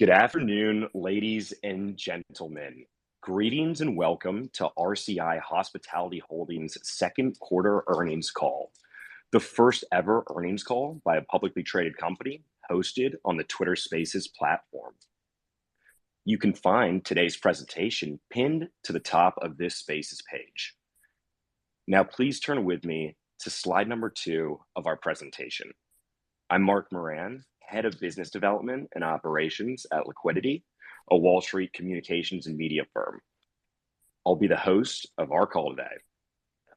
Good afternoon, ladies and gentlemen. Greetings and welcome to RCI Hospitality Holdings' second quarter earnings call, the first ever earnings call by a publicly traded company hosted on the Twitter Spaces platform. You can find today's presentation pinned to the top of this Spaces page. Now, please turn with me to slide number 2 of our presentation. I'm Mark Moran, Head of Business Development and Operations at Litquidity, a Wall Street communications and media firm. I'll be the host of our call today.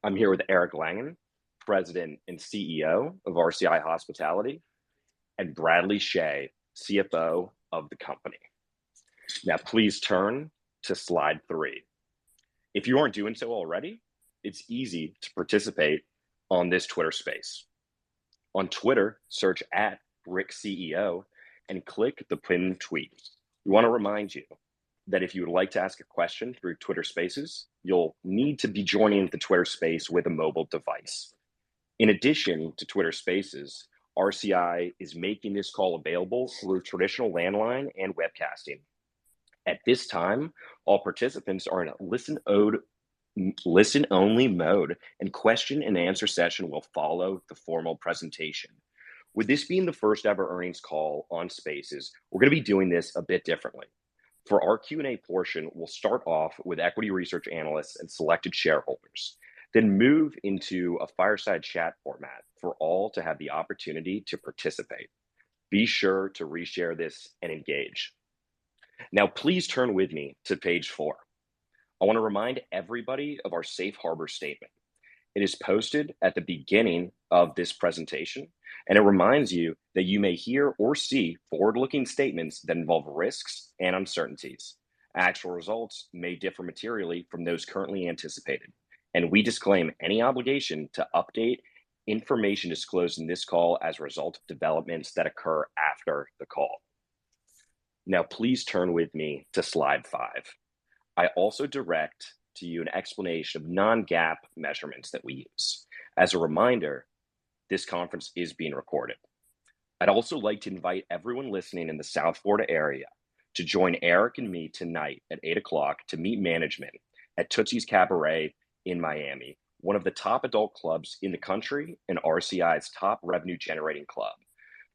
I'm here with Eric Langan, President and CEO of RCI Hospitality, and Bradley Chhay, CFO of the company. Now, please turn to slide 3. If you aren't doing so already, it's easy to participate on this Twitter Space. On Twitter, search @RICCEO and click the pinned tweet. We want to remind you that if you would like to ask a question through Twitter Spaces, you'll need to be joining the Twitter Space with a mobile device. In addition to Twitter Spaces, RCI is making this call available through traditional landline and webcasting. At this time, all participants are in a listen-only mode, and question and answer session will follow the formal presentation. With this being the first ever earnings call on Spaces, we're gonna be doing this a bit differently. For our Q&A portion, we'll start off with equity research analysts and selected shareholders, then move into a fireside chat format for all to have the opportunity to participate. Be sure to reshare this and engage. Now please turn with me to page four. I want to remind everybody of our safe harbor statement. It is posted at the beginning of this presentation, and it reminds you that you may hear or see forward-looking statements that involve risks and uncertainties. Actual results may differ materially from those currently anticipated, and we disclaim any obligation to update information disclosed in this call as a result of developments that occur after the call. Now please turn with me to slide five. I also direct to you an explanation of non-GAAP measurements that we use. As a reminder, this conference is being recorded. I'd also like to invite everyone listening in the South Florida area to join Eric and me tonight at 8:00 P.M. to meet management at Tootsie's Cabaret in Miami, one of the top adult clubs in the country and RCI's top revenue-generating club.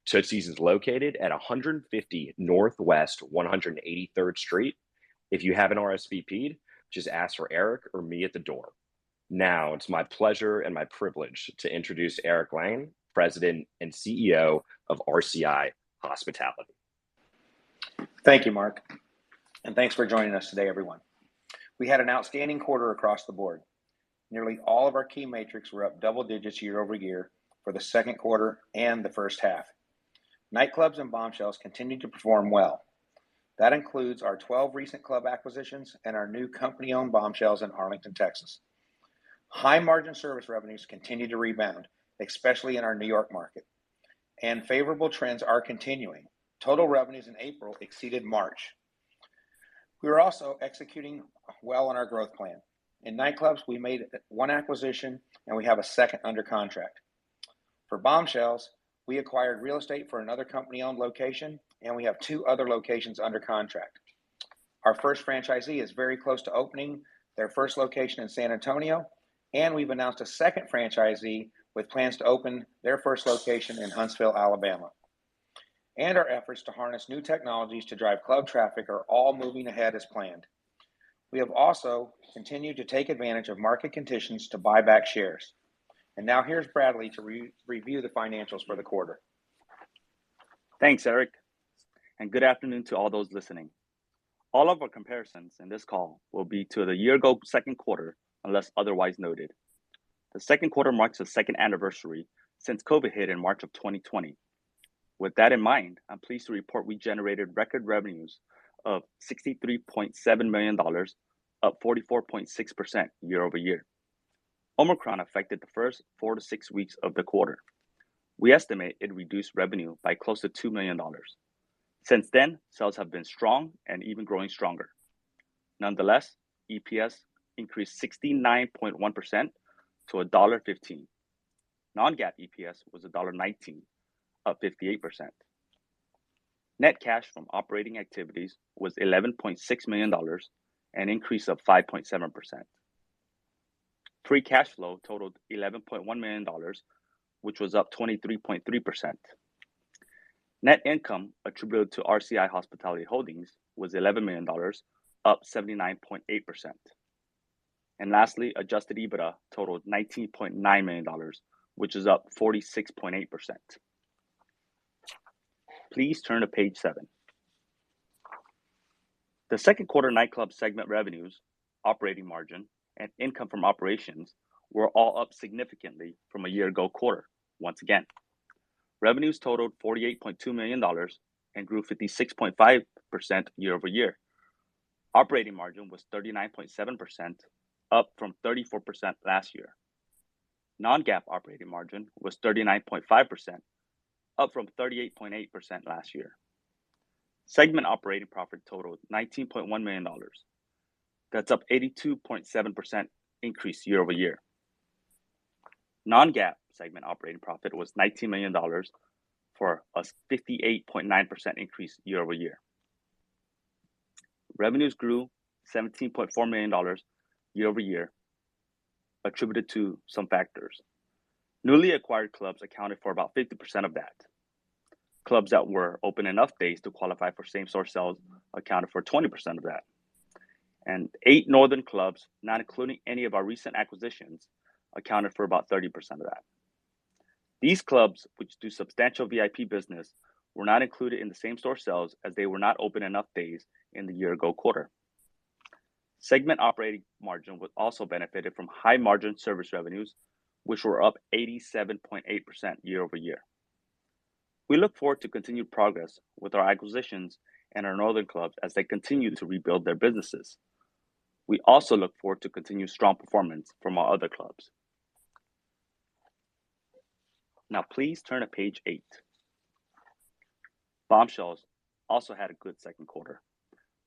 Tootsie's is located at 150 Northwest 183rd Street. If you haven't RSVP'd, just ask for Eric or me at the door. Now, it's my pleasure and my privilege to introduce Eric Langan, President and CEO of RCI Hospitality. Thank you, Mark and thanks for joining us today, everyone. We had an outstanding quarter across the board. Nearly all of our key metrics were up double digits year-over-year for the second quarter and the first half. Nightclubs and Bombshells continued to perform well. That includes our 12 recent club acquisitions and our new company-owned Bombshells in Arlington, Texas. High-margin service revenues continued to rebound, especially in our New York market, and favorable trends are continuing. Total revenues in April exceeded March. We are also executing well on our growth plan. In nightclubs, we made one acquisition, and we have a second under contract. For Bombshells, we acquired real estate for another company-owned location, and we have two other locations under contract. Our first franchisee is very close to opening their first location in San Antonio, and we've announced a second franchisee with plans to open their first location in Huntsville, Alabama. Our efforts to harness new technologies to drive club traffic are all moving ahead as planned. We have also continued to take advantage of market conditions to buy back shares. Now here's Bradley to re-review the financials for the quarter. Thanks, Eric and good afternoon to all those listening. All of our comparisons in this call will be to the year ago second quarter, unless otherwise noted. The second quarter marks the second anniversary since COVID hit in March 2020. With that in mind, I'm pleased to report we generated record revenues of $63.7 million, up 44.6% year-over-year. Omicron affected the first four-six weeks of the quarter. We estimate it reduced revenue by close to $2 million. Since then, sales have been strong and even growing stronger. Nonetheless, EPS increased 69.1% to $1.15. Non-GAAP EPS was $1.19, up 58%. Net cash from operating activities was $11.6 million, an increase of 5.7%. Free cash flow totaled $11.1 million, which was up 23.3%. Net income attributed to RCI Hospitality Holdings was $11 million, up 79.8%. Lastly, adjusted EBITDA totaled $19.9 million, which is up 46.8%. Please turn to page seven. The second quarter nightclub segment revenues, operating margin, and income from operations were all up significantly from a year-ago quarter once again. Revenues totaled $48.2 million and grew 56.5% year-over-year. Operating margin was 39.7%, up from 34% last year. Non-GAAP operating margin was 39.5%, up from 38.8% last year. Segment operating profit totaled $19.1 million. That's up 82.7% year-over-year. Non-GAAP segment operating profit was $19 million for a 58.9% increase year-over-year. Revenues grew $17.4 million year-over-year, attributed to some factors. Newly acquired clubs accounted for about 50% of that. Clubs that were open enough days to qualify for same-store sales accounted for 20% of that. Eight northern clubs, not including any of our recent acquisitions, accounted for about 30% of that. These clubs, which do substantial VIP business, were not included in the same-store sales as they were not open enough days in the year ago quarter. Segment operating margin was also benefited from high margin service revenues, which were up 87.8% year-over-year. We look forward to continued progress with our acquisitions and our northern clubs as they continue to rebuild their businesses. We also look forward to continued strong performance from our other clubs. Now please turn to page eight. Bombshells also had a good second quarter.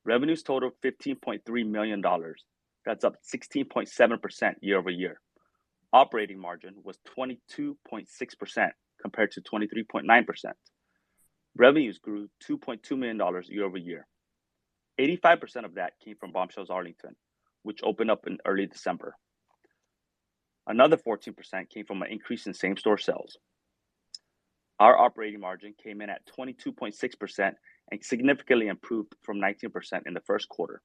Revenues totaled $15.3 million. That's up 16.7% year-over-year. Operating margin was 22.6% compared to 23.9%. Revenues grew $2.2 million year-over-year. 85% of that came from Bombshells Arlington, which opened up in early December. Another 14% came from an increase in same-store sales. Our operating margin came in at 22.6% and significantly improved from 19% in the first quarter.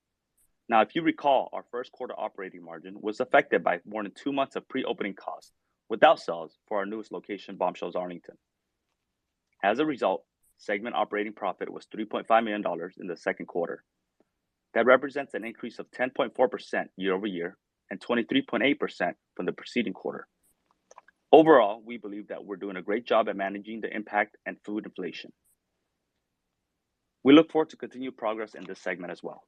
Now if you recall, our first quarter operating margin was affected by more than two months of pre-opening costs without sales for our newest location, Bombshells Arlington. As a result, segment operating profit was $3.5 million in the second quarter. That represents an increase of 10.4% year-over-year and 23.8% from the preceding quarter. Overall, we believe that we're doing a great job at managing the impact and food inflation. We look forward to continued progress in this segment as well.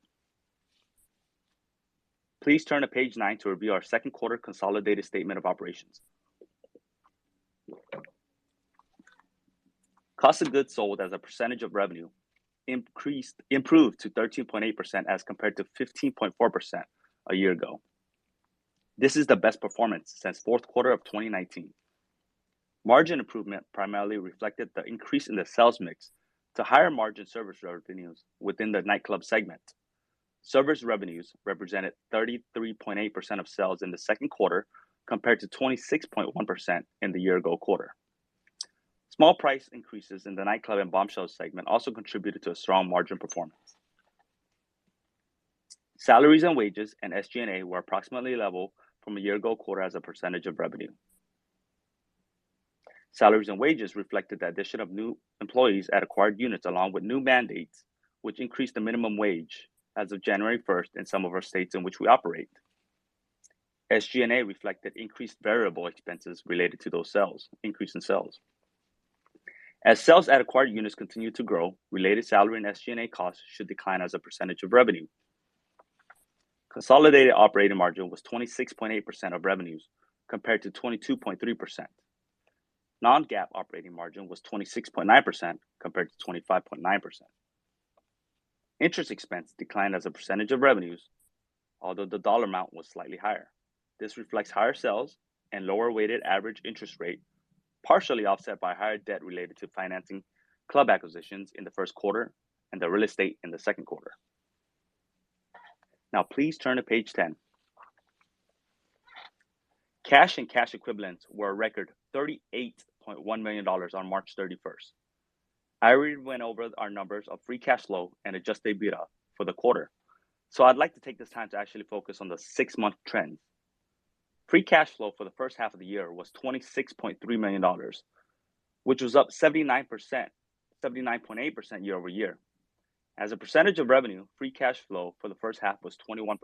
Please turn to page nine to review our second quarter consolidated statement of operations. Cost of goods sold as a percentage of revenue improved to 13.8% as compared to 15.4% a year ago. This is the best performance since fourth quarter of 2019. Margin improvement primarily reflected the increase in the sales mix to higher margin service revenues within the nightclub segment. Service revenues represented 33.8% of sales in the second quarter compared to 26.1% in the year-ago quarter. Small price increases in the nightclub and Bombshells segment also contributed to a strong margin performance. Salaries and wages and SG&A were approximately level from a year-ago quarter as a percentage of revenue. Salaries and wages reflected the addition of new employees at acquired units along with new mandates which increased the minimum wage as of January 1st in some of our states in which we operate. SG&A reflected increased variable expenses related to those sales. As sales at acquired units continue to grow, related salary and SG&A costs should decline as a percentage of revenue. Consolidated operating margin was 26.8% of revenues compared to 22.3%. Non-GAAP operating margin was 26.9% compared to 25.9%. Interest expense declined as a percentage of revenues, although the dollar amount was slightly higher. This reflects higher sales and lower weighted average interest rate, partially offset by higher debt related to financing club acquisitions in the first quarter and the real estate in the second quarter. Now please turn to page 10. Cash and cash equivalents were a record $38.1 million on March 31st. I already went over our numbers of free cash flow and adjusted EBITDA for the quarter, so I'd like to take this time to actually focus on the six-month trends. Free cash flow for the first half of the year was $26.3 million, which was up 79.8% year-over-year. As a percentage of revenue, free cash flow for the first half was 21%,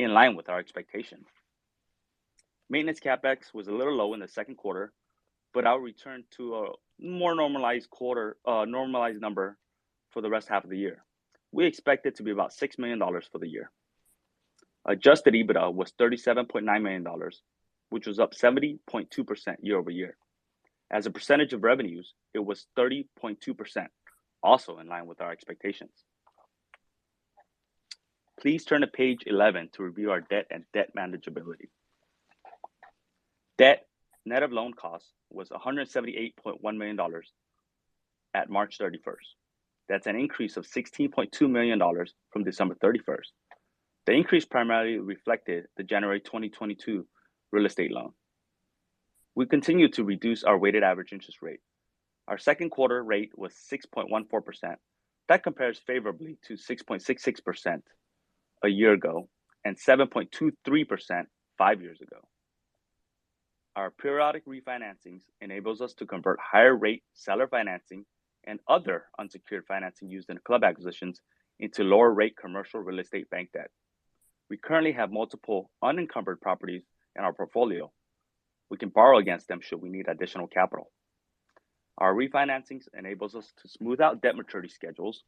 in line with our expectation. Maintenance CapEx was a little low in the second quarter but it will return to a more normalized number for the second half of the year. We expect it to be about $6 million for the year. Adjusted EBITDA was $37.9 million, which was up 70.2% year-over-year. As a percentage of revenues, it was 30.2%, also in line with our expectations. Please turn to page 11 to review our debt and debt manageability. Debt net of loan costs was $178.1 million at March 31st. That's an increase of $16.2 million from December 31st. The increase primarily reflected the January 2022 real estate loan. We continue to reduce our weighted average interest rate. Our second quarter rate was 6.14%. That compares favorably to 6.66% a year ago and 7.23% five years ago. Our periodic refinancings enables us to convert higher rate seller financing and other unsecured financing used in club acquisitions into lower rate commercial real estate bank debt. We currently have multiple unencumbered properties in our portfolio. We can borrow against them should we need additional capital. Our refinancings enables us to smooth out debt maturity schedules,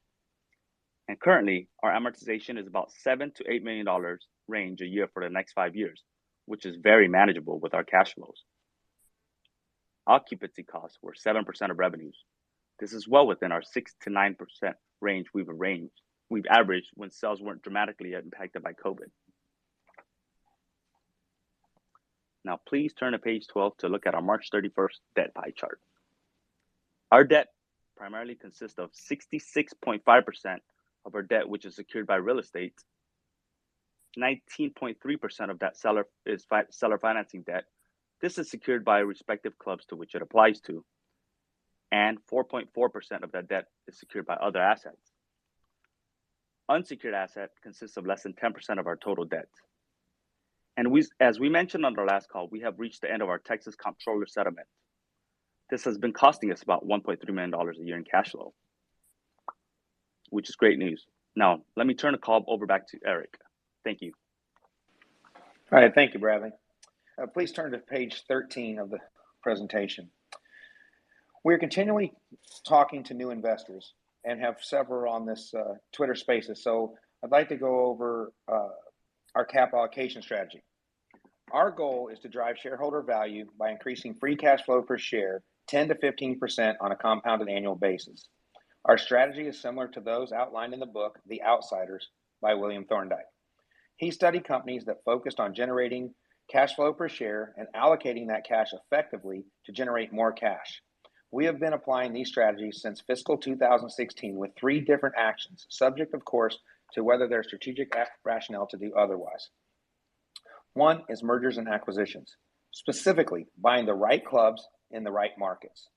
and currently, our amortization is about $7 million-$8 million range a year for the next five years, which is very manageable with our cash flows. Occupancy costs were 7% of revenues. This is well within our 6%-9% range we've averaged when sales weren't dramatically impacted by COVID. Now please turn to page 12 to look at our March 31st debt pie chart. Our debt primarily consists of 66.5% of our debt, which is secured by real estate. 19.3% of that is seller financing debt. This is secured by respective clubs to which it applies to. 4.4% of that debt is secured by other assets. Unsecured asset consists of less than 10% of our total debt. As we mentioned on our last call, we have reached the end of our Texas Comptroller settlement. This has been costing us about $1.3 million a year in cash flow, which is great news. Now, let me turn the call over back to Eric. Thank you. All right. Thank you, Bradley. Please turn to page 13 of the presentation. We're continually talking to new investors and have several on this Twitter Spaces. I'd like to go over our capital allocation strategy. Our goal is to drive shareholder value by increasing free cash flow per share 10%-15% on a compounded annual basis. Our strategy is similar to those outlined in the book, The Outsiders by William Thorndike. He studied companies that focused on generating cash flow per share and allocating that cash effectively to generate more cash. We have been applying these strategies since fiscal 2016 with three different actions, subject of course, to whether there's strategic rationale to do otherwise. One is mergers and acquisitions, specifically buying the right clubs in the right markets.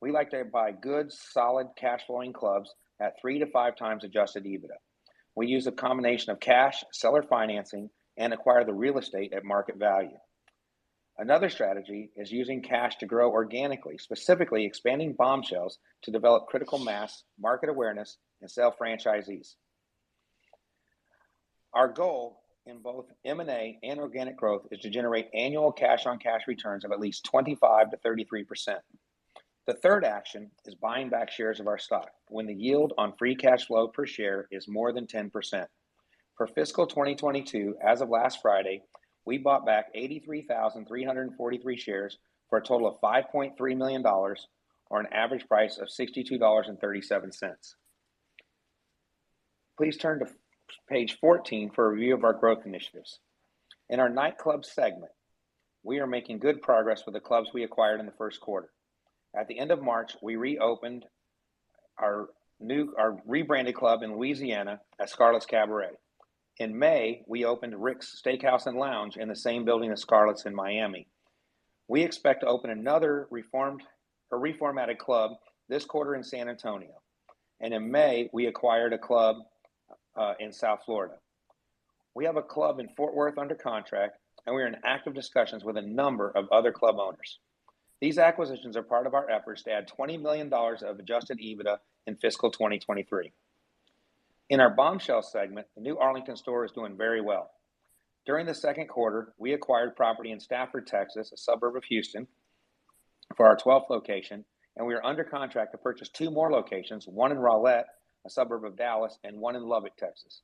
We like to buy good, solid cash flowing clubs at 3x-5x adjusted EBITDA. We use a combination of cash, seller financing, and acquire the real estate at market value. Another strategy is using cash to grow organically, specifically expanding Bombshells to develop critical mass, market awareness, and sell franchisees. Our goal in both M&A and organic growth is to generate annual cash on cash returns of at least 25%-33%. The third action is buying back shares of our stock when the yield on free cash flow per share is more than 10%. For fiscal 2022, as of last Friday, we bought back 83,343 shares for a total of $5.3 million or an average price of $62.37. Please turn to page 14 for a review of our growth initiatives. In our nightclub segment, we are making good progress with the clubs we acquired in the first quarter. At the end of March, we reopened our rebranded club in Louisiana at Scarlett's Cabaret. In May, we opened Rick's Steakhouse and Lounge in the same building as Scarlett's in Miami. We expect to open another reformed or reformatted club this quarter in San Antonio. In May, we acquired a club in South Florida. We have a club in Fort Worth under contract, and we are in active discussions with a number of other club owners. These acquisitions are part of our efforts to add $20 million of adjusted EBITDA in fiscal 2023. In our Bombshells segment, the new Arlington store is doing very well. During the second quarter, we acquired property in Stafford, Texas, a suburb of Houston, for our 12th location, and we are under contract to purchase two more locations, one in Rowlett, a suburb of Dallas, and one in Lubbock, Texas.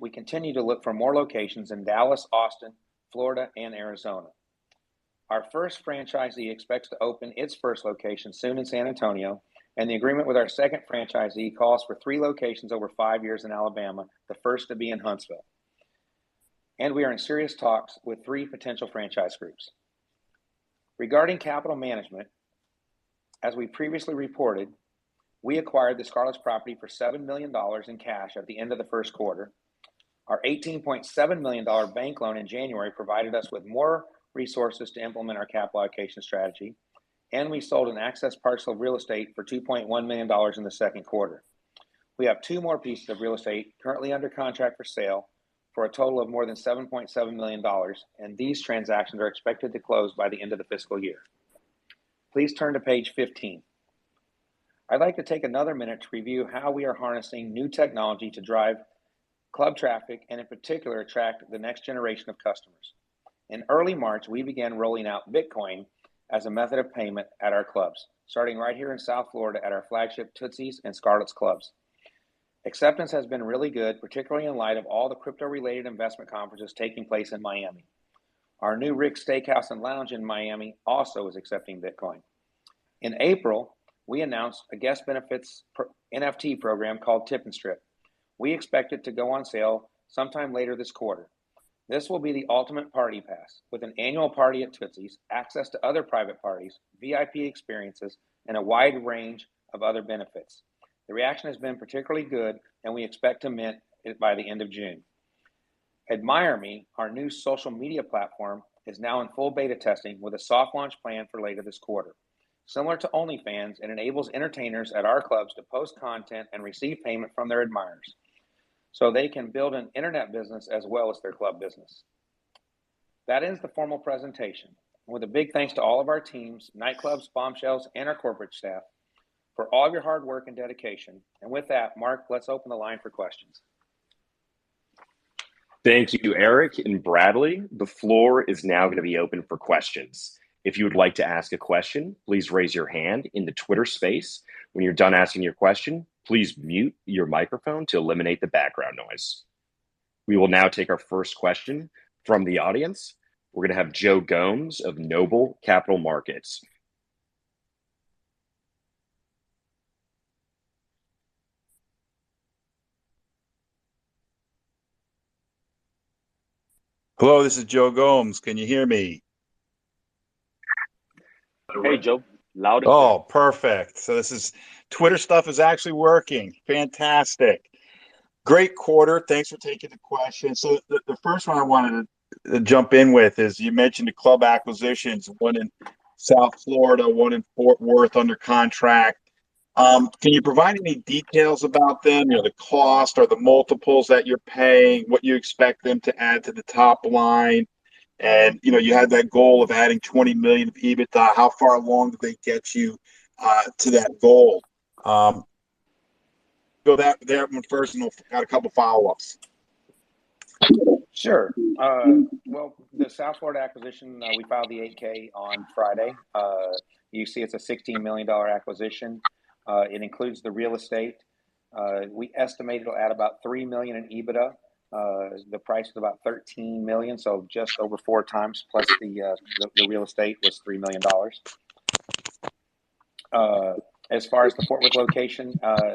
We continue to look for more locations in Dallas, Austin, Florida, and Arizona. Our first franchisee expects to open its first location soon in San Antonio, and the agreement with our second franchisee calls for three locations over five years in Alabama, the first to be in Huntsville. We are in serious talks with three potential franchise groups. Regarding capital management, as we previously reported, we acquired the Scarlett's property for $7 million in cash at the end of the first quarter. Our $18.7 million bank loan in January provided us with more resources to implement our capital allocation strategy, and we sold an excess parcel of real estate for $2.1 million in the second quarter. We have two more pieces of real estate currently under contract for sale for a total of more than $7.7 million, and these transactions are expected to close by the end of the fiscal year. Please turn to page 15. I'd like to take another minute to review how we are harnessing new technology to drive club traffic and in particular, attract the next generation of customers. In early March, we began rolling out Bitcoin as a method of payment at our clubs, starting right here in South Florida at our flagship Tootsie's and Scarlett's clubs. Acceptance has been really good, particularly in light of all the crypto-related investment conferences taking place in Miami. Our new Rick's Steakhouse & Lounge in Miami also is accepting Bitcoin. In April, we announced a guest benefits NFT program called Tip-N-Strip. We expect it to go on sale sometime later this quarter. This will be the ultimate party pass with an annual party at Tootsie's, access to other private parties, VIP experiences, and a wide range of other benefits. The reaction has been particularly good, and we expect to mint it by the end of June. AdmireMe, our new social media platform, is now in full beta testing with a soft launch plan for later this quarter. Similar to OnlyFans, it enables entertainers at our clubs to post content and receive payment from their admirers so they can build an internet business as well as their club business. That ends the formal presentation. With a big thanks to all of our teams, nightclubs, Bombshells, and our corporate staff for all your hard work and dedication. With that, Mark, let's open the line for questions. Thank you, Eric and Bradley. The floor is now gonna be open for questions. If you would like to ask a question, please raise your hand in the Twitter Spaces. When you're done asking your question, please mute your microphone to eliminate the background noise. We will now take our first question from the audience. We're gonna have Joe Gomes of Noble Capital Markets. Hello, this is Joe Gomes. Can you hear me? Hey, Joe. Loud and clear. Oh, perfect. This is Twitter stuff is actually working. Fantastic. Great quarter. Thanks for taking the questions. The first one I wanted to jump in with is you mentioned the club acquisitions, one in South Florida, one in Fort Worth under contract. Can you provide any details about them, you know, the cost or the multiples that you're paying, what you expect them to add to the top line? You know, you had that goal of adding $20 million of EBITDA. How far along do they get you to that goal? Go that one first, and I've got a couple follow-ups. Sure. Well, the South Florida acquisition, we filed the 8-K on Friday. You see it's a $16 million acquisition. It includes the real estate. We estimate it'll add about $3 million in EBITDA. The price is about $13 million, so just over 4x, plus the real estate is $3 million. As far as the Fort Worth location,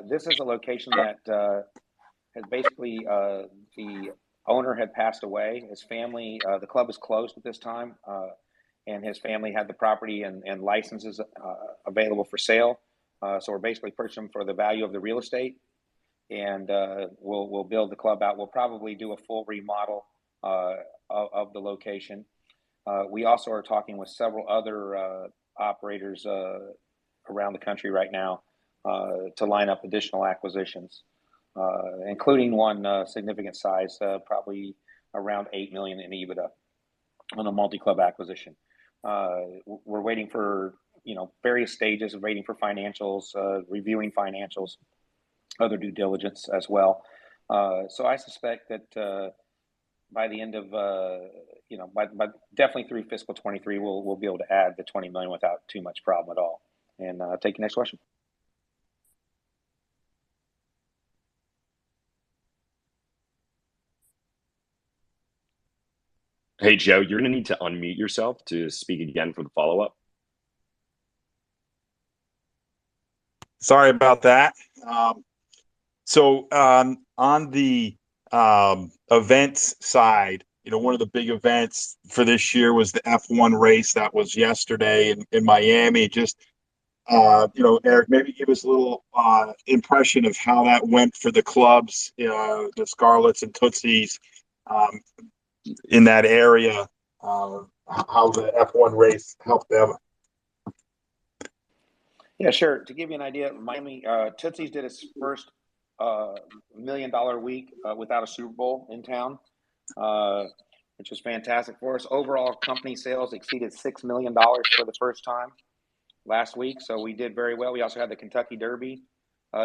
this is a location that basically the owner had passed away. His family, the club was closed at this time, and his family had the property and licenses available for sale. So we basically purchased them for the value of the real estate, and we'll build the club out. We'll probably do a full remodel of the location. We also are talking with several other operators around the country right now to line up additional acquisitions, including one significant size, probably around $8 million in EBITDA on a multi-club acquisition. We're waiting for, you know, various stages of waiting for financials, reviewing financials, other due diligence as well. I suspect that, by the end of, you know, by definitely through fiscal 2023, we'll be able to add the $20 million without too much problem at all. I'll take the next question. Hey, Joe, you're gonna need to unmute yourself to speak again for the follow-up. Sorry about that. On the events side, you know, one of the big events for this year was the F1 race, that was yesterday in Miami. Just, you know, Eric, maybe give us a little impression of how that went for the clubs, the Scarlett's and Tootsie's, in that area, how the F1 race helped them? Yeah, sure. To give you an idea, Miami, Tootsie's did its first a million dollar week without a Super Bowl in town, which was fantastic for us. Overall, company sales exceeded $6 million for the first time last week, so we did very well. We also had the Kentucky Derby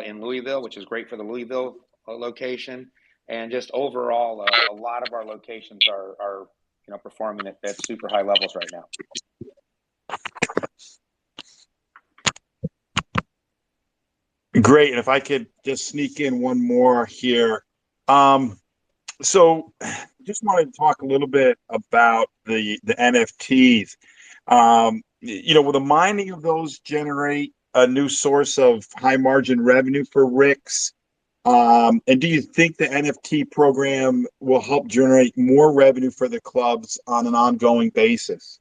in Louisville which is great for the Louisville location. Just overall, a lot of our locations are, you know, performing at super high levels right now. Great. If I could just sneak in one more here. Just wanted to talk a little bit about the NFTs. You know, will the mining of those generate a new source of high-margin revenue for Rick's? Do you think the NFT program will help generate more revenue for the clubs on an ongoing basis?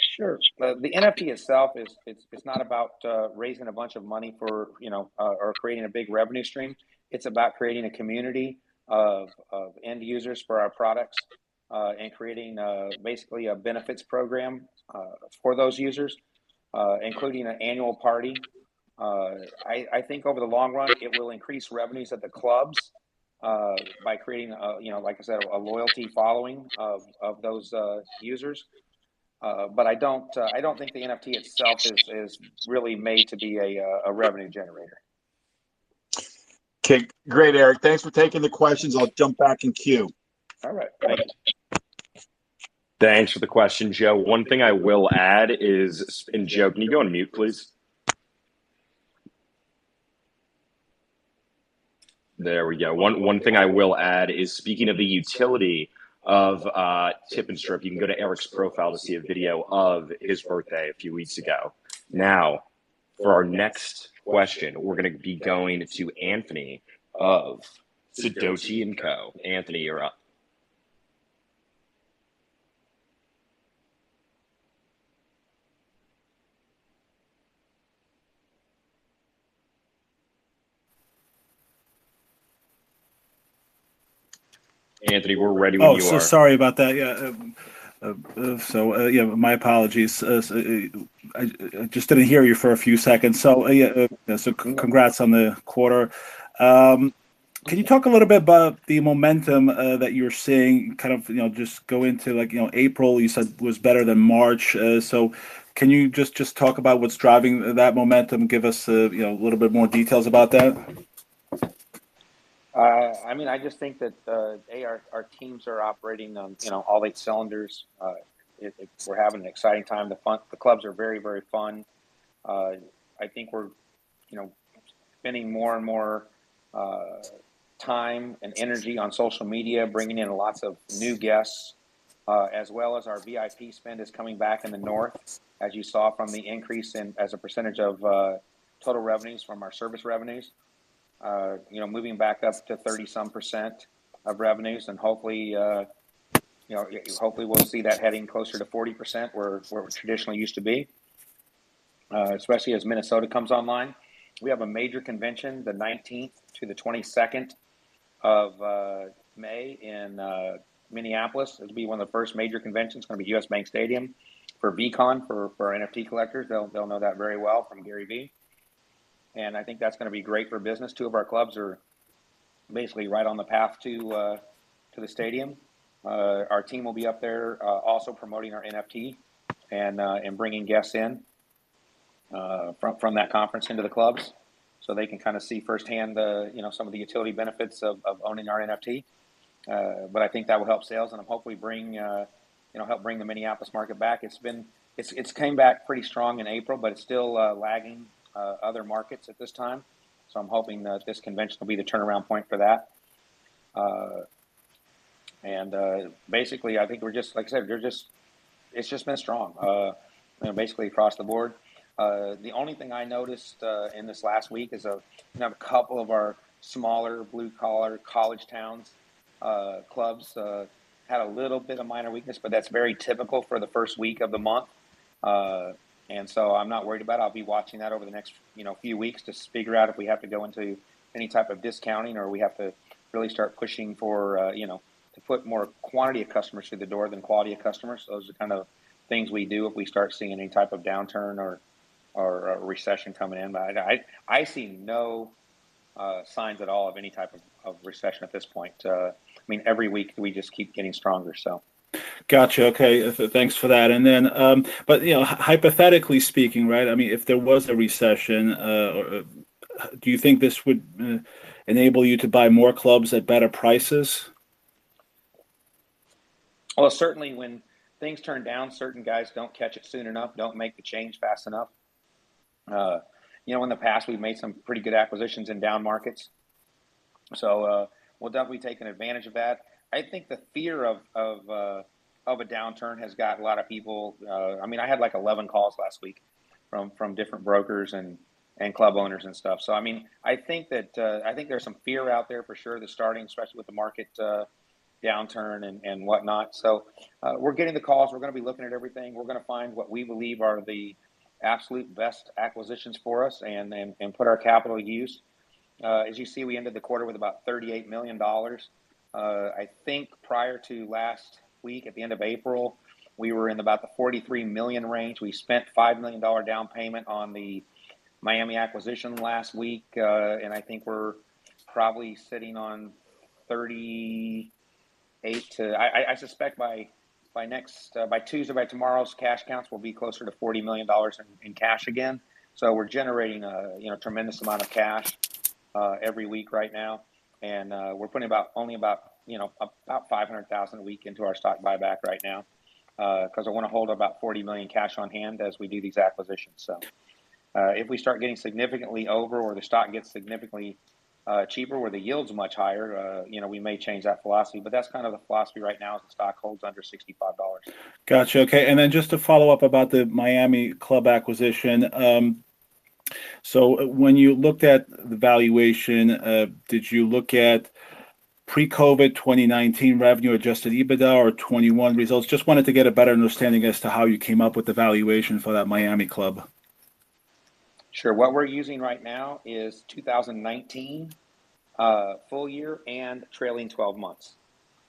Sure. The NFT itself is not about raising a bunch of money for, you know, or creating a big revenue stream. It's about creating a community of end users for our products and creating basically a benefits program for those users, including an annual party. I think over the long run, it will increase revenues at the clubs by creating, you know, like I said, a loyalty following of those users. I don't think the NFT itself is really made to be a revenue generator. Okay, great, Eric. Thanks for taking the questions. I'll jump back in queue. All right. Thanks. Thanks for the question, Joe. Joe, can you go on mute, please? There we go. One thing I will add is speaking of the utility of Tip-N-Strip, you can go to Eric's profile to see a video of his birthday a few weeks ago. Now, for our next question, we're gonna be going to Anthony of Sidoti & Company. Anthony, you're up. Anthony, we're ready when you are. Oh, sorry about that. Yeah, my apologies. I just didn't hear you for a few seconds. Yeah. Congrats on the quarter. Can you talk a little bit about the momentum that you're seeing? Kind of, you know, just go into like, you know, April you said was better than March. Can you just talk about what's driving that momentum? Give us, you know, a little bit more details about that. I mean, I just think that, our teams are operating on, you know, all eight cylinders. We're having an exciting time. The clubs are very fun. I think, you know, spending more and more time and energy on social media, bringing in lots of new guests, as well as our VIP spend is coming back in the north as you saw from the increase, as a percentage of total revenues from our service revenues. You know, moving back up to 30-some% of revenues and hopefully, we'll see that heading closer to 40% where it traditionally used to be, especially as Minnesota comes online. We have a major convention, 19th to 22nd of May in Minneapolis. It'll be one of the first major conventions. It's gonna be U.S. Bank Stadium for VeeCon for NFT collectors. They'll know that very well from Gary Vee. I think that's gonna be great for business. Two of our clubs are basically right on the path to the stadium. Our team will be up there also promoting our NFT and bringing guests in from that conference into the clubs so they can kind of see firsthand the you know some of the utility benefits of owning our NFT. But I think that will help sales and hopefully bring you know help bring the Minneapolis market back. It's come back pretty strong in April, but it's still lagging other markets at this time. I'm hoping that this convention will be the turnaround point for that. Basically I think, like I said, it's just been strong, you know, basically across the board. The only thing I noticed in this last week is, you know, a couple of our smaller blue-collar college towns clubs had a little bit of minor weakness, but that's very typical for the first week of the month. I'm not worried about it. I'll be watching that over the next, you know, few weeks to figure out if we have to go into any type of discounting or we have to really start pushing for, you know, to put more quantity of customers through the door than quality of customers. Those are the kind of things we do if we start seeing any type of downturn or a recession coming in. I see no signs at all of any type of recession at this point. I mean, every week we just keep getting stronger. Gotcha. Okay. Thanks for that. You know, hypothetically speaking, right? I mean, if there was a recession, do you think this would enable you to buy more clubs at better prices? Well, certainly when things turn down, certain guys don't catch it soon enough, don't make the change fast enough. You know, in the past, we've made some pretty good acquisitions in down markets. We'll definitely be taking advantage of that. I think the fear of a downturn has got a lot of people. I mean, I had like 11 calls last week from different brokers and club owners and stuff. I mean, I think that I think there's some fear out there for sure that's starting, especially with the market downturn and whatnot. We're getting the calls. We're gonna be looking at everything. We're gonna find what we believe are the absolute best acquisitions for us and put our capital to use. As you see, we ended the quarter with about $38 million. I think prior to last week, at the end of April, we were in about the $43 million range. We spent $5 million down payment on the Miami acquisition last week. I think we're probably sitting on $38 million. I suspect by next Tuesday, by tomorrow's cash counts, we'll be closer to $40 million in cash again. We're generating a you know tremendous amount of cash every week right now. We're putting only about, you know, $500,000 a week into our stock buyback right now, because I wanna hold about $40 million cash on hand as we do these acquisitions. If we start getting significantly over or the stock gets significantly cheaper where the yield's much higher, you know, we may change that philosophy. But that's kind of the philosophy right now as the stock holds under $65. Got you. Okay. Just to follow up about the Miami club acquisition. When you looked at the valuation, did you look at pre-COVID 2019 revenue, adjusted EBITDA or 2021 results? Just wanted to get a better understanding as to how you came up with the valuation for that Miami club. Sure. What we're using right now is 2019 full year and trailing 12 months.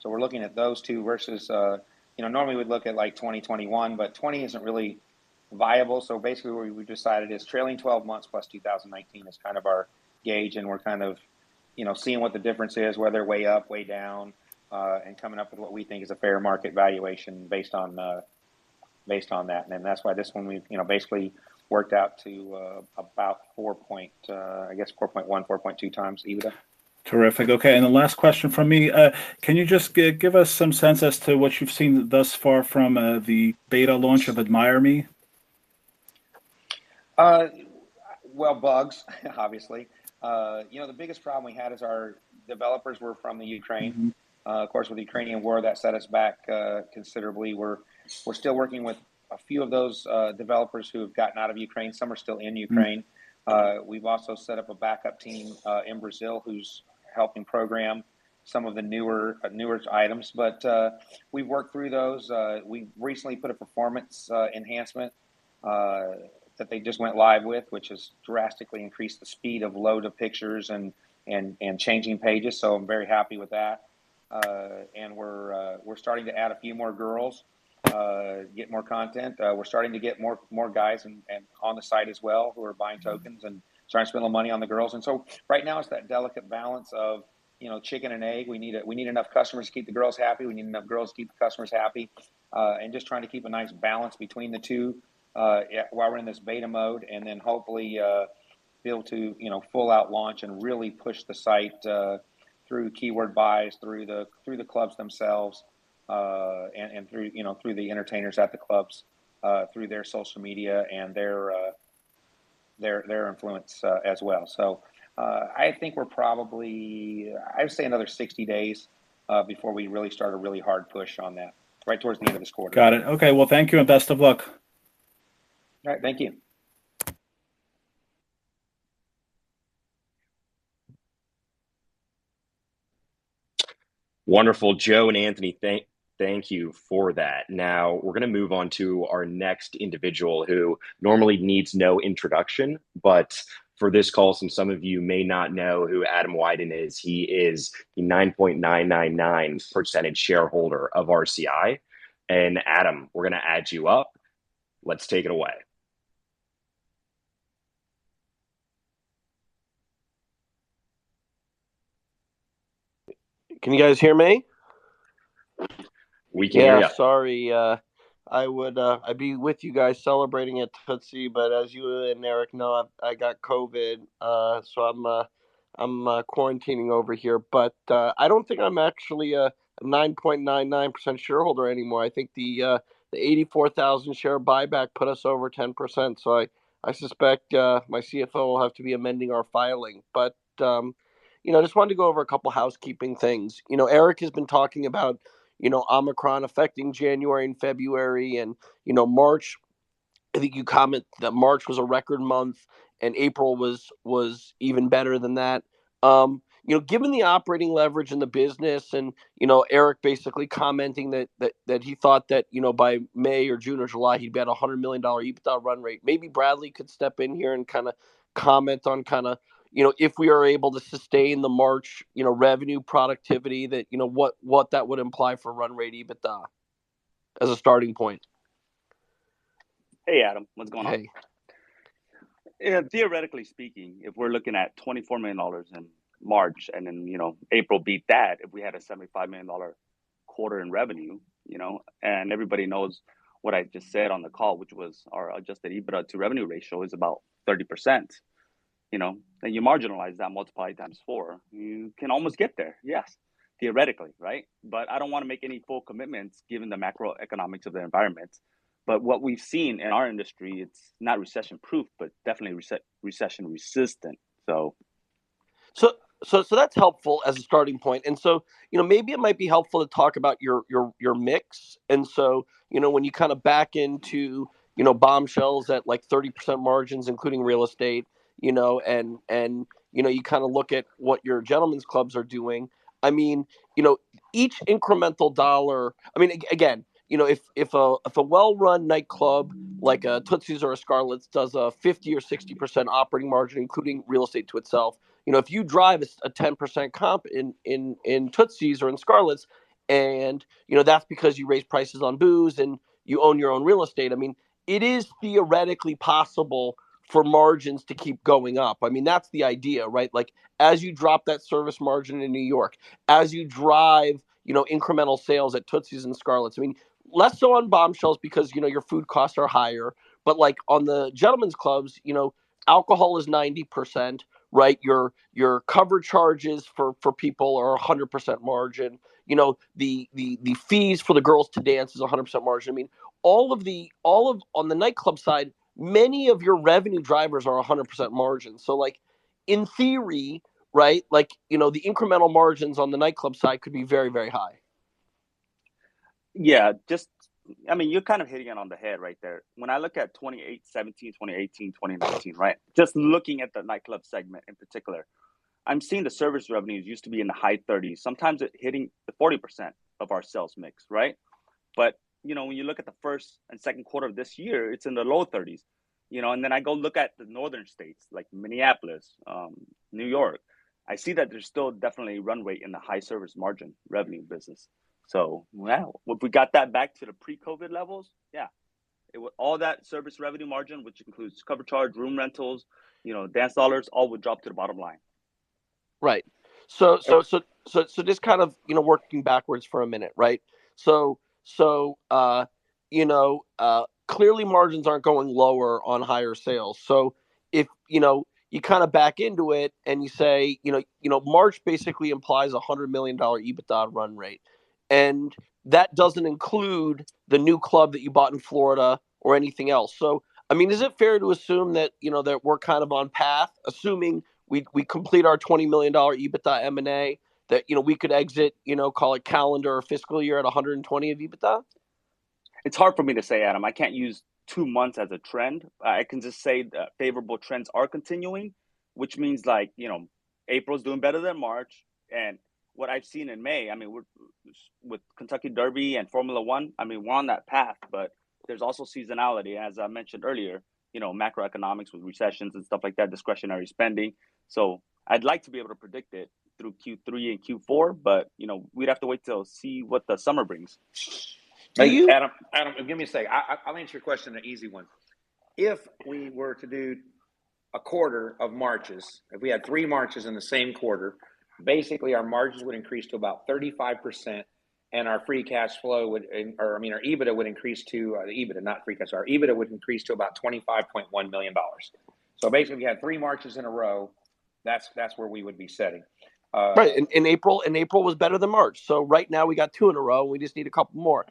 We're looking at those two versus, you know, normally we'd look at like 2021, but 2020 isn't really viable. Basically what we decided is trailing 12 months plus 2019 is kind of our gauge, and we're kind of, you know, seeing what the difference is, whether way up, way down, and coming up with what we think is a fair market valuation based on, based on that. That's why this one we've, you know, basically worked out to, about 4.1x-4.2x EBITDA. Terrific. Okay, the last question from me. Can you just give us some sense as to what you've seen thus far from the beta launch of Admire Me? Well, bugs obviously. You know, the biggest problem we had is our developers were from the Ukraine. Of course, with the Ukrainian war, that set us back considerably. We're still working with a few of those developers who have gotten out of Ukraine. Some are still in Ukraine. We've also set up a backup team in Brazil who's helping program some of the newer items. We've worked through those. We recently put a performance enhancement that they just went live with, which has drastically increased the speed of loading pictures and changing pages. I'm very happy with that. We're starting to add a few more girls, get more content. We're starting to get more guys and on the site as well who are buying tokens and starting to spend a little money on the girls. Right now it's that delicate balance of, you know, chicken and egg. We need enough customers to keep the girls happy. We need enough girls to keep the customers happy. Just trying to keep a nice balance between the two, while we're in this beta mode. Hopefully be able to, you know, full-out launch and really push the site, through keyword buys, through the clubs themselves, and through the entertainers at the clubs, through their social media and their influence, as well. I think we're probably. I'd say another 60 days before we really start a really hard push on that. Right towards the end of this quarter. Got it. Okay. Well, thank you, and best of luck. All right. Thank you. Wonderful. Joe and Anthony, thank you for that. Now, we're gonna move on to our next individual who normally needs no introduction, but for this call, some of you may not know who Adam Wyden is. He is the 9.999% shareholder of RCI. Adam, we're gonna add you up. Let's take it away. Can you guys hear me? We can, yeah. Yeah, sorry. I'd be with you guys celebrating at Tootsie, but as you and Eric know, I got COVID, so I'm quarantining over here. I don't think I'm actually a 9.99% shareholder anymore. I think the 84,000 share buyback put us over 10%, so I suspect my CFO will have to be amending our filing. You know, I just wanted to go over a couple housekeeping things. You know, Eric has been talking about, you know, Omicron affecting January and February and, you know, March. I think you comment that March was a record month, and April was even better than that. You know, given the operating leverage in the business and, you know, Eric basically commenting that that he thought that, you know, by May or June or July, he'd be at a $100 million EBITDA run rate. Maybe Bradley could step in here and kinda comment on kinda, you know, if we are able to sustain the March, you know, revenue productivity that, you know, what that would imply for run rate EBITDA as a starting point. Hey, Adam. What's going on? Hey. Yeah, theoretically speaking, if we're looking at $24 million in March, and then, you know, April beat that, if we had a $75 million quarter in revenue, you know, and everybody knows what I just said on the call, which was our adjusted EBITDA to revenue ratio is about 30%, you know. You marginalize that, multiply it 4x, you can almost get there, yes, theoretically, right? I don't wanna make any full commitments given the macroeconomics of the environment. What we've seen in our industry, it's not recession-proof, but definitely recession-resistant. That's helpful as a starting point. You know, maybe it might be helpful to talk about your mix. You know, when you kind of back into Bombshells at, like, 30% margins, including real estate, you know, and you kind of look at what your gentlemen's clubs are doing, I mean, you know, each incremental dollar. I mean, again, you know, if a well-run nightclub like a Tootsie's or a Scarlett's does a 50% or 60% operating margin, including real estate to itself, you know, if you drive a 10% comp in Tootsie's or in Scarlett's, and you know, that's because you raise prices on booze and you own your own real estate, I mean, it is theoretically possible for margins to keep going up. I mean, that's the idea, right? Like, as you drop that service margin in New York, as you drive, you know, incremental sales at Tootsie's and Scarlett's, I mean, less so on Bombshells because, you know, your food costs are higher. Like, on the gentlemen's clubs, you know, alcohol is 90%, right? Your cover charges for people are 100% margin. You know, the fees for the girls to dance is 100% margin. I mean, all of the. On the nightclub side, many of your revenue drivers are 100% margin. Like, in theory, right, like, you know, the incremental margins on the nightclub side could be very, very high. Yeah. Just, I mean, you're kind of hitting it on the head right there. When I look at 2017, 2018, 2019, right? Just looking at the nightclub segment in particular, I'm seeing the service revenues used to be in the high 30s, sometimes it hitting the 40% of our sales mix, right? You know, when you look at the first and second quarter of this year, it's in the low 30s, you know? Then I go look at the northern states, like Minneapolis, New York, I see that there's still definitely runway in the high service margin revenue business. If we got that back to the pre-COVID levels, yeah. It would. All that service revenue margin, which includes cover charge, room rentals, you know, dance dollars, all would drop to the bottom line. Right. Just kind of, you know, working backwards for a minute, right? You know, clearly margins aren't going lower on higher sales. If, you know, you kind of back into it and you say, you know, March basically implies a $100 million EBITDA run rate, and that doesn't include the new club that you bought in Florida or anything else. I mean, is it fair to assume that, you know, that we're kind of on path, assuming we complete our $20 million EBITDA M&A, that, you know, we could exit, you know, call it calendar or fiscal year at $120 million EBITDA? It's hard for me to say, Adam. I can't use two months as a trend. I can just say that favorable trends are continuing, which means, like, you know, April's doing better than March. What I've seen in May, I mean, with Kentucky Derby and Formula 1, I mean, we're on that path, but there's also seasonality, as I mentioned earlier. You know, macroeconomics with recessions and stuff like that, discretionary spending. I'd like to be able to predict it through Q3 and Q4, but, you know, we'd have to wait to see what the summer brings. Do you? Hey, Adam, give me a second. I'll answer your question, an easy one. If we were to do a quarter of Marches, if we had three Marches in the same quarter, basically our margins would increase to about 35%, and our free cash flow would or, I mean, our EBITDA would increase to EBITDA, not free cash. Our EBITDA would increase to about $25.1 million. Basically, if you had three Marches in a row, that's where we would be setting. Right, in April, and April was better than March. Right now we got two in a row, we just need a couple more.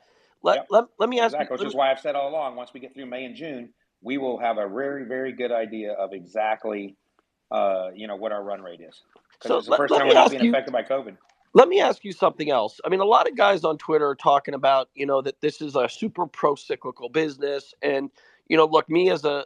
Yep. Let me ask you. Exactly, which is why I've said all along, once we get through May and June, we will have a very, very good idea of exactly, you know, what our run rate is. Let me ask you. Because it's the first time we've not been affected by COVID. Let me ask you something else. I mean, a lot of guys on Twitter are talking about, you know, that this is a super pro-cyclical business. You know, look, me as a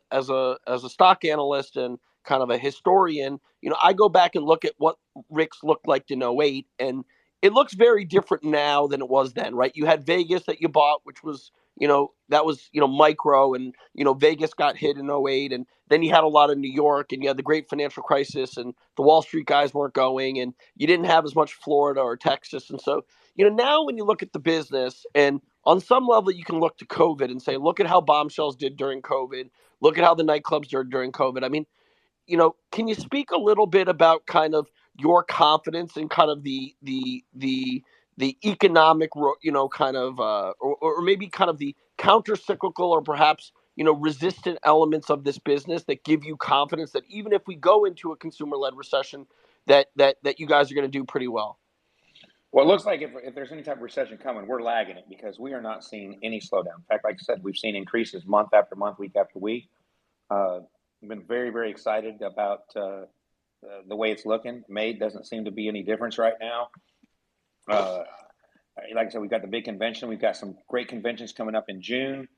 stock analyst and kind of a historian, you know, I go back and look at what Rick's looked like in 2008, and it looks very different now than it was then, right? You had Vegas that you bought, which was, you know, that was, you know, micro and, you know, Vegas got hit in 2008. You had a lot of New York, and you had the great financial crisis, and the Wall Street guys weren't going, and you didn't have as much Florida or Texas. You know, now when you look at the business, and on some level, you can look to COVID and say, "Look at how Bombshells did during COVID. Look at how the nightclubs did during COVID." I mean, you know, can you speak a little bit about kind of your confidence and kind of you know, kind of or maybe kind of the counter-cyclical or perhaps, you know, resistant elements of this business that give you confidence that even if we go into a consumer-led recession, that you guys are gonna do pretty well? Well, it looks like if there's any type of recession coming, we're lagging it, because we are not seeing any slowdown. In fact, like I said, we've seen increases month after month, week after week. We've been very excited about the way it's looking. May doesn't seem to be any different right now. Like I said, we've got the big convention. We've got some great conventions coming up in June,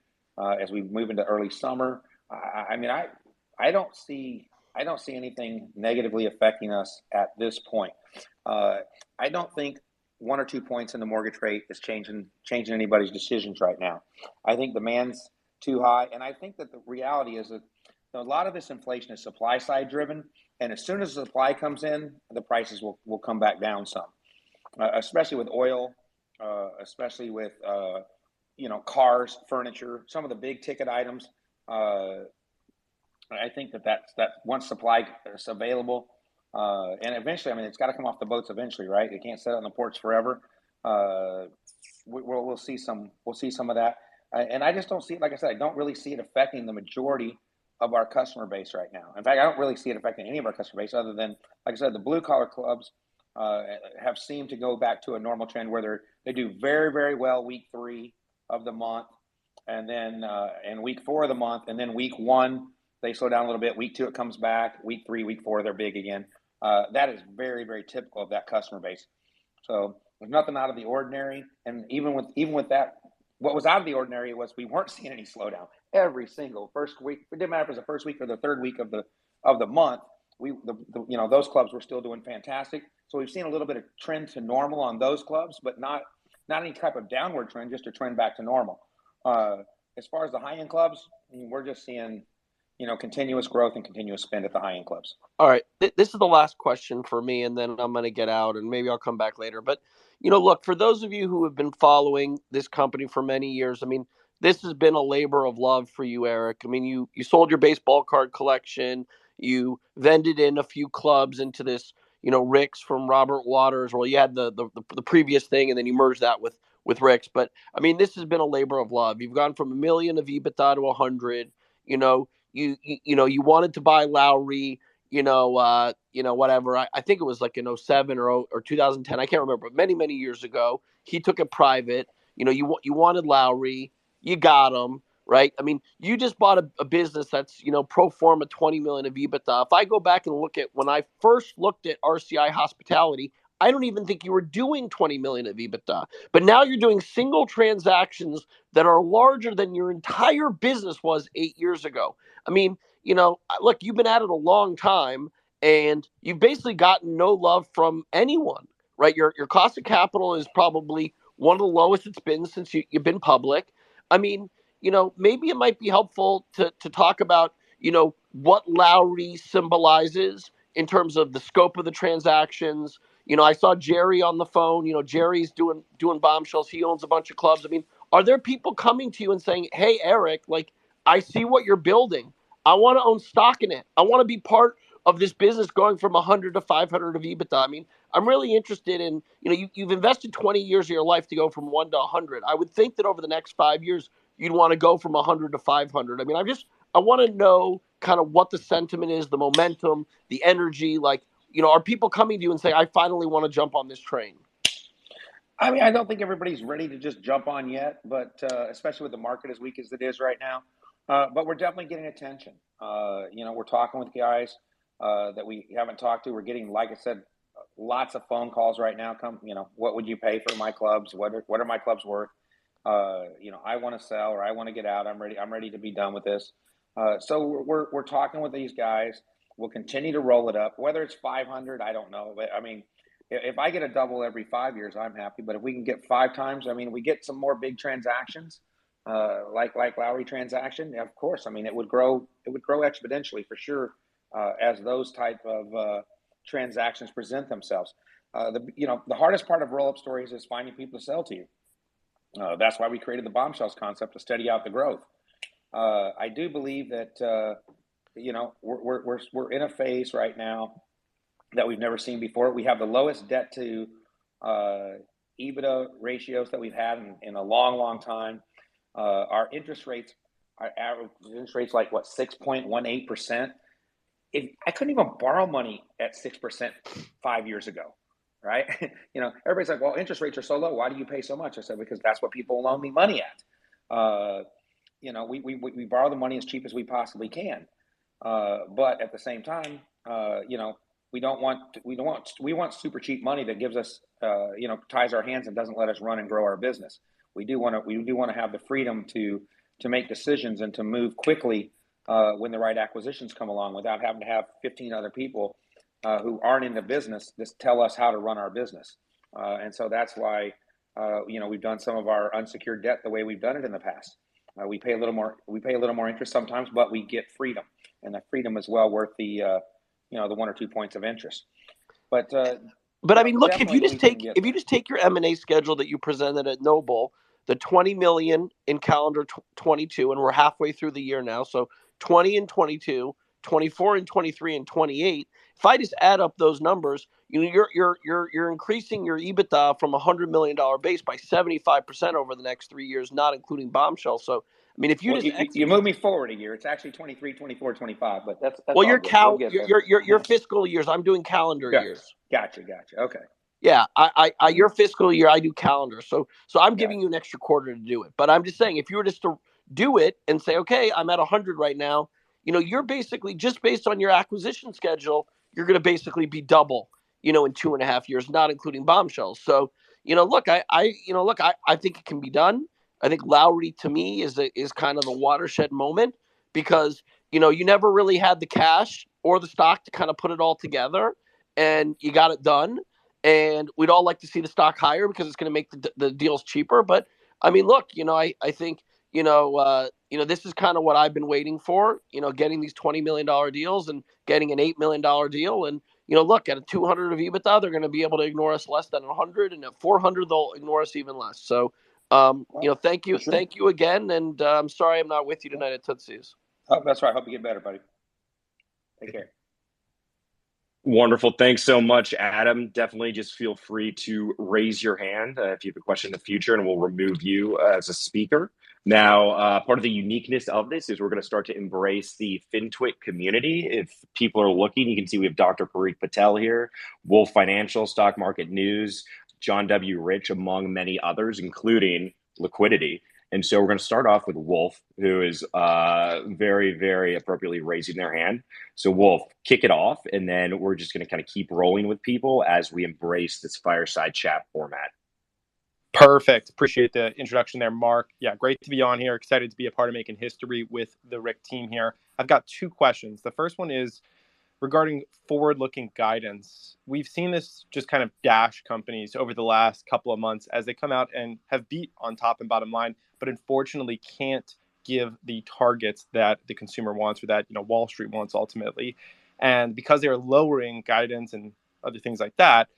as we move into early summer. I mean, I don't see anything negatively affecting us at this point. I don't think 1 or 2 points in the mortgage rate is changing anybody's decisions right now. I think demand's too high and I think that the reality is that a lot of this inflation is supply-side driven and as soon as the supply comes in, the prices will come back down some, especially with oil, especially with, you know, cars, furniture, some of the big-ticket items. I think that once supply is available, and eventually, I mean, it's got a come off the boats eventually, right? It can't sit out on the ports forever. We'll see some of that. I just don't see like I said, I don't really see it affecting the majority of our customer base right now. In fact, I don't really see it affecting any of our customer base other than, like I said, the blue collar clubs have seemed to go back to a normal trend where they do very, very well week three of the month, and then, and week four of the month, and then week one, they slow down a little bit. Week two, it comes back. Week three, week four, they're big again. That is very, very typical of that customer base. So there's nothing out of the ordinary. Even with that, what was out of the ordinary was we weren't seeing any slowdown. Every single first week, it didn't matter if it was the first week or the third week of the month, we, you know, those clubs were still doing fantastic. We've seen a little bit of trend to normal on those clubs but not any type of downward trend, just a trend back to normal. As far as the high-end clubs, I mean, we're just seeing, you know, continuous growth and continuous spend at the high-end clubs. All right. This is the last question from me and then I'm gonna get out and maybe I'll come back later. You know, look, for those of you who have been following this company for many years, I mean, this has been a labor of love for you, Eric. I mean, you sold your baseball card collection. You ventured in a few clubs into this, you know, Rick's from Robert Waters. Well, you had the previous thing and then you merged that with Rick's. I mean, this has been a labor of love. You've gone from $1 million of EBITDA to $100 million. You know, you wanted to buy Lowrie, you know, whatever. I think it was like in 2007 or 2010. I can't remember. Many, many years ago, he took it private. You know, you wanted Lowrie, you got him, right? I mean, you just bought a business that's, you know, pro forma $20 million of EBITDA. If I go back and look at when I first looked at RCI Hospitality, I don't even think you were doing $20 million of EBITDA. Now you're doing single transactions that are larger than your entire business was eight years ago. I mean, you know, look, you've been at it a long time, and you've basically gotten no love from anyone, right? Your cost of capital is probably one of the lowest it's been since you've been public. I mean, you know, maybe it might be helpful to talk about, you know, what Lowrie symbolizes in terms of the scope of the transactions? You know, I saw Jerry on the phone. You know, Jerry's doing Bombshells. He owns a bunch of clubs. I mean, are there people coming to you and saying, "Hey, Eric, like I see what you're building. I wanna own stock in it. I wanna be part of this business going from 100 to 500 of EBITDA"? I mean, I'm really interested in, you know, you've invested 20 years of your life to go from one to 100. I would think that over the next five years, you'd wanna go from 100 to 500. I mean, I'm just, I wanna know kind of what the sentiment is, the momentum, the energy. Like, you know, are people coming to you and saying, "I finally wanna jump on this train"? I mean, I don't think everybody's ready to just jump on yet, but especially with the market as weak as it is right now. We're definitely getting attention. You know, we're talking with guys that we haven't talked to. We're getting, like I said, lots of phone calls right now, you know, "What would you pay for my clubs? What are my clubs worth?" You know, "I wanna sell," or, "I wanna get out. I'm ready to be done with this." We're talking with these guys. We'll continue to roll it up. Whether it's 500, I don't know. I mean, if I get a double every five years, I'm happy. If we can get 5x, I mean, we get some more big transactions, like Lowrie transaction, of course. I mean, it would grow exponentially for sure, as those type of transactions present themselves. You know, the hardest part of roll-up stories is finding people to sell to you. That's why we created the Bombshells concept to steady out the growth. I do believe that, you know, we're in a phase right now that we've never seen before. We have the lowest debt to EBITDA ratios that we've had in a long, long time. Our interest rates, our average interest rate's like, what? 6.18%. It. I couldn't even borrow money at 6% five years ago, right? You know, everybody's like, "Well, interest rates are so low. Why do you pay so much?" I said, "Because that's what people loan me money at." You know, we borrow the money as cheap as we possibly can. But at the same time, you know, we don't want super cheap money that ties our hands and doesn't let us run and grow our business. We do wanna have the freedom to make decisions and to move quickly when the right acquisitions come along, without having to have 15 other people who aren't in the business just tell us how to run our business. That's why, you know, we've done some of our unsecured debt the way we've done it in the past. We pay a little more interest sometimes, but we get freedom. That freedom is well worth the, you know, the 1 or 2 points of interest. I mean, look. If you just take. Definitely we can get. If you just take your M&A schedule that you presented at Noble, the $20 million in calendar 2022 and we're halfway through the year now, so $20 million in 2022, $24 million in 2023, and $28 million. If I just add up those numbers, you know, you're increasing your EBITDA from $100 million base by 75% over the next three years, not including Bombshells. I mean, if you just- Well, you move me forward a year. It's actually 2023, 2024, 2025 but that's what we gave everybody then. Well, your fiscal years. I'm doing calendar years. Got it. Gotcha. Okay. You're fiscal year, I do calendar. I'm giving you- Yeah an extra quarter to do it. I'm just saying, if you were just to do it and say, "Okay, I'm at 100 right now," you know, you're basically, just based on your acquisition schedule, you're gonna basically be double, you know, in two and half years, not including Bombshells. you know, look, I think it can be done. I think Lowrie to me is a kind of the watershed moment because, you know, you never really had the cash or the stock to kind of put it all together, and you got it done. we'd all like to see the stock higher because it's gonna make the the deals cheaper. I mean, look, you know, I think, you know, this is kind of what I've been waiting for, you know, getting these $20 million deals and getting an $8 million deal and, you know, look, at a 200 of EBITDA, they're gonna be able to ignore us less than 100, and at 400 they'll ignore us even less. You know, thank you. For sure. Thank you again and sorry I'm not with you tonight at Tootsie's. Oh, that's all right. Hope you get better, buddy. Take care. Wonderful. Thanks so much, Adam. Definitely just feel free to raise your hand if you have a question in the future, and we'll remove you as a speaker. Now, part of the uniqueness of this is we're gonna start to embrace the FinTwit community. If people are looking, you can see we have Dr. Parik Patel here, WOLF Financial, Stock Market News, John W. Rich, among many others, including Litquidity. We're gonna start off with WOLF, who is very, very appropriately raising their hand. WOLF, kick it off, and then we're just gonna kind of keep rolling with people as we embrace this fireside chat format. Perfect. Appreciate the introduction there, Mark. Yeah, great to be on here. Excited to be a part of making history with the RCI team here. I've got two questions. The first one is regarding forward-looking guidance. We've seen this just kind of trash companies over the last couple of months as they come out and have beat on top and bottom line, but unfortunately can't give the targets that the consensus wants or that, you know, Wall Street wants ultimately. Because they are lowering guidance and other things like that,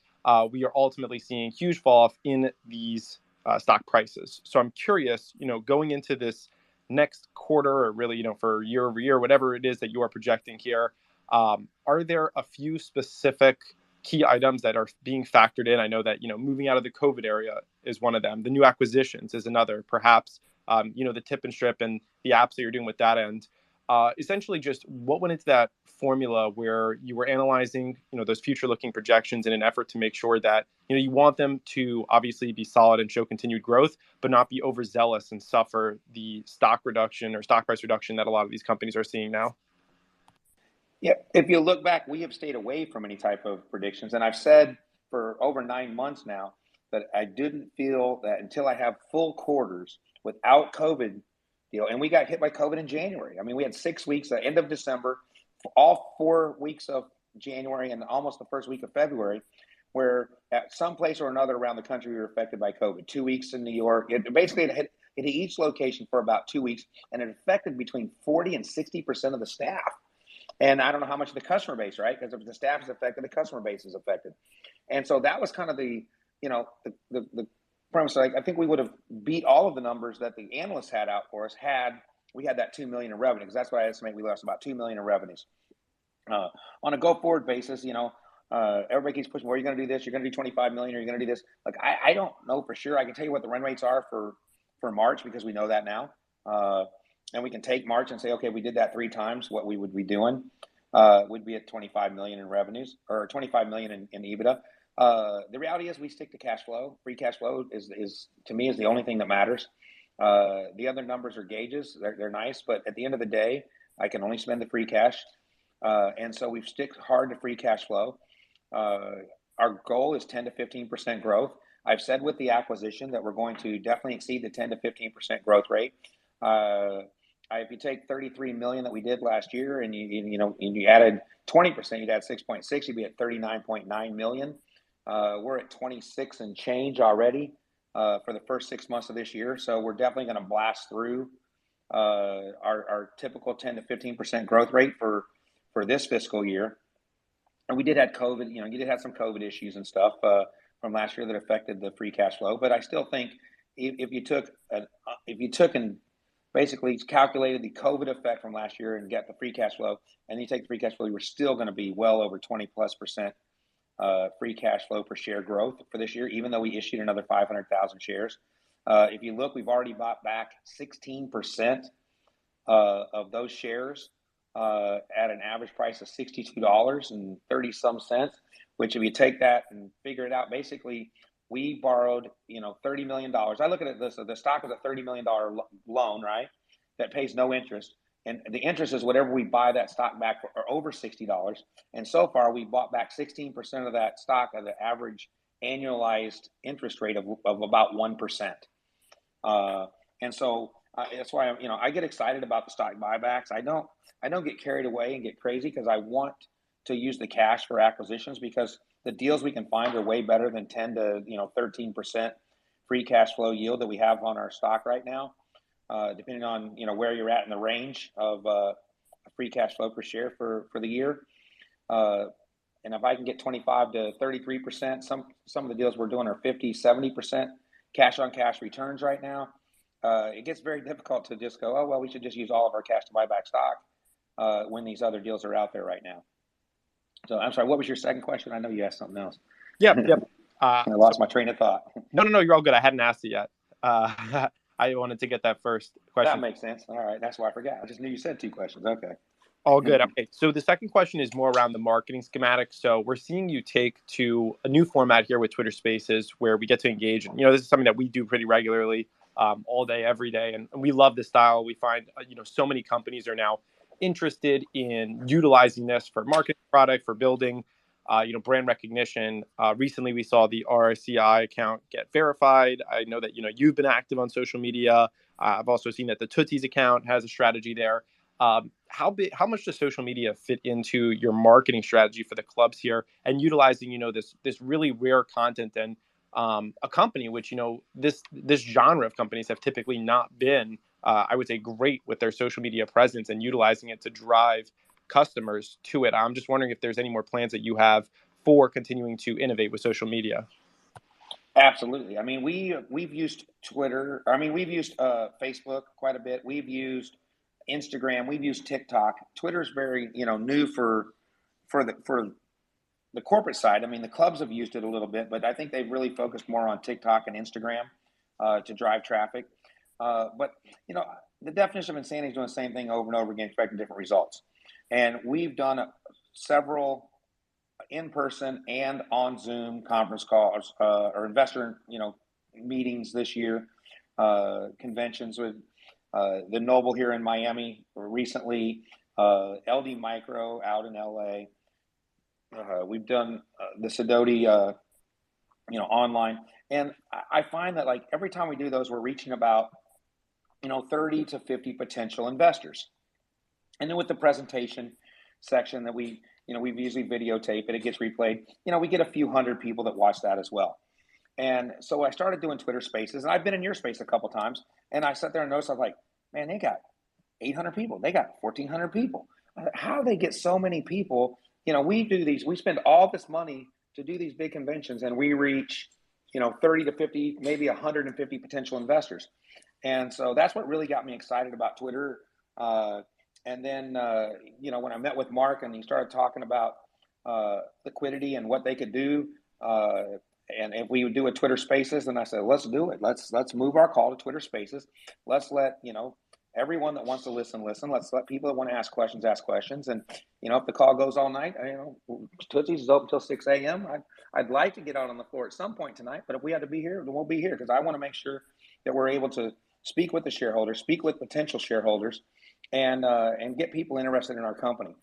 we are ultimately seeing a huge fall-off in these stock prices. I'm curious, you know, going into this next quarter or really, you know, for year-over-year, whatever it is that you are projecting here, are there a few specific key items that are being factored in? I know that, you know, moving out of the COVID era is one of them. The new acquisitions is another. Perhaps, you know, the Tip-N-Strip and the apps that you're doing with that end. Essentially just what went into that formula where you were analyzing, you know, those future-looking projections in an effort to make sure that you know, you want them to obviously be solid and show continued growth but not be overzealous and suffer the stock reduction or stock price reduction that a lot of these companies are seeing now. Yeah. If you look back, we have stayed away from any type of predictions, and I've said for over nine months now that I didn't feel that until I have full quarters without COVID, you know. We got hit by COVID in January. I mean, we had six weeks, the end of December, for all four weeks of January, and almost the first week of February, were at some place or another around the country were affected by COVID. Two weeks in New York. It basically, it hit each location for about two weeks, and it affected between 40%-60% of the staff. I don't know how much of the customer base, right? 'Cause if the staff is affected, the customer base is affected. That was kind of the, you know, the premise. Like I think we would've beat all of the numbers that the analysts had out for us had we had that $2 million in revenue because that's why I estimate we lost about $2 million in revenues. On a go-forward basis, you know, everybody keeps pushing, "Well, are you gonna do this? You're gonna do $25 million. Are you gonna do this?" Like I don't know for sure. I can tell you what the run rates are for March because we know that now. We can take March and say, "Okay, we did that 3x. What we would be doing would be at $25 million in revenues or $25 million in EBITDA." The reality is we stick to cash flow. Free cash flow is to me the only thing that matters. The other numbers are gauges. They're nice but at the end of the day I can only spend the free cash. We've stuck hard to free cash flow. Our goal is 10%-15% growth. I've said with the acquisition that we're going to definitely exceed the 10%-15% growth rate. If you take $33 million that we did last year and you know, and you added 20%, you'd add 6.6, you'd be at $39.9 million. We're at $26 million and change already for the first six months of this year, so we're definitely gonna blast through our typical 10%-15% growth rate for this fiscal year. We did have COVID, you know, you did have some COVID issues and stuff from last year that affected the free cash flow. I still think if you took basically, it's calculated the COVID effect from last year and get the free cash flow, and you take the free cash flow, you are still gonna be well over 20%+ free cash flow per share growth for this year even though we issued another 500,000 shares. If you look, we've already bought back 16% of those shares at an average price of $62 and $30 some cents which if you take that and figure it out, basically, we borrowed, you know, $30 million. I look at it as the stock is a $30 million loan, right? That pays no interest, and the interest is whatever we buy that stock back for over $60. So far, we've bought back 16% of that stock at the average annualized interest rate of about 1%. That's why I'm, you know, I get excited about the stock buybacks. I don't get carried away and get crazy because I want to use the cash for acquisitions because the deals we can find are way better than 10%-13% free cash flow yield that we have on our stock right now, depending on where you're at in the range of free cash flow per share for the year. If I can get 25%-33%, some of the deals we're doing are 50%, 70% cash on cash returns right now. It gets very difficult to just go, "Oh, well, we should just use all of our cash to buy back stock," when these other deals are out there right now. I'm sorry, what was your second question? I know you asked something else. Yep. Yep. I lost my train of thought. No, no, you're all good. I hadn't asked it yet. I wanted to get that first question. That makes sense. All right. That's why I forgot. I just knew you said two questions. Okay. All good. Okay. The second question is more around the marketing schematic. We're seeing you take to a new format here with Twitter Spaces where we get to engage. You know, this is something that we do pretty regularly, all day, every day, and we love this style. We find, you know, so many companies are now interested in utilizing this for marketing product, for building, you know, brand recognition. Recently we saw the RCI account get verified. I know that, you know, you've been active on social media. I've also seen that the Tootsie's account has a strategy there. How much does social media fit into your marketing strategy for the clubs here and utilizing, you know, this really rare content and a company which, you know, this genre of companies have typically not been, I would say, great with their social media presence and utilizing it to drive customers to it. I'm just wondering if there's any more plans that you have for continuing to innovate with social media. Absolutely. I mean, we've used Twitter. I mean, we've used Facebook quite a bit. We've used Instagram. We've used TikTok. Twitter's very, you know, new for the corporate side. I mean, the clubs have used it a little bit, but I think they've really focused more on TikTok and Instagram to drive traffic. You know, the definition of insanity is doing the same thing over and over again, expecting different results. We've done several in-person and on Zoom conference calls or investor meetings this year, conventions with the Noble here in Miami recently, LD Micro out in L.A.. We've done the Sidoti online. I find that, like, every time we do those, we're reaching about, you know, 30-50 potential investors. Then with the presentation section that we, you know, we usually videotape it gets replayed, you know, we get a few hundred people that watch that as well. I started doing Twitter Spaces, and I've been in your space a couple times and I sat there and noticed, I was like, "Man, they got 800 people. They got 1,400 people. How do they get so many people?" You know, we do these, we spend all this money to do these big conventions, and we reach, you know, 30-50, maybe 150 potential investors. That's what really got me excited about Twitter. You know, when I met with Mark and he started talking about Litquidity and what they could do, and if we would do a Twitter Spaces, and I said, "Let's do it. Let's move our call to Twitter Spaces. Let's let everyone that wants to listen. Let's let people that want to ask questions, ask questions. You know, if the call goes all night, you know, Tootsie's is open till 6 A.M.. I'd like to get out on the floor at some point tonight, but if we have to be here, then we'll be here because I want to make sure that we're able to speak with the shareholders, speak with potential shareholders and get people interested in our company.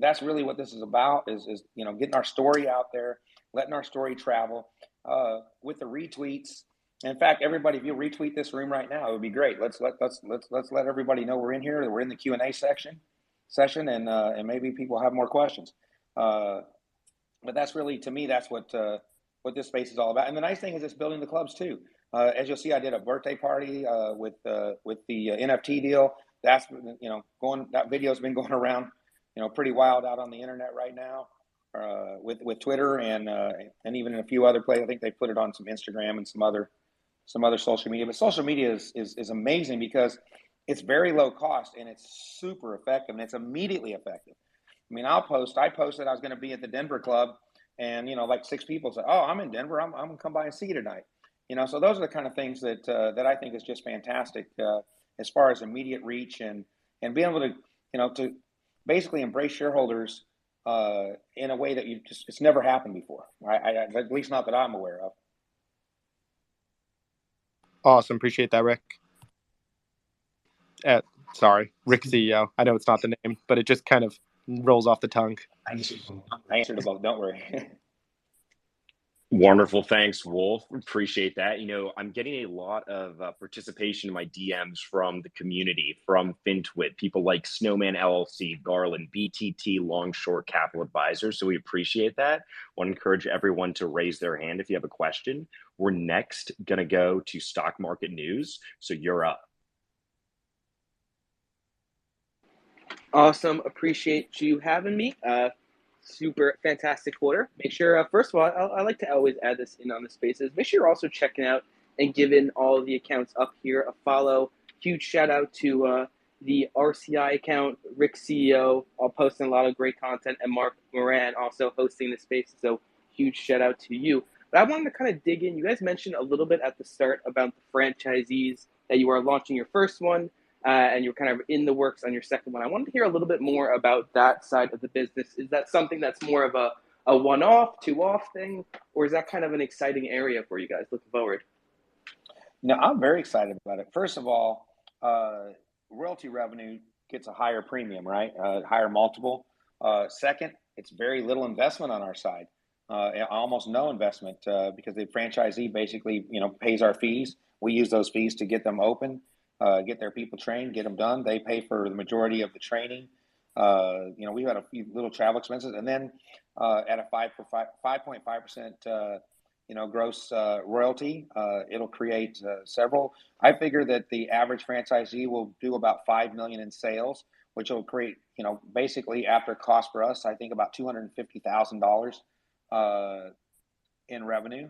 That's really what this is about, you know, getting our story out there, letting our story travel with the retweets. In fact, everybody, if you retweet this room right now, it would be great. Let's let everybody know we're in here, that we're in the Q&A session, and maybe people have more questions. But that's really, to me, that's what this space is all about. The nice thing is it's building the clubs too. As you'll see, I did a birthday party with the NFT deal. That's been going around, you know, pretty wild out on the internet right now with Twitter and even in a few other places. I think they put it on some Instagram and some other social media. Social media is amazing because it's very low cost and it's super effective and it's immediately effective. I posted I was gonna be at the Denver club and, you know, like six people said, "Oh, I'm in Denver. I'm gonna come by and see you tonight." You know, those are the kind of things that I think is just fantastic, as far as immediate reach and being able to, you know, to basically embrace shareholders, in a way that you just. It's never happened before. At least not that I'm aware of. Awesome. Appreciate that, Eric. Sorry, Eric the CEO. I know it's not the name, but it just kind of rolls off the tongue. I understand. I answered them all. Don't worry. Wonderful. Thanks, WOLF. Appreciate that. You know, I'm getting a lot of participation in my DMs from the community, from FinTwit, people like Snowman LLC, Garland, BTT, Longshore Capital Advisors. We appreciate that. Wanna encourage everyone to raise their hand if you have a question. We're next gonna go to Stock Market News. You're up Awesome. Appreciate you having me. Super fantastic quarter. Make sure, first of all, I like to always add this in on the spaces. Make sure you're also checking out and giving all of the accounts up here a follow. Huge shout out to the RCI account, Eric, CEO, all posting a lot of great content, and Mark Moran also hosting the space. Huge shout out to you. I wanted to kind of dig in. You guys mentioned a little bit at the start about the franchisees, that you are launching your first one, and you're kind of in the works on your second one. I wanted to hear a little bit more about that side of the business. Is that something that's more of a one-off, two-off thing, or is that kind of an exciting area for you guys looking forward? No, I'm very excited about it. First of all, royalty revenue gets a higher premium, right? Higher multiple. Second, it's very little investment on our side, almost no investment because the franchisee basically, you know, pays our fees. We use those fees to get them open, get their people trained, get them done. They pay for the majority of the training. You know, we've had a few little travel expenses. At a 5.5%, you know, gross royalty, it'll create, I figure that the average franchisee will do about $5 million in sales which will create, you know, basically after cost for us, I think about $250,000 in revenue.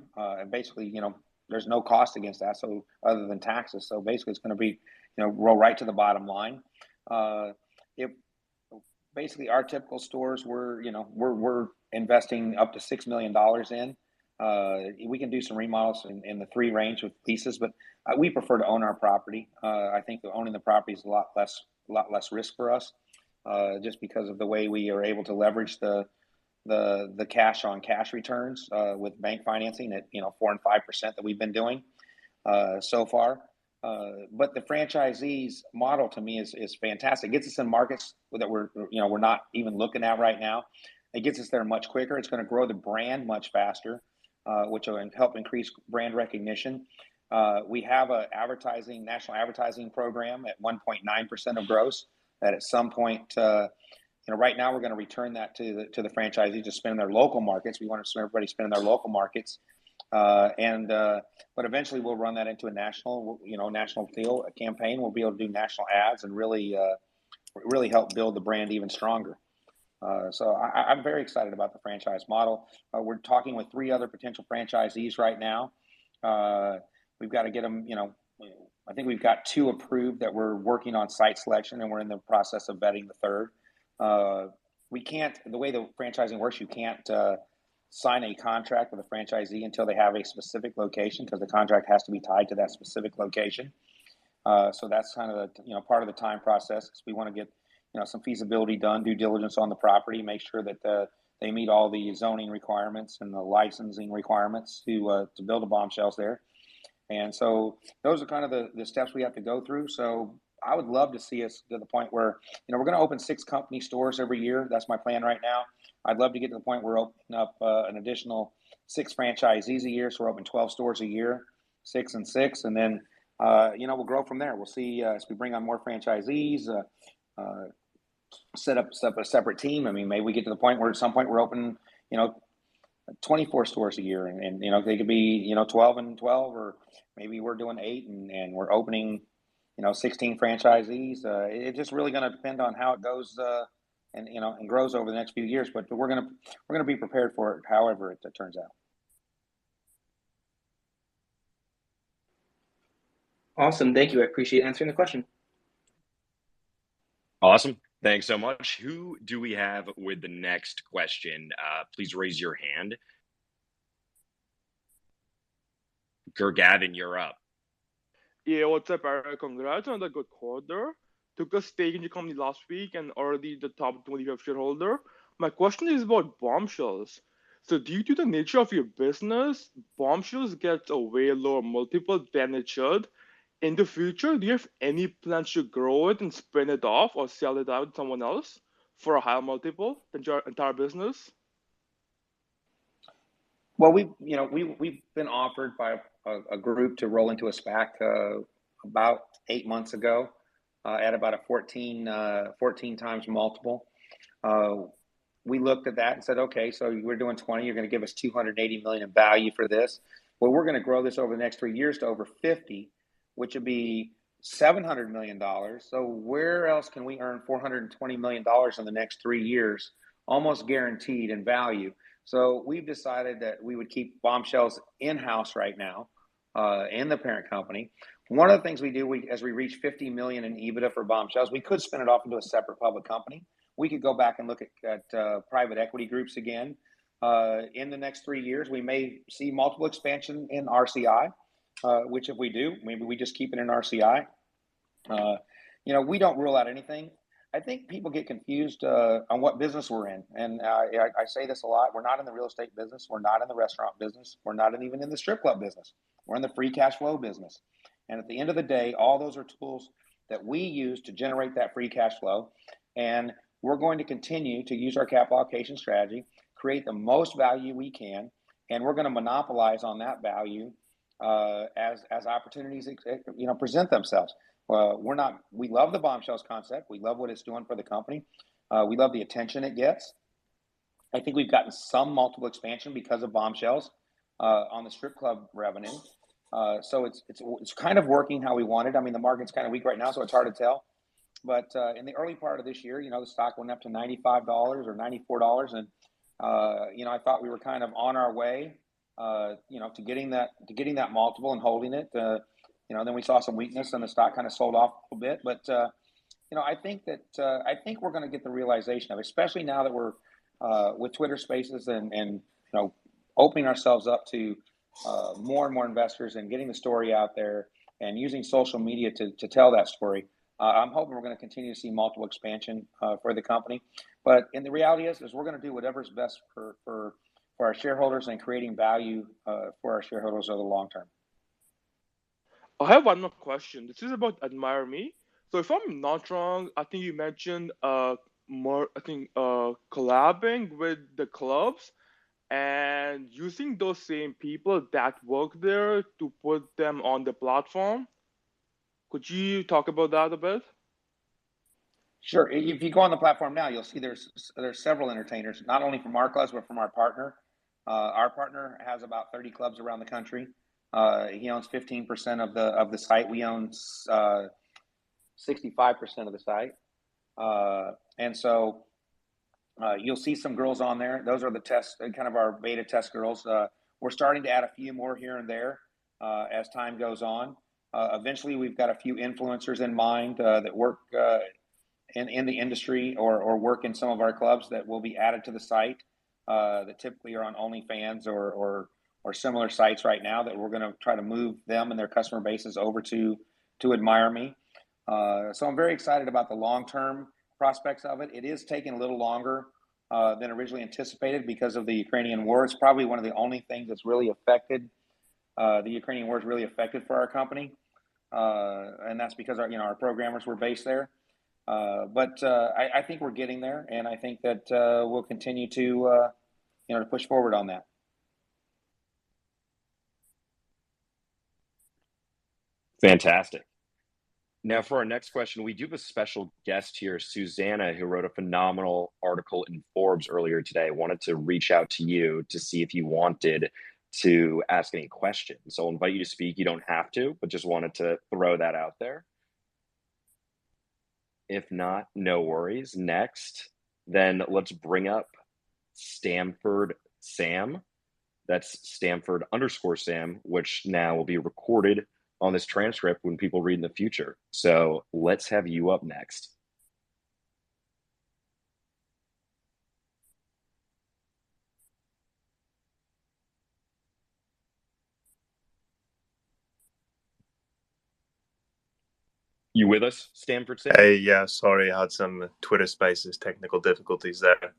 Basically, you know, there's no cost against that, so other than taxes. Basically it's gonna be, you know, go right to the bottom line. Basically, our typical stores, you know, we're investing up to $6 million in. We can do some remodels in the $3 million range with leases but we prefer to own our property. I think that owning the property is a lot less risk for us, just because of the way we are able to leverage the cash on cash returns with bank financing at, you know, 4% and 5% that we've been doing so far. The franchise model to me is fantastic. It gets us in markets that we're, you know, not even looking at right now. It gets us there much quicker. It's gonna grow the brand much faster which will help increase brand recognition. We have an advertising national advertising program at 1.9% of gross that at some point. You know, right now we're gonna return that to the franchisee to spend in their local markets. We want everybody spending in their local markets. Eventually we'll run that into a national, you know, national deal, campaign. We'll be able to do national ads and really help build the brand even stronger. I'm very excited about the franchise model. We're talking with three other potential franchisees right now. We've got to get them, you know. I think we've got two approved that we're working on site selection, and we're in the process of vetting the third. The way the franchising works, you can't sign a contract with a franchisee until they have a specific location because the contract has to be tied to that specific location. That's kind of the, you know, part of the timing process because we want to get, you know, some feasibility done, due diligence on the property, make sure that they meet all the zoning requirements and the licensing requirements to build the Bombshells there. Those are kind of the steps we have to go through. I would love to see us to the point where you know, we're gonna open six company stores every year. That's my plan right now. I'd love to get to the point we're opening up an additional six franchisees a year, so we're opening 12 stores a year, six and six, and then, you know, we'll grow from there. We'll see as we bring on more franchisees set up a separate team. I mean, maybe we get to the point where at some point we're opening, you know, 24 stores a year and, you know, they could be, you know, 12 and 12, or maybe we're doing eight and we're opening, you know, 16 franchisees. It's just really gonna depend on how it goes, and, you know, and grows over the next few years. We're gonna be prepared for it however it turns out. Awesome. Thank you. I appreciate answering the question. Awesome. Thanks so much. Who do we have with the next question? Please raise your hand. Gurgavin, you're up. Yeah, what's up, Eric? Congrats on the good quarter. Took a stake in the company last week and already the top 20 of shareholder. My question is about Bombshells. Due to the nature of your business, Bombshells gets a way lower multiple than it should. In the future, do you have any plans to grow it and spin it off or sell it out to someone else for a higher multiple than your entire business? Well, you know, we've been offered by a group to roll into a SPAC about eight months ago at about a 14x multiple. We looked at that and said, "Okay, so we're doing 20. You're gonna give us $280 million in value for this." We're gonna grow this over the next three years to over 50 which would be $700 million, so where else can we earn $420 million in the next three years almost guaranteed in value? We've decided that we would keep Bombshells in-house right now and the parent company. One of the things we do, as we reach $50 million in EBITDA for Bombshells, we could spin it off into a separate public company. We could go back and look at private equity groups again. In the next three years, we may see multiple expansion in RCI, which if we do, maybe we just keep it in RCI. You know, we don't rule out anything. I think people get confused on what business we're in. I say this a lot, we're not in the real estate business, we're not in the restaurant business, we're not even in the strip club business. We're in the free cash flow business. At the end of the day, all those are tools that we use to generate that free cash flow, and we're going to continue to use our capital allocation strategy, create the most value we can, and we're gonna monopolize on that value, as opportunities, you know, present themselves. We love the Bombshells concept. We love what it's doing for the company. We love the attention it gets. I think we've gotten some multiple expansion because of Bombshells on the strip club revenue. It's kind of working how we wanted. I mean, the market's kind of weak right now, so it's hard to tell. In the early part of this year, you know, the stock went up to $95 or $94 and, you know, I thought we were kind of on our way, you know, to getting that multiple and holding it. You know, we saw some weakness and the stock kind of sold off a bit. You know, I think we're gonna get the realization of it, especially now that we're with Twitter Spaces and you know, opening ourselves up to more and more investors and getting the story out there and using social media to tell that story. I'm hoping we're gonna continue to see multiple expansion for the company. The reality is we're gonna do whatever is best for our shareholders and creating value for our shareholders over the long term. I have one more question. This is about AdmireMe. If I'm not wrong, I think you mentioned more, I think, collabing with the clubs and using those same people that work there to put them on the platform. Could you talk about that a bit? Sure. If you go on the platform now, you'll see there's several entertainers, not only from our clubs, but from our partner. Our partner has about 30 clubs around the country. He owns 15% of the site. We own 65% of the site. You'll see some girls on there. Those are the test kind of our beta test girls. We're starting to add a few more here and there as time goes on. Eventually, we've got a few influencers in mind that work in the industry or work in some of our clubs that will be added to the site that typically are on OnlyFans or similar sites right now that we're gonna try to move them and their customer bases over to AdmireMe. I'm very excited about the long-term prospects of it. It is taking a little longer than originally anticipated because of the Ukrainian war. It's probably one of the only things that's really affected. The Ukrainian war has really affected our company, and that's because our, you know, our programmers were based there. I think we're getting there, and I think that, you know, to push forward on that. Fantastic. Now, for our next question, we do have a special guest here, Susanna, who wrote a phenomenal article in Forbes earlier today. Wanted to reach out to you to see if you wanted to ask any questions. I'll invite you to speak. You don't have to, but just wanted to throw that out there. If not, no worries. Next, let's bring up Stanford Sam. That's Stanford_Sam, which now will be recorded on this transcript when people read in the future. Let's have you up next. You with us, Stanford Sam? Yeah. Sorry. I had some Twitter Spaces technical difficulties there.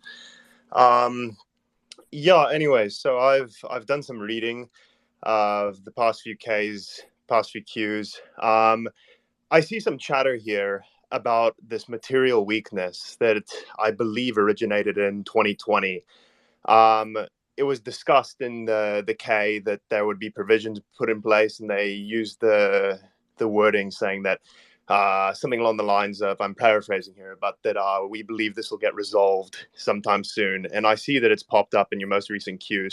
Yeah. Anyway, I've done some reading of the past few Ks, past few Qs. I see some chatter here about this material weakness that I believe originated in 2020. It was discussed in the K that there would be provisions put in place, and they used the wording saying that something along the lines of, I'm paraphrasing here, but that, we believe this will get resolved sometime soon. I see that it's popped up in your most recent Q.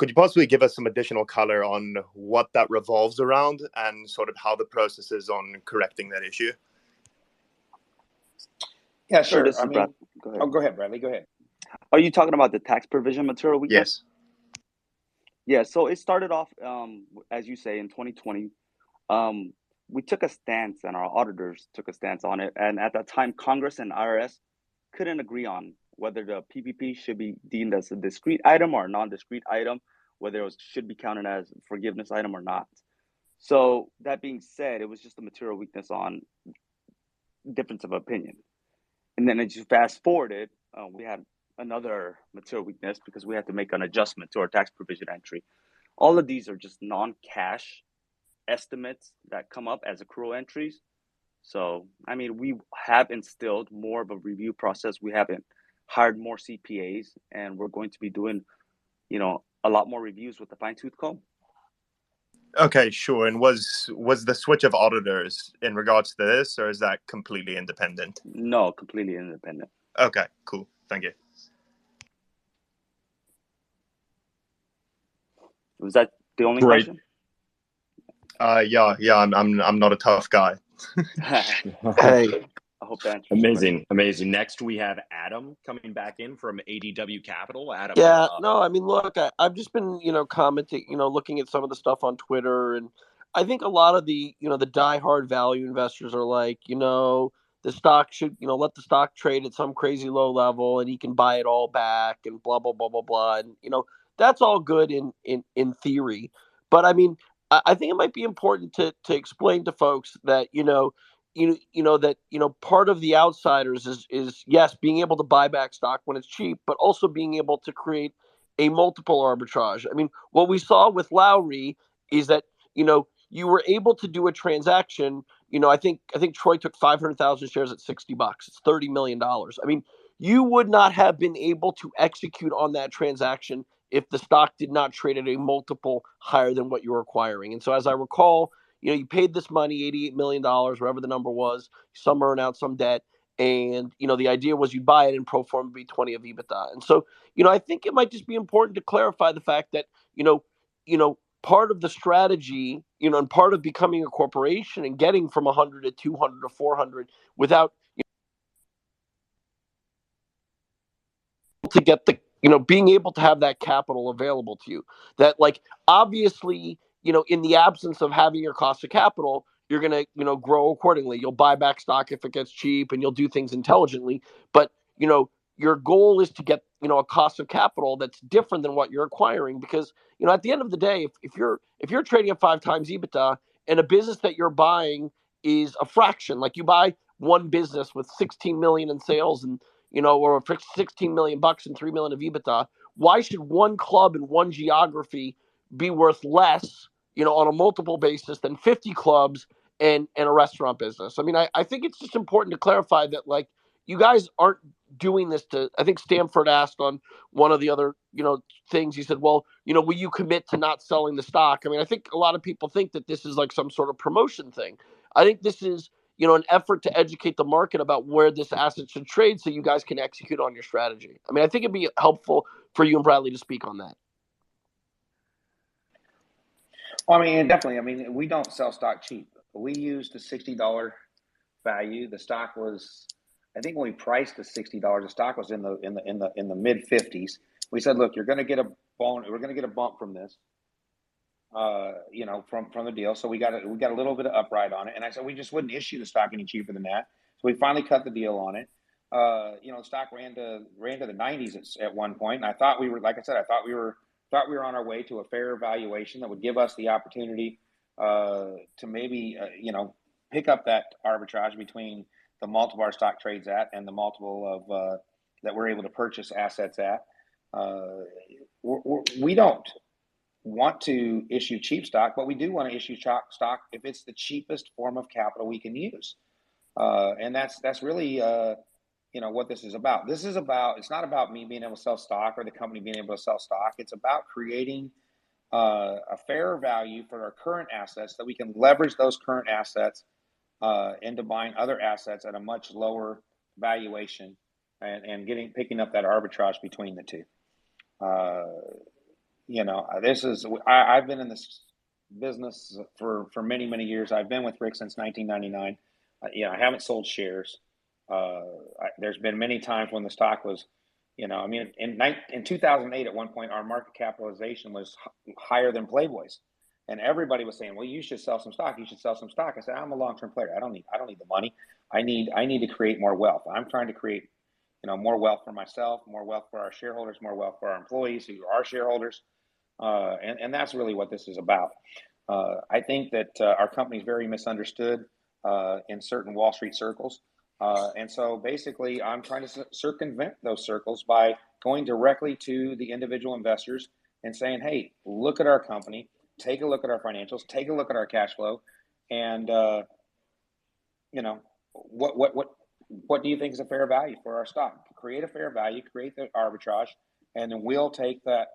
Could you possibly give us some additional color on what that revolves around and sort of how the process is on correcting that issue? Yeah, sure. I mean. Sure. This is Brad. Go ahead. Oh, go ahead, Bradley. Go ahead. Are you talking about the tax provision material weakness? Yes. Yeah. It started off, as you say, in 2020. We took a stance, and our auditors took a stance on it. At that time, Congress and IRS couldn't agree on whether the PPP should be deemed as a discrete item or a non-discrete ite, whether it was should be counted as forgiveness item or not. That being said, it was just a material weakness on a difference of opinion. As you fast forward it, we had another material weakness because we had to make an adjustment to our tax provision entry. All of these are just non-cash estimates that come up as accrual entries. I mean, we have instilled more of a review process. We have hired more CPAs and we're going to be doing, you know, a lot more reviews with a fine-tooth comb. Okay. Sure. Was the switch of auditors in regards to this, or is that completely independent? No, completely independent. Okay. Cool. Thank you. Was that the only question? Great. Yeah, yeah. I'm not a tough guy. Hey. I hope that answers your question. Amazing. Next, we have Adam coming back in from ADW Capital. Adam. Yeah. No, I mean, look, I've just been, you know, commenting, you know, looking at some of the stuff on Twitter and I think a lot of the, you know, the diehard value investors are like, you know, "The stock should, you know, let the stock trade at some crazy low level, and he can buy it all back," and blah, blah, blah. You know, that's all good in theory, but I mean, I think it might be important to explain to folks that, you know, you know that, you know, part of The Outsiders is, yes, being able to buy back stock when it's cheap but also being able to create a multiple arbitrage. I mean, what we saw with Lowrie is that, you know, you were able to do a transaction. You know, I think Troy took 500,000 shares at $60, it's $30 million. I mean, you would not have been able to execute on that transaction if the stock did not trade at a multiple higher than what you're acquiring. As I recall, you know, you paid this money, $88 million, whatever the number was. You somewhere announced some debt and, you know, the idea was you'd buy it and pro forma would be 20x EBITDA. You know, I think it might just be important to clarify the fact that, you know, part of the strategy, you know, and part of becoming a corporation and getting from 100 to 200 to 400 without being able to have that capital available to you. That, like, obviously, you know, in the absence of having your cost of capital, you're gonna, you know, grow accordingly. You'll buy back stock if it gets cheap and you'll do things intelligently. You know, your goal is to get, you know, a cost of capital that's different than what you're acquiring. Because, you know, at the end of the day, if you're trading at 5x EBITDA and a business that you're buying is a fraction. Like you buy one business with $16 million in sales and, you know, or $16 million bucks and $3 million of EBITDA, why should one club and one geography be worth less, you know, on a multiple basis than 50 clubs and a restaurant business? I mean, I think it's just important to clarify that like you guys aren't doing this to. I think Stanford asked on one of the other, you know, things. He said, "Well, you know, will you commit to not selling the stock?" I mean, I think a lot of people think that this is like some sort of promotion thing. I think this is, you know, an effort to educate the market about where this asset should trade so you guys can execute on your strategy. I mean, I think it'd be helpful for you and Bradley to speak on that. I mean, definitely. I mean, we don't sell stock cheap. We use the $60 value. The stock was, I think when we priced the $60, the stock was in the mid-50s. We said, "Look, you're gonna get a bump from this, from the deal," so we got a little bit of upside on it. I said, "We just wouldn't issue the stock any cheaper than that." We finally cut the deal on it. The stock ran to the 90s at one point and I thought we were. Like I said, I thought we were on our way to a fair valuation that would give us the opportunity to maybe, you know, pick up that arbitrage between the multiple our stock trades at and the multiple of that we're able to purchase assets at. We don't want to issue cheap stock, but we do wanna issue stock if it's the cheapest form of capital we can use. That's really, you know, what this is about. This is about. It's not about me being able to sell stock or the company being able to sell stock. It's about creating a fair value for our current assets that we can leverage those current assets into buying other assets at a much lower valuation and picking up that arbitrage between the two. You know, this is. I've been in this business for many years. I've been with Rick since 1999. You know, I haven't sold shares. There's been many times when the stock was, you know. I mean, in 2008 at one point, our market capitalization was higher than Playboy's. Everybody was saying, "Well, you should sell some stock. You should sell some stock." I said, "I'm a long-term player. I don't need the money. I need to create more wealth." I'm trying to create, you know, more wealth for myself, more wealth for our shareholders, more wealth for our employees who are shareholders., that's really what this is about. I think that our company's very misunderstood in certain Wall Street circles. Basically I'm trying to circumvent those circles by going directly to the individual investors and saying, "Hey, look at our company, take a look at our financials, take a look at our cash flow, and, you know, what do you think is a fair value for our stock?" Create a fair value, create the arbitrage, and then we'll take that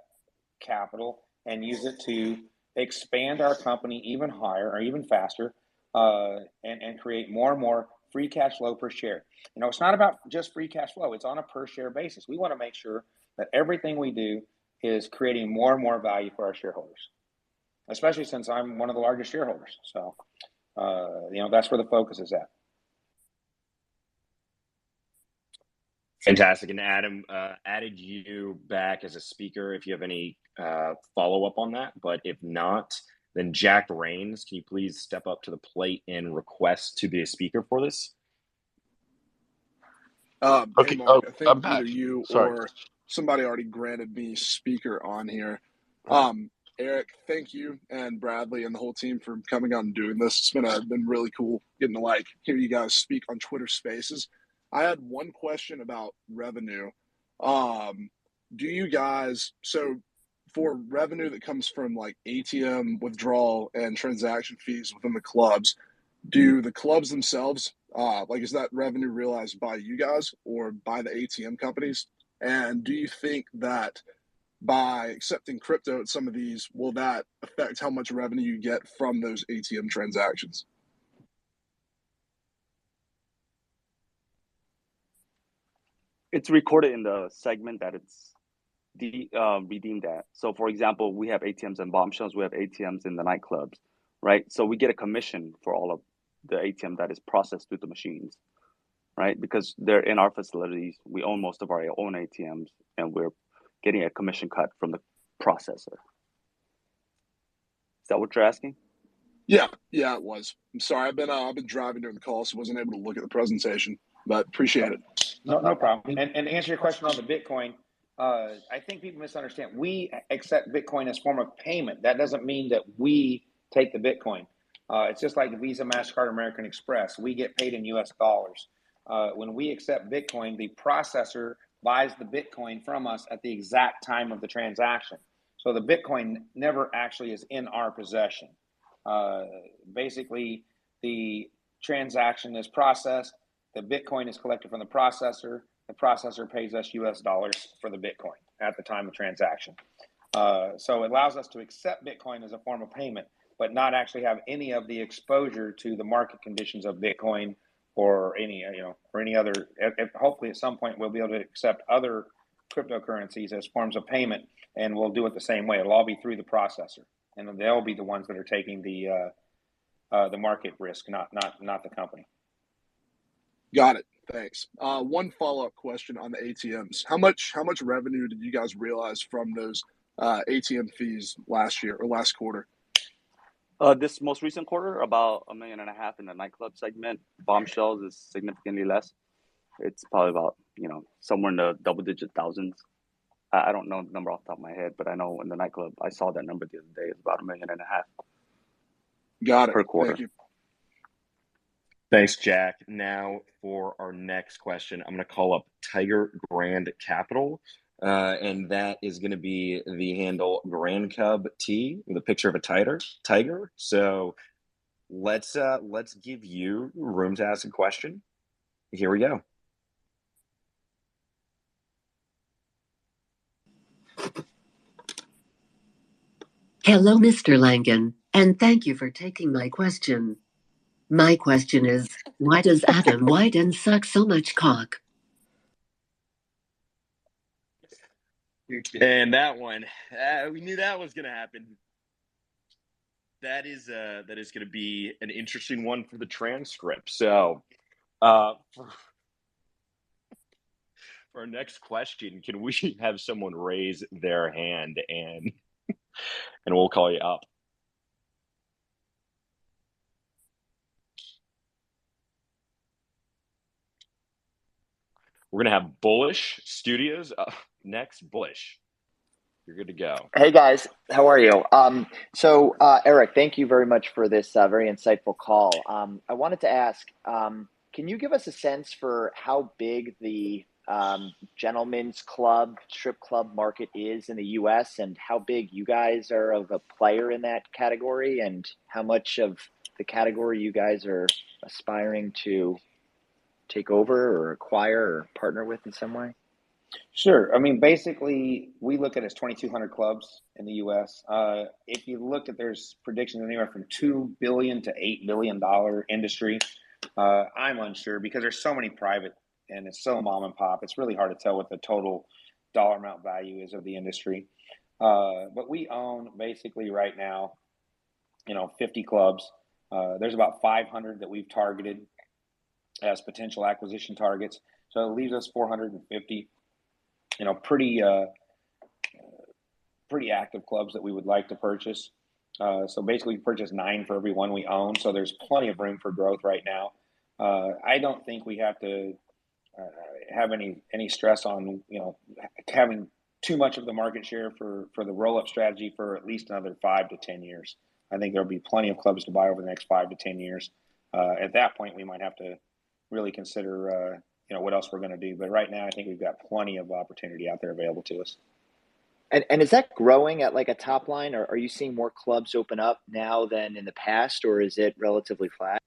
capital and use it to expand our company even higher or even faster and create more and more free cash flow per share. You know, it's not about just free cash flow, it's on a per share basis. We wanna make sure that everything we do is creating more and more value for our shareholders, especially since I'm one of the largest shareholders. You know, that's where the focus is at. Fantastic. Adam added you back as a speaker if you have any follow-up on that. If not, then Jack Reins, can you please step up to the plate and request to be a speaker for this? Hey Mark. Okay. Oh, I'm back. Sorry. I think either you or somebody already granted me speaker on here. Eric, thank you and Bradley and the whole team for coming on and doing this. It's been really cool getting to like hear you guys speak on Twitter Spaces. I had one question about revenue. For revenue that comes from like ATM withdrawal and transaction fees within the clubs, do the clubs themselves like is that revenue realized by you guys or by the ATM companies? Do you think that by accepting crypto at some of these, will that affect how much revenue you get from those ATM transactions? It's recorded in the segment that it's redeemed at. For example, we have ATMs in Bombshells, we have ATMs in the nightclubs, right? We get a commission for all of the ATM that is processed through the machines, right? Because they're in our facilities, we own most of our own ATMs, and we're getting a commission cut from the processor. Is that what you're asking? Yeah. Yeah, it was. I'm sorry. I've been driving during the call, so I wasn't able to look at the presentation, but appreciate it. No problem. To answer your question on the Bitcoin, I think people misunderstand. We accept Bitcoin as form of payment. That doesn't mean that we take the Bitcoin. It's just like Visa, Mastercard, American Express. We get paid in U.S. dollars. When we accept Bitcoin, the processor buys the Bitcoin from us at the exact time of the transaction, so the Bitcoin never actually is in our possession. Basically, the transaction is processed, the Bitcoin is collected from the processor, the processor pays us U.S. dollars for the Bitcoin at the time of transaction. So it allows us to accept Bitcoin as a form of payment but not actually have any of the exposure to the market conditions of Bitcoin or any, you know, or any other. Hopefully at some point we'll be able to accept other cryptocurrencies as forms of payment and we'll do it the same way. It'll all be through the processor and they'll be the ones that are taking the market risk, not the company. Got it. Thanks. One follow-up question on the ATMs. How much revenue did you guys realize from those ATM fees last year or last quarter? This most recent quarter, about $1.5 million in the nightclub segment. Bombshells is significantly less. It's probably about, you know, somewhere in the double-digit thousands. I don't know the number off the top of my head, but I know in the nightclub, I saw that number the other day. It's about $1.5 million. Got it. per quarter. Thank you. Thanks, Jack. Now, for our next question, I'm gonna call up Tiger Grand Capital and that is gonna be the handle Grand Cub T with a picture of a tiger. So let's give you room to ask a question. Here we go. Hello, Mr. Langan, and thank you for taking my question. My question is, why does Adam Wyden suck so much cock? That one, we knew that was gonna happen. That is gonna be an interesting one for the transcript. For our next question, can we have someone raise their hand and we'll call you up? We're gonna have Bullish Studio next. Bullish, you're good to go. Hey, guys. How are you? Eric, thank you very much for this very insightful call. I wanted to ask, can you give us a sense for how big the gentlemen's club, strip club market is in the U.S. and how big you guys are of a player in that category, and how much of the category you guys are aspiring to take over or acquire or partner with in some way? Sure. I mean, basically, we look at it as 2,200 clubs in the U.S.. If you look at, there's predictions anywhere from $2 billion-$8 billion dollar industry. I'm unsure because there's so many private and it's so mom and pop, it's really hard to tell what the total dollar amount value is of the industry. We own basically right now, you know, 50 clubs. There's about 500 that we've targeted as potential acquisition targets. It leaves us 450, you know, pretty active clubs that we would like to purchase. Basically purchase nine for every one we own, so there's plenty of room for growth right now. I don't think we have to have any stress on, you know, having too much of the market share for the roll-up strategy for at least another five-10 years. I think there'll be plenty of clubs to buy over the next five-10 years. At that point, we might have to really consider, you know, what else we're gonna do. Right now, I think we've got plenty of opportunity out there available to us. Is that growing at like a top line or are you seeing more clubs open up now than in the past, or is it relatively flat?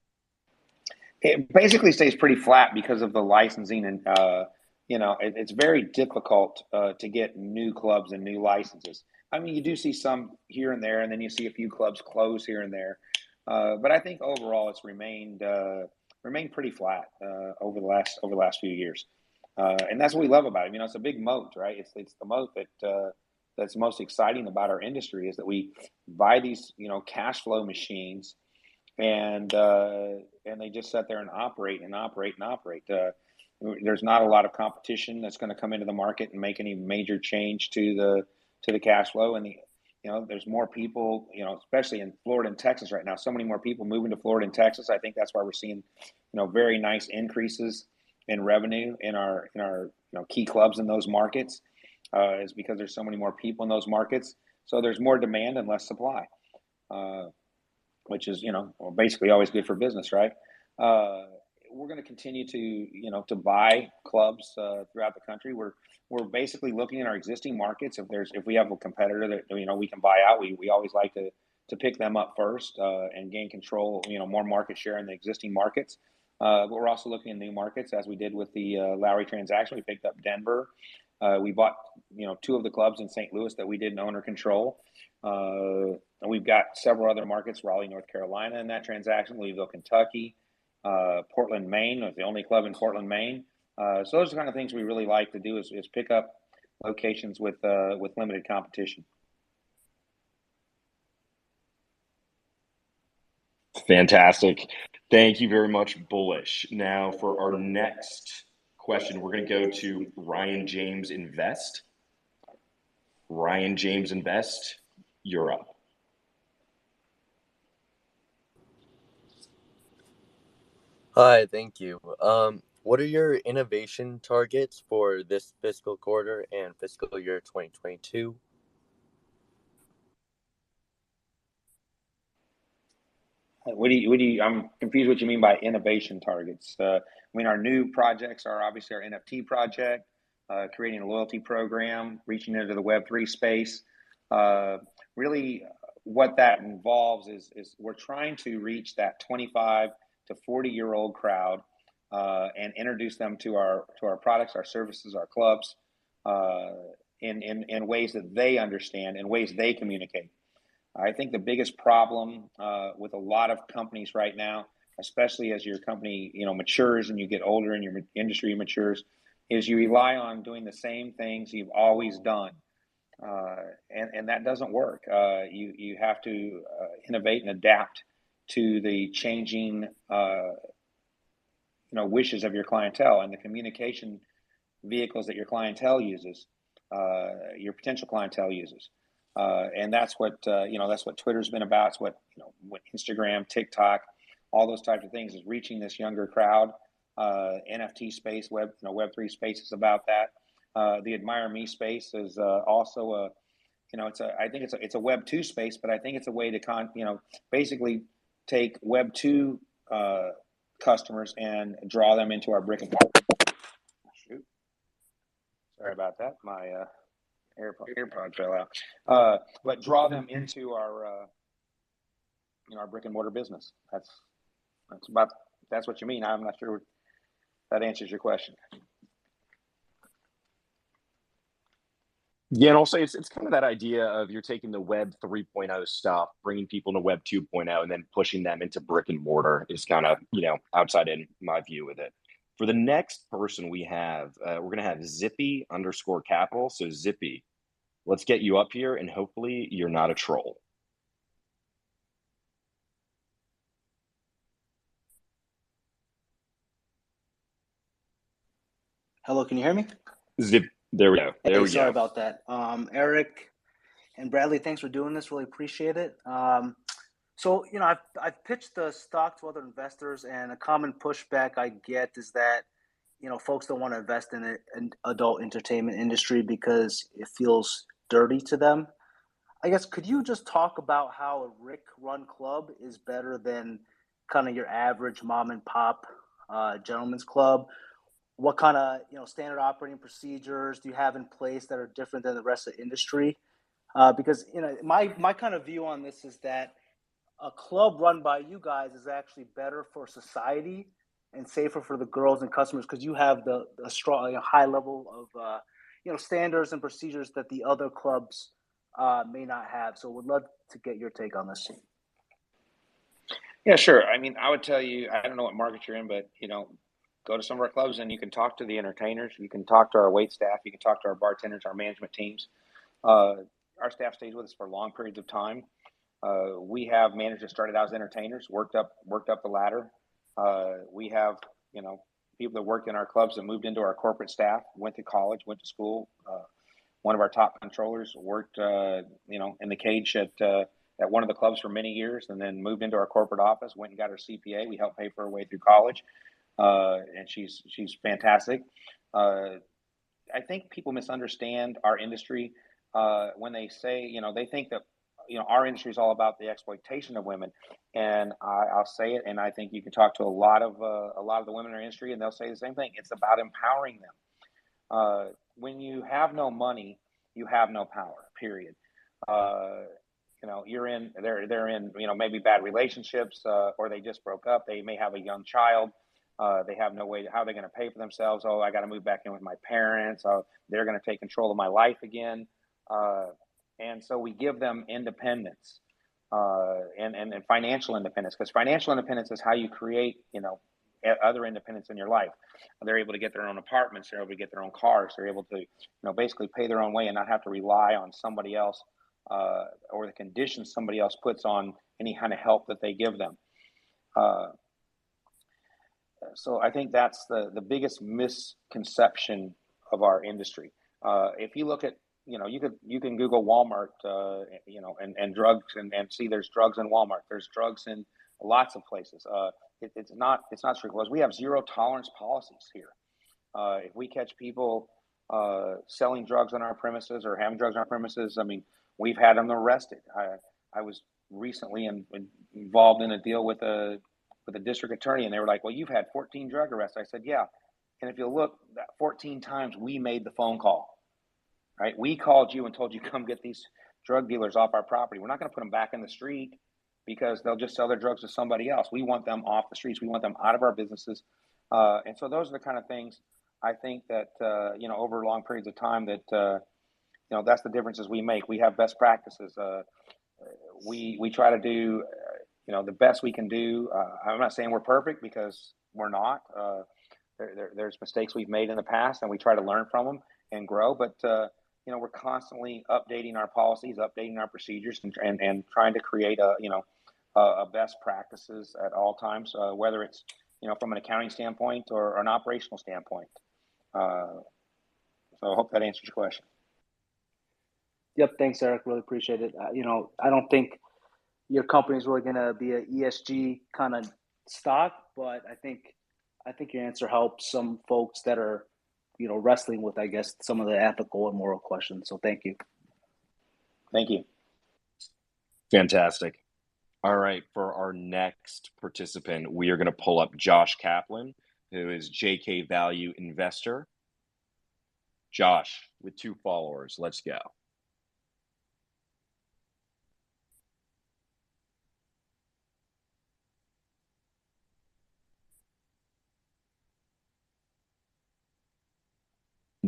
It basically stays pretty flat because of the licensing and, you know, it's very difficult to get new clubs and new licenses. I mean, you do see some here and there, and then you see a few clubs close here and there. I think overall, it's remained pretty flat over the last few years. That's what we love about it. You know, it's a big moat, right? It's the moat that's most exciting about our industry is that we buy these, you know, cash flow machines and they just sit there and operate. There's not a lot of competition that's gonna come into the market and make any major change to the cash flow. You know, there's more people, you know, especially in Florida and Texas right now. So many more people moving to Florida and Texas. I think that's why we're seeing, you know, very nice increases in revenue in our key clubs in those markets, is because there's so many more people in those markets. So there's more demand and less supply which is, you know, basically always good for business, right? We're gonna continue to, you know, to buy clubs throughout the country. We're basically looking at our existing markets. If we have a competitor that, you know, we can buy out, we always like to pick them up first, and gain control, you know, more market share in the existing markets. We're also looking in new markets, as we did with the Lowrie transaction. We picked up Denver. We bought, you know, two of the clubs in St. Louis that we didn't own or control. We've got several other markets, Raleigh, North Carolina, in that transaction, Louisville, Kentucky, Portland, Maine. We have the only club in Portland, Maine. Those are the kind of things we really like to do is pick up locations with limited competition. Fantastic. Thank you very much, Bullish. Now, for our next question, we're gonna go to Ryan James Invest. Ryan James Invest, you're up. Hi, thank you. What are your innovation targets for this fiscal quarter and fiscal year 2022? I'm confused what you mean by innovation targets. I mean, our new projects are obviously our NFT project, creating a loyalty program, reaching into the Web3 space. Really what that involves is we're trying to reach that 25 to 40-year-old crowd and introduce them to our products, our services, our clubs, in ways that they understand, in ways they communicate. I think the biggest problem with a lot of companies right now, especially as your company, you know, matures and you get older and your industry matures, is you rely on doing the same things you've always done, and that doesn't work. You have to innovate and adapt to the changing, you know, wishes of your clientele, and the communication vehicles that your clientele uses, your potential clientele uses. That's what, you know, Twitter's been about. It's what, you know, what Instagram, TikTok, all those types of things is reaching this younger crowd. NFT space, web, you know, Web3 space is about that. The AdmireMe space is also a, you know, it's a. I think it's a Web2 space but I think it's a way to, you know, basically take Web2 customers and draw them into our brick and mortar. Shoot. Sorry about that. My AirPod fell out. Draw them into our, you know, our brick and mortar business. That's about. If that's what you mean. I'm not sure if that answers your question. Yeah. Also it's kind of that idea of you're taking the Web 3.0 stuff, bringing people to Web 2.0, and then pushing them into brick and mortar is kind of, you know, outside in my view with it. For the next person we have, we're gonna have Zypysy_Capital. Zypy, let's get you up here and hopefully you're not a troll. Hello, can you hear me? There we go. Okay. Sorry about that. Eric and Bradley, thanks for doing this. Really appreciate it. You know, I've pitched the stock to other investors, and a common pushback I get is that, you know, folks don't wanna invest in an adult entertainment industry because it feels dirty to them. I guess, could you just talk about how a Rick's-run club is better than kinda your average mom-and-pop gentleman's club? What kinda, you know, standard operating procedures do you have in place that are different than the rest of the industry? Because, you know, my kind of view on this is that a club run by you guys is actually better for society and safer for the girls and customers 'cause you have a strong, high level of, you know, standards and procedures that the other clubs may not have. Would love to get your take on this. Yeah, sure. I mean, I would tell you, I don't know what market you're in, but, you know, go to some of our clubs and you can talk to the entertainers, you can talk to our waitstaff, you can talk to our bartenders, our management teams. Our staff stays with us for long periods of time. We have managers started out as entertainers, worked up the ladder. We have, you know, people that work in our clubs that moved into our corporate staff, went to college, went to school. One of our top controllers worked, you know, in the cage at one of the clubs for many years and then moved into our corporate office, went and got her CPA. We helped pay for her way through college, and she's fantastic. I think people misunderstand our industry, when they say, you know, they think that, you know, our industry's all about the exploitation of women. I'll say it, and I think you can talk to a lot of the women in our industry and they'll say the same thing. It's about empowering them. When you have no money, you have no power, period. You know, they're in, you know, maybe bad relationships, or they just broke up. They may have a young child. They have no way how they're gonna pay for themselves. Oh, I gotta move back in with my parents, they're gonna take control of my life again." We give them independence and financial independence, 'cause financial independence is how you create, you know, other independence in your life. They're able to get their own apartments, they're able to get their own cars, they're able to, you know, basically pay their own way and not have to rely on somebody else or the conditions somebody else puts on any kind of help that they give them. I think that's the biggest misconception of our industry. If you look at, you know, you can Google Walmart and drugs and see there's drugs in Walmart. There's drugs in lots of places. It's not strictly clubs. We have zero tolerance policies here. If we catch people selling drugs on our premises or having drugs on our premises, I mean, we've had them arrested. I was recently involved in a deal with a district attorney and they were like, "Well, you've had 14 drug arrests." I said, "Yeah. If you look, that 14x we made the phone call. Right? We called you and told you, 'Come get these drug dealers off our property.' We're not gonna put them back in the street because they'll just sell their drugs to somebody else. We want them off the streets. We want them out of our businesses." Those are the kind of things I think that, you know, over long periods of time that, you know, that's the differences we make. We have best practices. We try to do, you know, the best we can do. I'm not saying we're perfect, because we're not. There's mistakes we've made in the past and we try to learn from them and grow. You know, we're constantly updating our policies, updating our procedures, and trying to create a best practices at all times, whether it's, you know, from an accounting standpoint or an operational standpoint. I hope that answers your question. Yep. Thanks, Eric. Really appreciate it. You know, I don't think your company's really gonna be a ESG kinda stock but I think your answer helps some folks that are, you know, wrestling with, I guess, some of the ethical and moral questions, so thank you. Thank you. Fantastic. All right. For our next participant, we are gonna pull up Josh Kaplan, who is JK Value Investor. Josh, with two followers, let's go.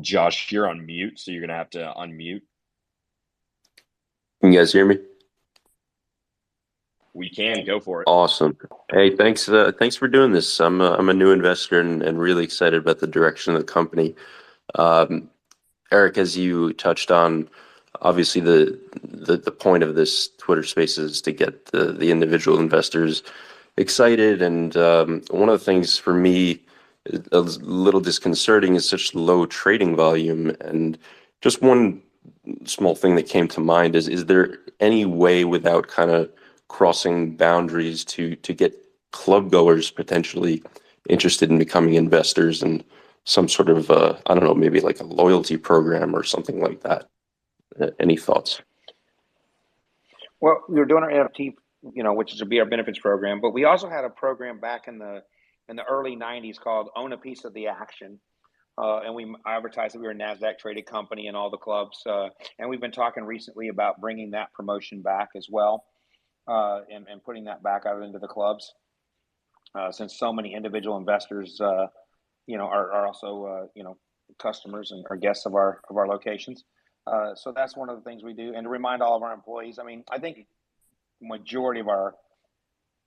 Josh, you're on mute, so you're gonna have to unmute. Can you guys hear me? We can. Go for it. Awesome. Hey, thanks for doing this. I'm a new investor and really excited about the direction of the company. Eric, as you touched on, obviously the point of this Twitter Spaces is to get the individual investors excited and one of the things for me, a little disconcerting is such low trading volume. Just one small thing that came to mind is there any way without kinda crossing boundaries to get club-goers potentially interested in becoming investors and some sort of a, I don't know, maybe like a loyalty program or something like that? Any thoughts? Well, we're doing our NFT, you know, which is our Tip-N-Strip, but we also had a program back in the early 1990s called Own a Piece of the Action. We advertised that we were a Nasdaq-traded company in all the clubs. We've been talking recently about bringing that promotion back as well, and putting that back out into the clubs, since so many individual investors, you know, are also, you know, customers and or guests of our locations. That's one of the things we do. To remind all of our employees. I mean, I think majority of our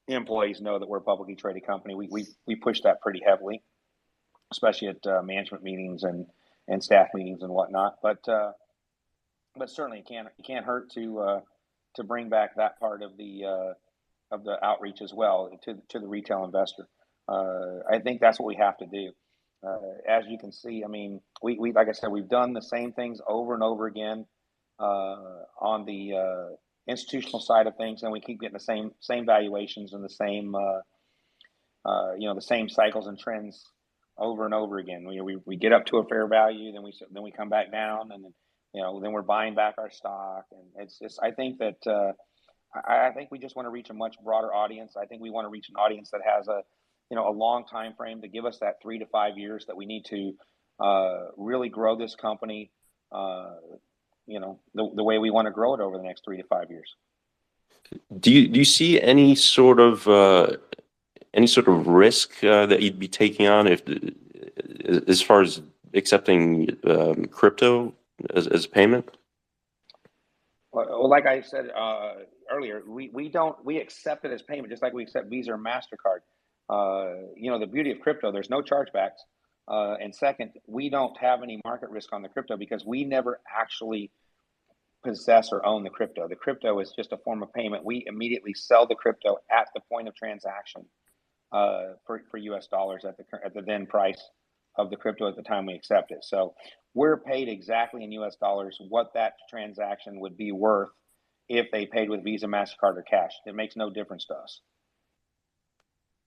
employees know that we're a publicly traded company. We push that pretty heavily, especially at management meetings and staff meetings and whatnot. Certainly it can't hurt to bring back that part of the outreach as well to the retail investor. I think that's what we have to do. As you can see, I mean, like I said, we've done the same things over and over again on the institutional side of things, and we keep getting the same valuations and the same, you know, the same cycles and trends over and over again, where we get up to a fair value, then we come back down and, you know, then we're buying back our stock. It's. I think we just wanna reach a much broader audience. I think we wanna reach an audience that has a, you know, a long timeframe to give us that three-five years that we need to really grow this company, you know, the way we wanna grow it over the next three-five years. Do you see any sort of risk that you'd be taking on as far as accepting crypto as payment? Well, like I said, earlier, we accept it as payment just like we accept Visa or Mastercard. You know, the beauty of crypto, there's no chargebacks. And second, we don't have any market risk on the crypto because we never actually possess or own the crypto. The crypto is just a form of payment. We immediately sell the crypto at the point of transaction, for U.S. dollars at the then price of the crypto at the time we accept it. So we're paid exactly in US dollars what that transaction would be worth if they paid with Visa, Mastercard, or cash. It makes no difference to us.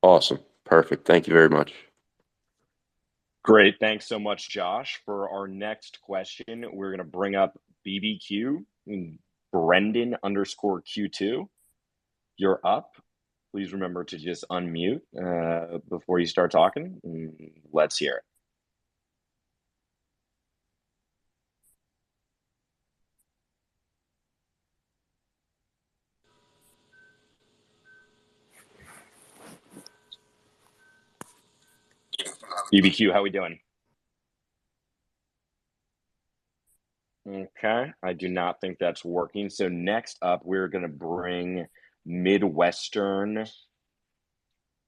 Awesome. Perfect. Thank you very much. Great. Thanks so much, Josh. For our next question, we're gonna bring up BBQ, Brendan_Q2. You're up. Please remember to just unmute before you start talking, and let's hear it. BBQ, how we doing? Okay, I do not think that's working. Next up, we're gonna bring Midwestern,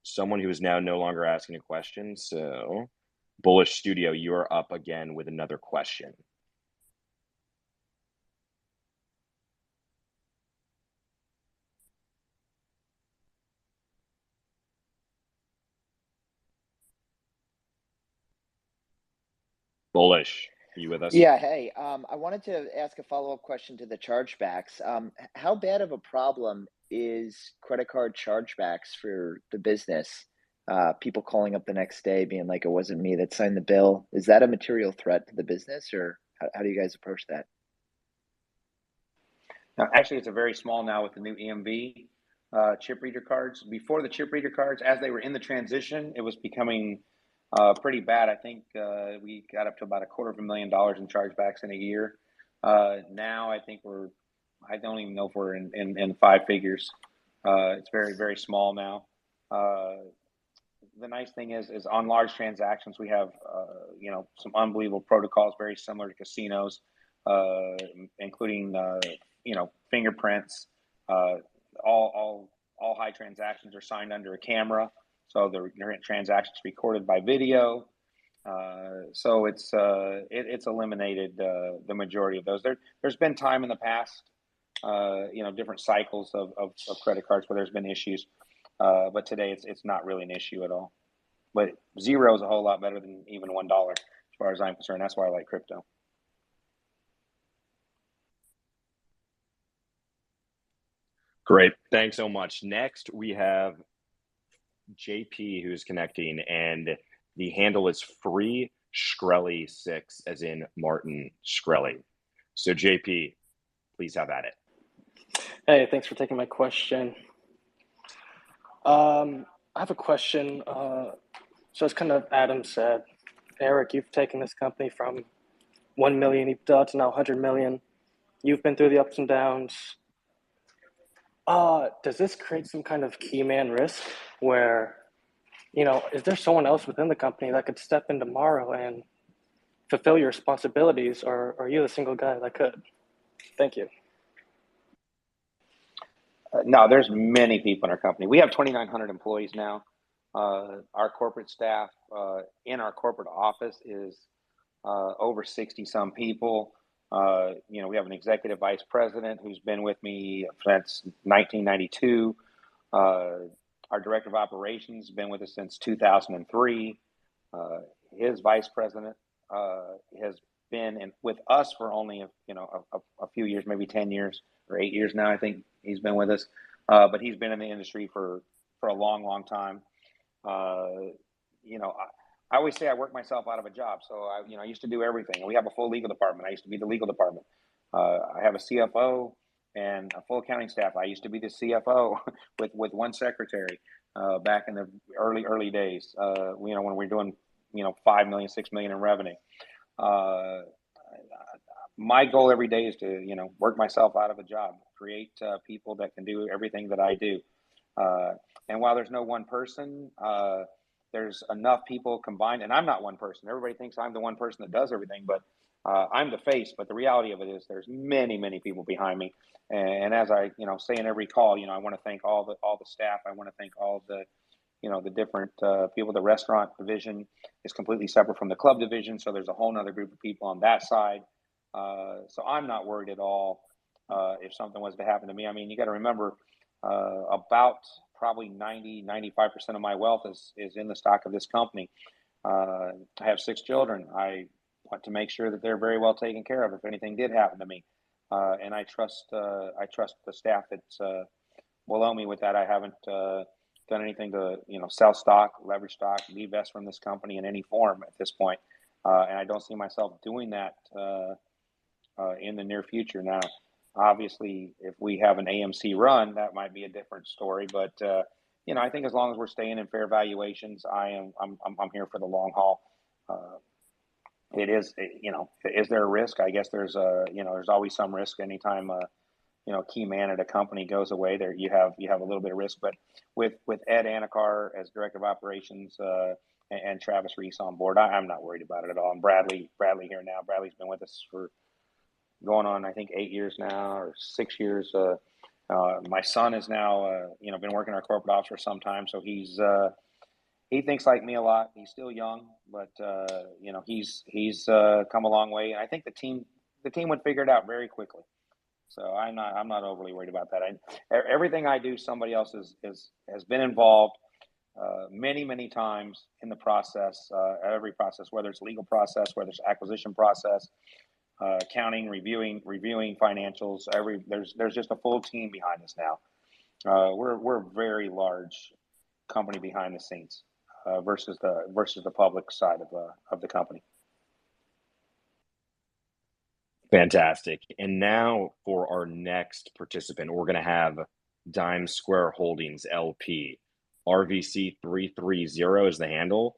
someone who is now no longer asking a question. Bullish Studio, you're up again with another question. Bullish, are you with us? Yeah. Hey, I wanted to ask a follow-up question to the chargebacks. How bad of a problem is credit card chargebacks for the business, people calling up the next day being like, "It wasn't me that signed the bill"? Is that a material threat to the business, or how do you guys approach that? No. Actually, it's very small now with the new EMV chip reader cards. Before the chip reader cards, as they were in the transition, it was becoming pretty bad. I think we got up to about a quarter of a million dollars in chargebacks in a year. Now I think I don't even know if we're in five figures. It's very small now. The nice thing is on large transactions we have you know some unbelievable protocols, very similar to casinos, including you know fingerprints. All high transactions are signed under a camera, so their transactions recorded by video. So it's eliminated the majority of those. There's been time in the past, you know, different cycles of credit cards where there's been issues, but today it's not really an issue at all. Zero is a whole lot better than even $1 as far as I'm concerned. That's why I like crypto. Great. Thanks so much. Next we have JP who's connecting, and the handle is FreeShkreli6, as in Martin Shkreli. JP, please have at it. Hey, thanks for taking my question. I have a question, so it's kind of as Adam said. Eric, you've taken this company from $1 million EBITDA to now $100 million. You've been through the ups and downs. Does this create some kind of key man risk where, you know, is there someone else within the company that could step in tomorrow and fulfill your responsibilities, or are you the single guy that could? Thank you. No, there's many people in our company. We have 2,900 employees now. Our corporate staff in our corporate office is over 60-some people. You know, we have an executive vice president who's been with me since 1992. Our director of operations has been with us since 2003. His vice president has been with us for only a few years, maybe 10 years or eight years now, I think he's been with us. But he's been in the industry for a long time. You know, I always say I work myself out of a job, so you know, I used to do everything. We have a full legal department. I used to be the legal department. I have a CFO and a full accounting staff. I used to be the CFO with one secretary back in the early days, you know, when we were doing $5 million, $6 million in revenue. My goal every day is to, you know, work myself out of a job, create people that can do everything that I do. While there's no one person, there's enough people combined. I'm not one person. Everybody thinks I'm the one person that does everything, but I'm the face, but the reality of it is there's many people behind me. As I, you know, say in every call, you know, I wanna thank all the staff. I wanna thank all the, you know, the different people. The restaurant division is completely separate from the club division, so there's a whole another group of people on that side. I'm not worried at all if something was to happen to me. I mean, you gonna remember about probably 90%-95% of my wealth is in the stock of this company. I have six children. I want to make sure that they're very well taken care of if anything did happen to me. I trust the staff that's below me with that. I haven't done anything to, you know, sell stock, leverage stock, leave vest from this company in any form at this point. I don't see myself doing that in the near future. Now, obviously, if we have an AMC run, that might be a different story. You know, I think as long as we're staying in fair valuations, I'm here for the long haul. It is. Is there a risk? I guess there's always some risk anytime a key man at a company goes away, you have a little bit of risk. With Ed Anakar as Director of Operations and Travis Reese on board, I'm not worried about it at all. Bradley here now. Bradley's been with us for going on, I think eight years now or six years. My son is now been working our corporate office for some time, so he thinks like me a lot. He's still young. He's come a long way. I think the team would figure it out very quickly. I'm not overly worried about that. Everything I do, somebody else has been involved many times in the process, every process, whether it's legal process, whether it's acquisition process, accounting, reviewing financials. There's just a full team behind us now. We're a very large company behind the scenes versus the public side of the company. Fantastic. Now for our next participant. We're gonna have Dime Square Holdings LP. RVC330 is the handle.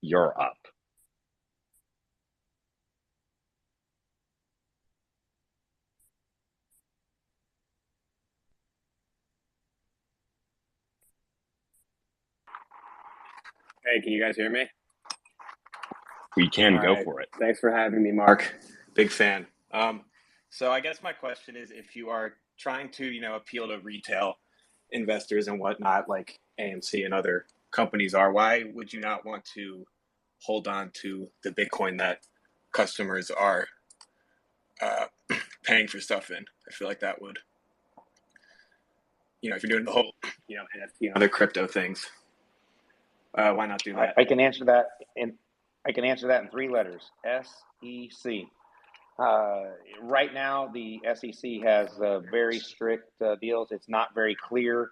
You're up. Hey, can you guys hear me? We can. Go for it. Thanks for having me, Mark. Big fan. So I guess my question is if you are trying to, you know, appeal to retail investors and whatnot, like AMC and other companies are, why would you not want to hold on to the Bitcoin that customers are paying for stuff in? I feel like that would. You know, if you're doing the whole, you know, other crypto things, why not do that? I can answer that in three letters, SEC. Right now the SEC has very strict rules. It's not very clear.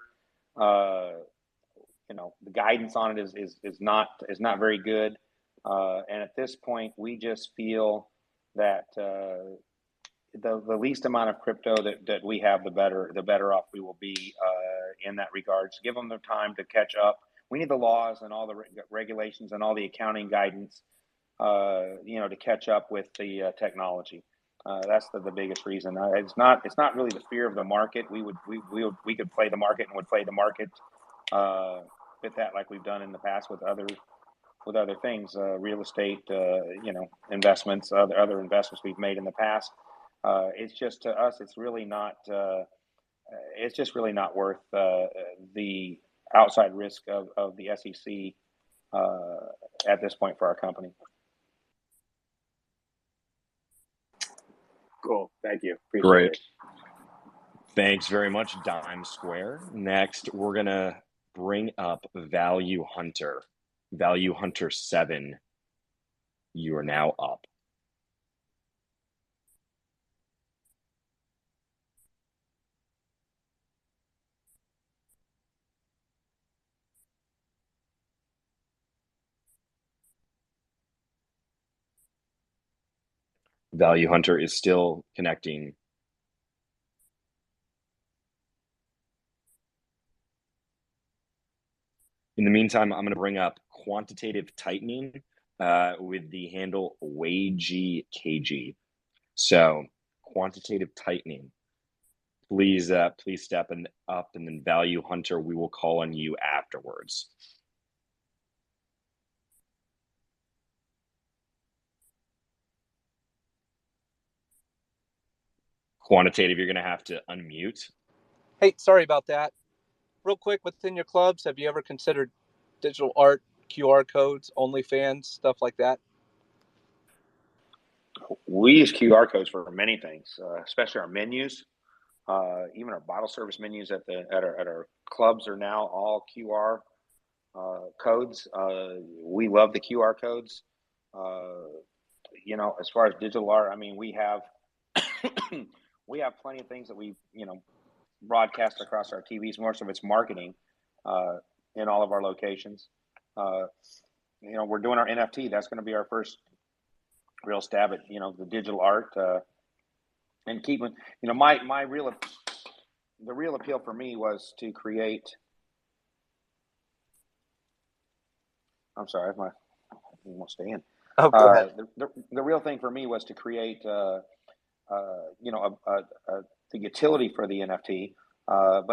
You know, the guidance on it is not very good. At this point, we just feel that the least amount of crypto that we have, the better off we will be in that regard. Give them the time to catch up. We need the laws and all the regulations and all the accounting guidance, you know, to catch up with the technology. That's the biggest reason. It's not really the fear of the market. We could play the market and would play the market with that, like we've done in the past with other things, real estate, you know, investments, other investments we've made in the past. It's just really not worth the outside risk of the SEC at this point for our company. Cool. Thank you. Great. Thanks very much, Dime Square. Next, we're gonna bring up Value Hunter. Valuehunter7, you are now up. Value Hunter is still connecting. In the meantime, I'm gonna bring up Quantitative Tightening with the handle WageyKG. Quantitative Tightening, please step up. Then Value Hunter, we will call on you afterwards. Quantitative, you're gonna have to unmute. Hey, sorry about that. Real quick, within your clubs, have you ever considered digital art, QR codes, OnlyFans, stuff like that? We use QR codes for many things, especially our menus. Even our bottle service menus at our clubs are now all QR codes. We love the QR codes. You know, as far as digital art, I mean, we have plenty of things that we you know broadcast across our TVs, more so it's marketing in all of our locations. You know, we're doing our NFT. That's gonna be our first real stab at you know the digital art and keeping. You know, the real appeal for me was to create. I'm sorry. My volume won't stay in. Oh, go ahead. The real thing for me was to create, you know, the utility for the NFT.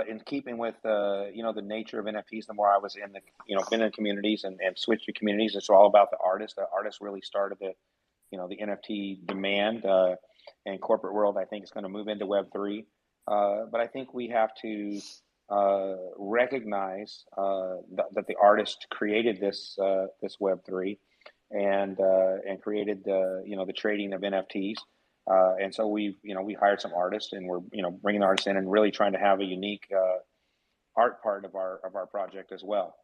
In keeping with, you know, the nature of NFTs, the more I was in the, you know, in the communities and such communities, it's all about the artist. The artist really started the, you know, the NFT demand. Corporate world, I think, is gonna move into Web3. I think we have to recognize that the artist created this Web3 and created the, you know, the trading of NFTs. We've, you know, hired some artists and we're, you know, bringing artists in and really trying to have a unique art part of our project as well.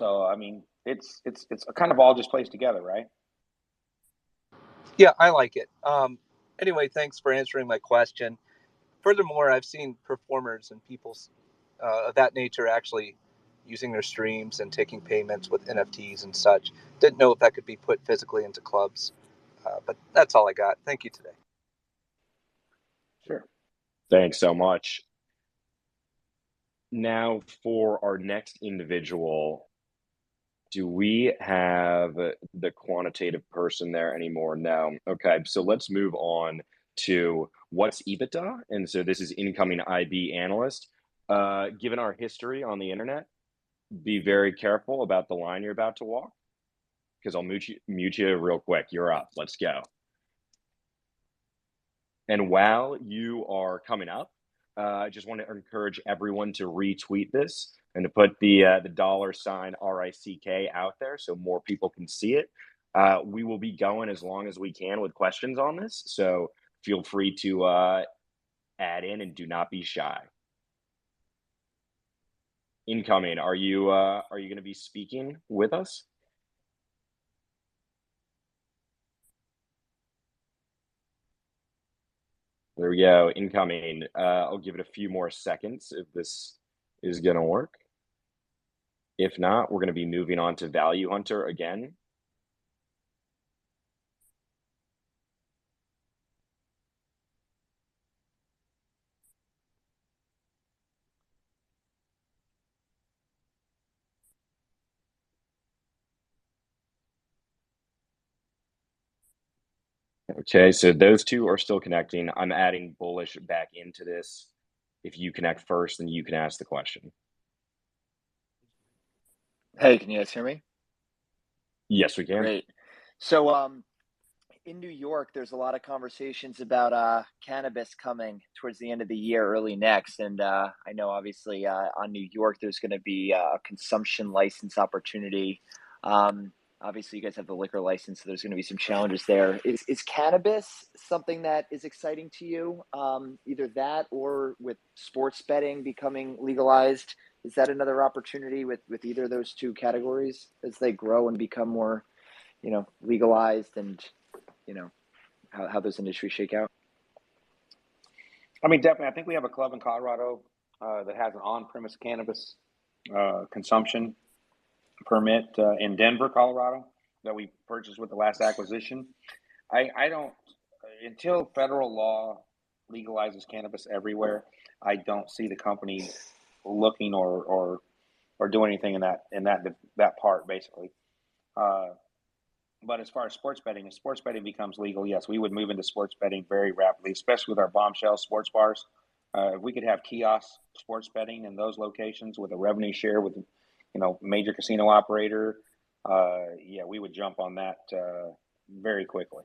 I mean, it's kind of all just plays together, right? Yeah, I like it. Anyway, thanks for answering my question. Furthermore, I've seen performers and people of that nature actually using their streams and taking payments with NFTs and such. Didn't know if that could be put physically into clubs, but that's all I got. Thank you today. Sure. Thanks so much. Now, for our next individual, do we have Quantitative Tightening there anymore? No. Okay. Let's move on to What's EBITDA? This is incoming IB analyst. Given our history on the internet, be very careful about the line you're about to walk, 'cause I'll mute you real quick. You're up. Let's go. While you are coming up, I just wanna encourage everyone to retweet this and to put the $RICK out there so more people can see it. We will be going as long as we can with questions on this. Feel free to add in and do not be shy. Incoming, are you gonna be speaking with us? There we go. Incoming, I'll give it a few more seconds if this is gonna work. If not, we're gonna be moving on to Value Hunter again. Okay, so those two are still connecting. I'm adding Bullish back into this. If you connect first, then you can ask the question. Hey, can you guys hear me? Yes, we can. Great. In New York, there's a lot of conversations about cannabis coming towards the end of the year, early next. I know obviously, in New York, there's gonna be a consumption license opportunity. Obviously you guys have the liquor license, so there's gonna be some challenges there. Is cannabis something that is exciting to you? Either that or with sports betting becoming legalized, is that another opportunity with either of those two categories as they grow and become more legalized and you know, how those industries shake out? I mean, definitely. I think we have a club in Colorado that has an on-premise cannabis consumption permit in Denver, Colorado, that we purchased with the last acquisition. Until federal law legalizes cannabis everywhere, I don't see the company looking or doing anything in that part, basically. But as far as sports betting, if sports betting becomes legal, yes, we would move into sports betting very rapidly, especially with our Bombshells sports bars. We could have kiosks, sports betting in those locations with a revenue share with a major casino operator. Yeah, we would jump on that very quickly.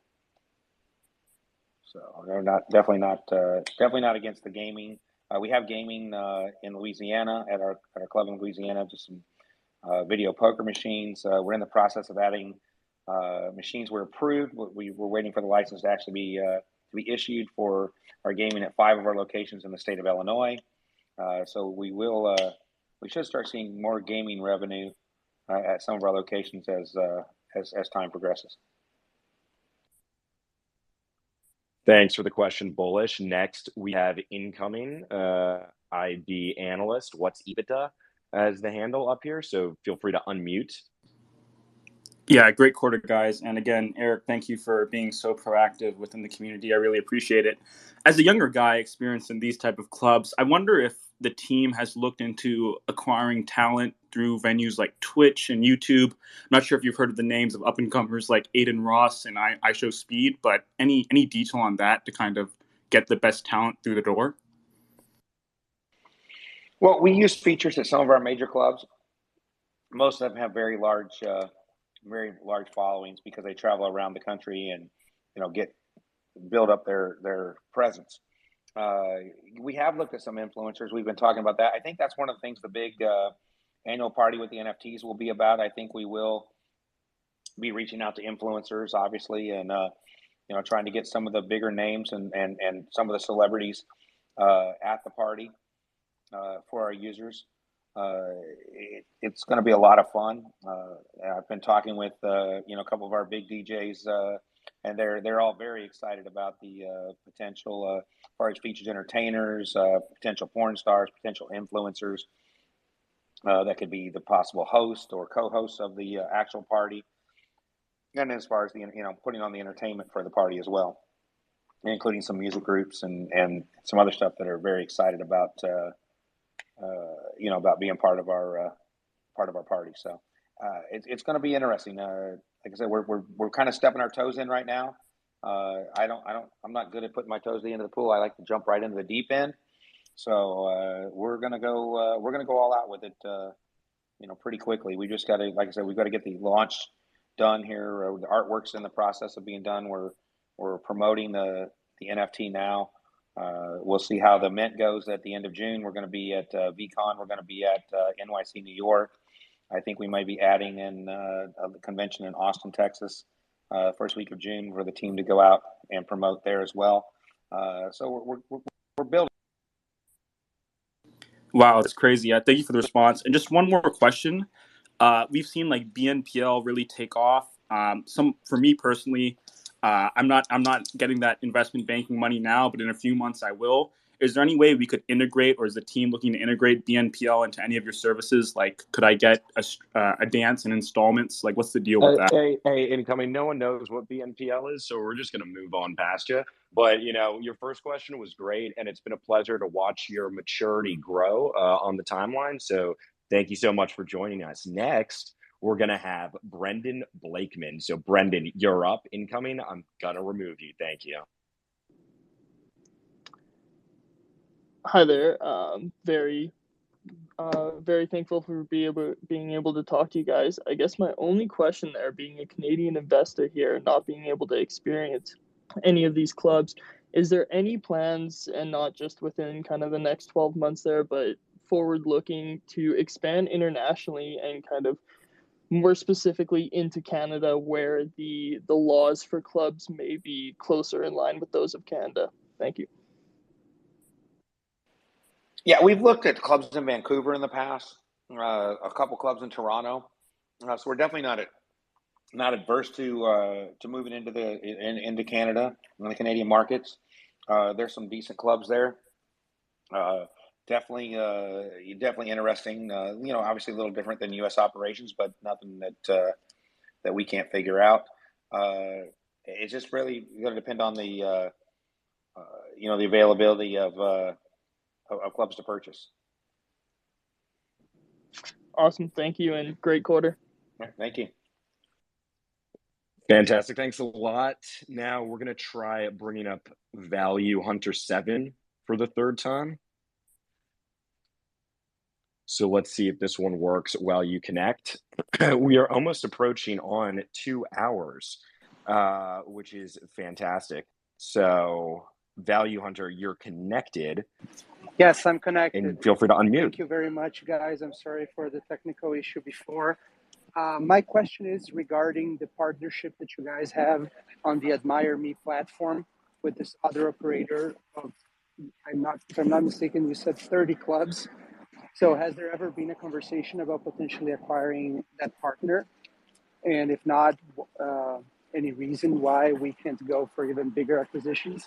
They're definitely not against the gaming. We have gaming in Louisiana at our club in Louisiana, just some video poker machines. We're in the process of adding machines. We're approved. We're waiting for the license to actually be issued for our gaming at five of our locations in the state of Illinois. We should start seeing more gaming revenue at some of our locations as time progresses. Thanks for the question, Bullish. Next, we have incoming IB analyst. What's EBITDA? Has the handle up here, so feel free to unmute. Yeah, great quarter, guys. Again, Eric, thank you for being so proactive within the community. I really appreciate it. As a younger guy experienced in these type of clubs, I wonder if the team has looked into acquiring talent through venues like Twitch and YouTube. I'm not sure if you've heard of the names of up-and-comers like Adin Ross and iShowSpeed, but any detail on that to kind of get the best talent through the door? Well, we use features at some of our major clubs. Most of them have very large followings because they travel around the country and, you know, build up their presence. We have looked at some influencers. We've been talking about that. I think that's one of the things the big annual party with the NFTs will be about. I think we will be reaching out to influencers, obviously, and, you know, trying to get some of the bigger names and some of the celebrities at the party for our users. It's gonna be a lot of fun. I've been talking with, you know, a couple of our big DJs, and they're all very excited about the potential large featured entertainers, potential porn stars, potential influencers that could be the possible host or co-hosts of the actual party. As far as you know, putting on the entertainment for the party as well, including some music groups and some other stuff that are very excited about, you know, about being part of our party. It's gonna be interesting. Like I said, we're kind of dipping our toes in right now. I don't. I'm not good at dipping my toes in the shallow end of the pool. I like to jump right into the deep end. We're gonna go all out with it, you know, pretty quickly. We just gotta, like I said, we've gotta get the launch done here. The artwork's in the process of being done. We're promoting the NFT now. We'll see how the mint goes at the end of June. We're gonna be at VeeCon. We're gonna be at NYC, New York. I think we might be adding in a convention in Austin, Texas, first week of June for the team to go out and promote there as well. We're building. Wow, that's crazy. Thank you for the response. Just one more question. We've seen like BNPL really take off. For me personally, I'm not getting that investment banking money now, but in a few months I will. Is there any way we could integrate or is the team looking to integrate BNPL into any of your services? Like could I get a dance in installments? Like what's the deal with that? Hey, hey, incoming. No one knows what BNPL is, so we're just gonna move on past you. But, you know, your first question was great, and it's been a pleasure to watch your maturity grow on the timeline. Thank you so much for joining us. Next, we're gonna have Brendan Blackman. Brendan, you're up. Incoming, I'm gonna remove you. Thank you. Hi there. I'm very, very thankful for being able to talk to you guys. I guess my only question there, being a Canadian investor here and not being able to experience any of these clubs, is there any plans, and not just within kind of the next 12 months there, but forward-looking to expand internationally and kind of more specifically into Canada where the laws for clubs may be closer in line with those of Canada? Thank you. Yeah. We've looked at clubs in Vancouver in the past, a couple clubs in Toronto. We're definitely not adverse to moving into Canada and the Canadian markets. There's some decent clubs there. Definitely interesting. You know, obviously a little different than U.S. operations but nothing that we can't figure out. It's just really gonna depend on the you know the availability of clubs to purchase. Awesome. Thank you and great quarter. All right. Thank you. Fantastic. Thanks a lot. Now we're gonna try bringing up ValueHunter7 for the third time. Let's see if this one works while you connect. We are almost approaching on two hours, which is fantastic. ValueHunter, you're connected. Yes, I'm connected. Feel free to unmute. Thank you very much, guys. I'm sorry for the technical issue before. My question is regarding the partnership that you guys have on the AdmireMe platform with this other operator of, I'm not, if I'm not mistaken, you said 30 clubs. Has there ever been a conversation about potentially acquiring that partner? If not, any reason why we can't go for even bigger acquisitions?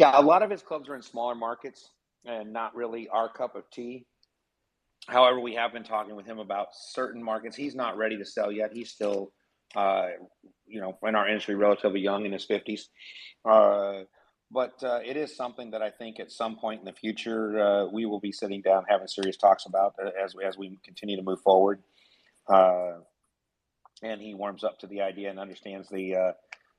Yeah, a lot of his clubs are in smaller markets and not really our cup of tea. However, we have been talking with him about certain markets. He's not ready to sell yet. He's still, you know, in our industry, relatively young, in his fifties. It is something that I think at some point in the future, we will be sitting down having serious talks about as we continue to move forward, and he warms up to the idea and understands the,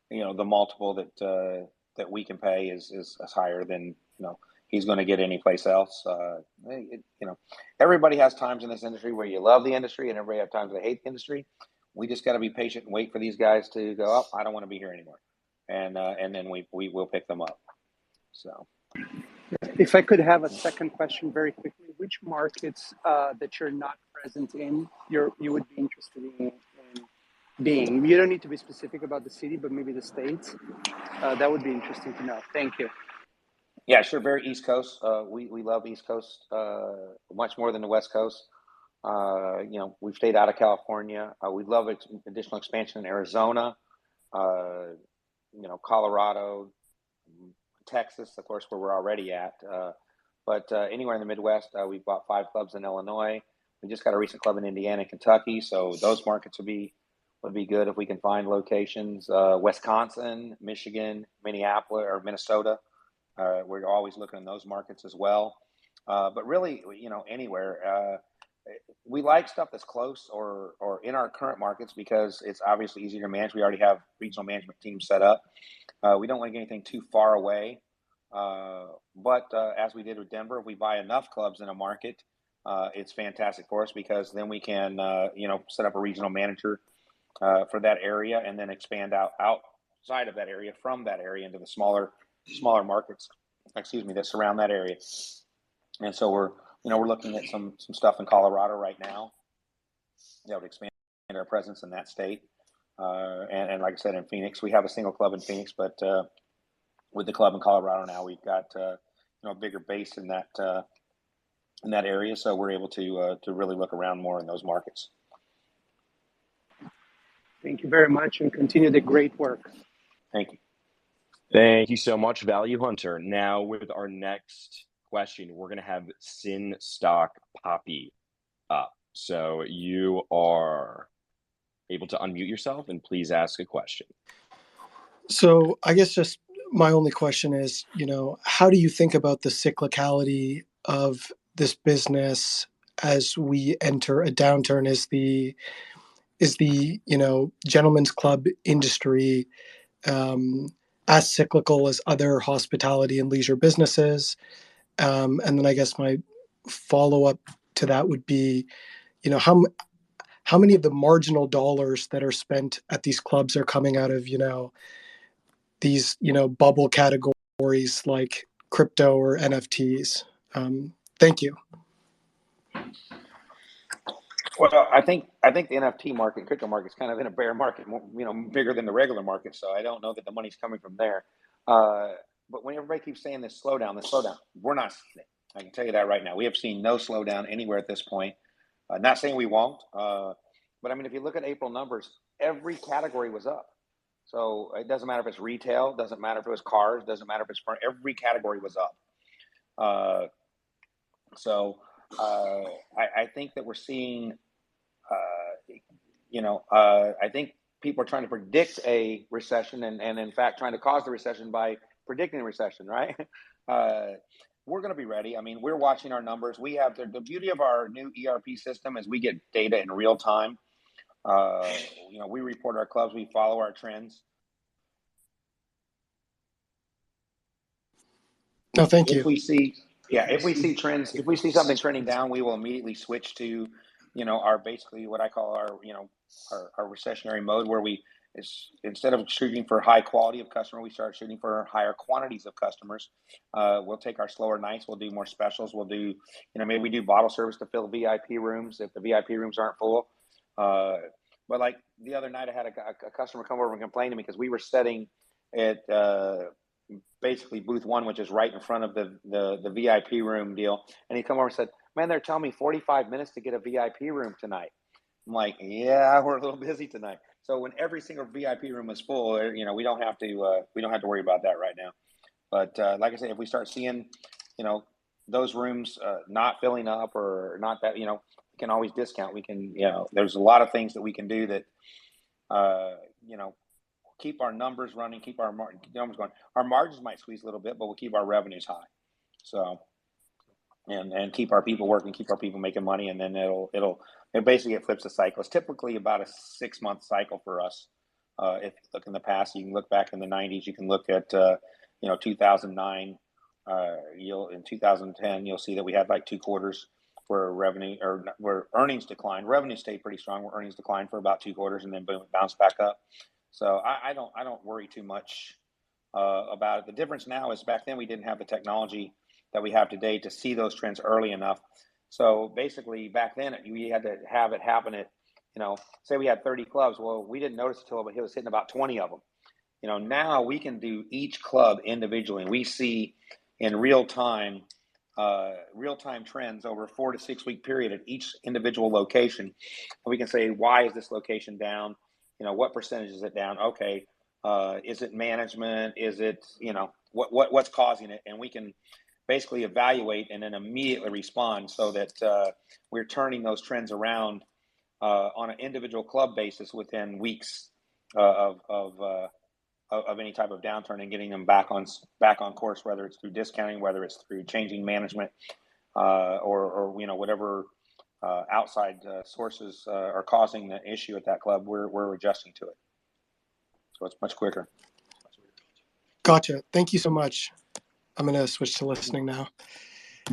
you know, the multiple that we can pay is higher than, you know, he's gonna get anyplace else. It, you know, everybody has times in this industry where you love the industry and everybody have times they hate the industry. We just gotta be patient and wait for these guys to go, "Oh, I don't wanna be here anymore," and then we will pick them up. If I could have a second question very quickly. Which markets that you're not present in you would be interested in being? You don't need to be specific about the city, but maybe the states. That would be interesting to know. Thank you. Yeah, sure. Very East Coast. We love East Coast much more than the West Coast. You know, we've stayed out of California. We'd love additional expansion in Arizona, you know, Colorado, Texas, of course, where we're already at. But anywhere in the Midwest. We bought five clubs in Illinois. We just got a recent club in Indiana and Kentucky, so those markets would be good if we can find locations. Wisconsin, Michigan, Minneapolis or Minnesota, we're always looking in those markets as well. But really, you know, anywhere. We like stuff that's close or in our current markets because it's obviously easier to manage. We already have regional management teams set up. We don't like anything too far away. As we did with Denver, if we buy enough clubs in a market, it's fantastic for us because then we can, you know, set up a regional manager for that area, and then expand out outside of that area, from that area into the smaller markets, excuse me, that surround that area. We're, you know, looking at some stuff in Colorado right now that would expand our presence in that state. Like I said, in Phoenix, we have a single club in Phoenix, but with the club in Colorado now, we've got, you know, a bigger base in that area, so we're able to really look around more in those markets. Thank you very much and continue the great work. Thank you. Thank you so much, Value Hunter. Now with our next question, we're gonna have Sin Stock Poppy up. You are able to unmute yourself, and please ask a question. I guess just my only question is, you know, how do you think about the cyclicality of this business as we enter a downturn? Is the, you know, gentlemen's club industry as cyclical as other hospitality and leisure businesses? And then I guess my follow-up to that would be, you know, how many of the marginal dollars that are spent at these clubs are coming out of, you know, these, you know, bubble categories like crypto or NFTs? Thank you. Well, I think the NFT market and crypto market's kind of in a bear market, more you know, bigger than the regular market, so I don't know that the money's coming from there. When everybody keeps saying this slowdown, we're not seeing it. I can tell you that right now. We have seen no slowdown anywhere at this point. Not saying we won't, but I mean, if you look at April numbers, every category was up. It doesn't matter if it's retail, doesn't matter if it was cars, doesn't matter if it's. Every category was up. I think that we're seeing you know I think people are trying to predict a recession and in fact trying to cause the recession by predicting a recession, right? We're gonna be ready. I mean, we're watching our numbers. The beauty of our new ERP system is we get data in real time. You know, we report our clubs, we follow our trends. No, thank you. If we see trends, if we see something trending down, we will immediately switch to, you know, our basically what I call our recessionary mode where we instead of shooting for high quality of customer, we start shooting for higher quantities of customers. We'll take our slower nights, we'll do more specials, we'll do, you know, maybe we do bottle service to fill VIP rooms if the VIP rooms aren't full. Like the other night, I had a customer come over and complain to me because we were sitting at basically booth one, which is right in front of the VIP room deal, and he come over and said, "Man, they're telling me 45 minutes to get a VIP room tonight." I'm like, "Yeah, we're a little busy tonight." When every single VIP room is full, you know, we don't have to worry about that right now. Like I said, if we start seeing, you know, those rooms not filling up or not that, you know, we can always discount. We can keep our numbers running, keep our numbers going. Our margins might squeeze a little bit, but we'll keep our revenues high. Keep our people working, keep our people making money, and then it basically flips the cycle. It's typically about a six-month cycle for us. If you look in the past, you can look back in the '90s, you can look at, you know, 2009. In 2010, you'll see that we had like two quarters where earnings declined. Revenue stayed pretty strong, earnings declined for about two quarters and then boom, bounced back up. I don't worry too much about it. The difference now is back then we didn't have the technology that we have today to see those trends early enough. Basically back then, we had to have it happen at, you know. Say we had 30 clubs. Well, we didn't notice it till about he was hitting about 20 of them. You know, now we can do each club individually, and we see in real time, real time trends over a four-six week period at each individual location. We can say, "Why is this location down?" You know, "What percentage is it down? Okay, is it management? Is it, you know? What's causing it?" We can basically evaluate and then immediately respond so that we're turning those trends around on an individual club basis within weeks of any type of downturn and getting them back on course, whether it's through discounting, whether it's through changing management, or you know, whatever outside sources are causing the issue at that club, we're adjusting to it. It's much quicker. Gotcha. Thank you so much. I'm gonna switch to listening now.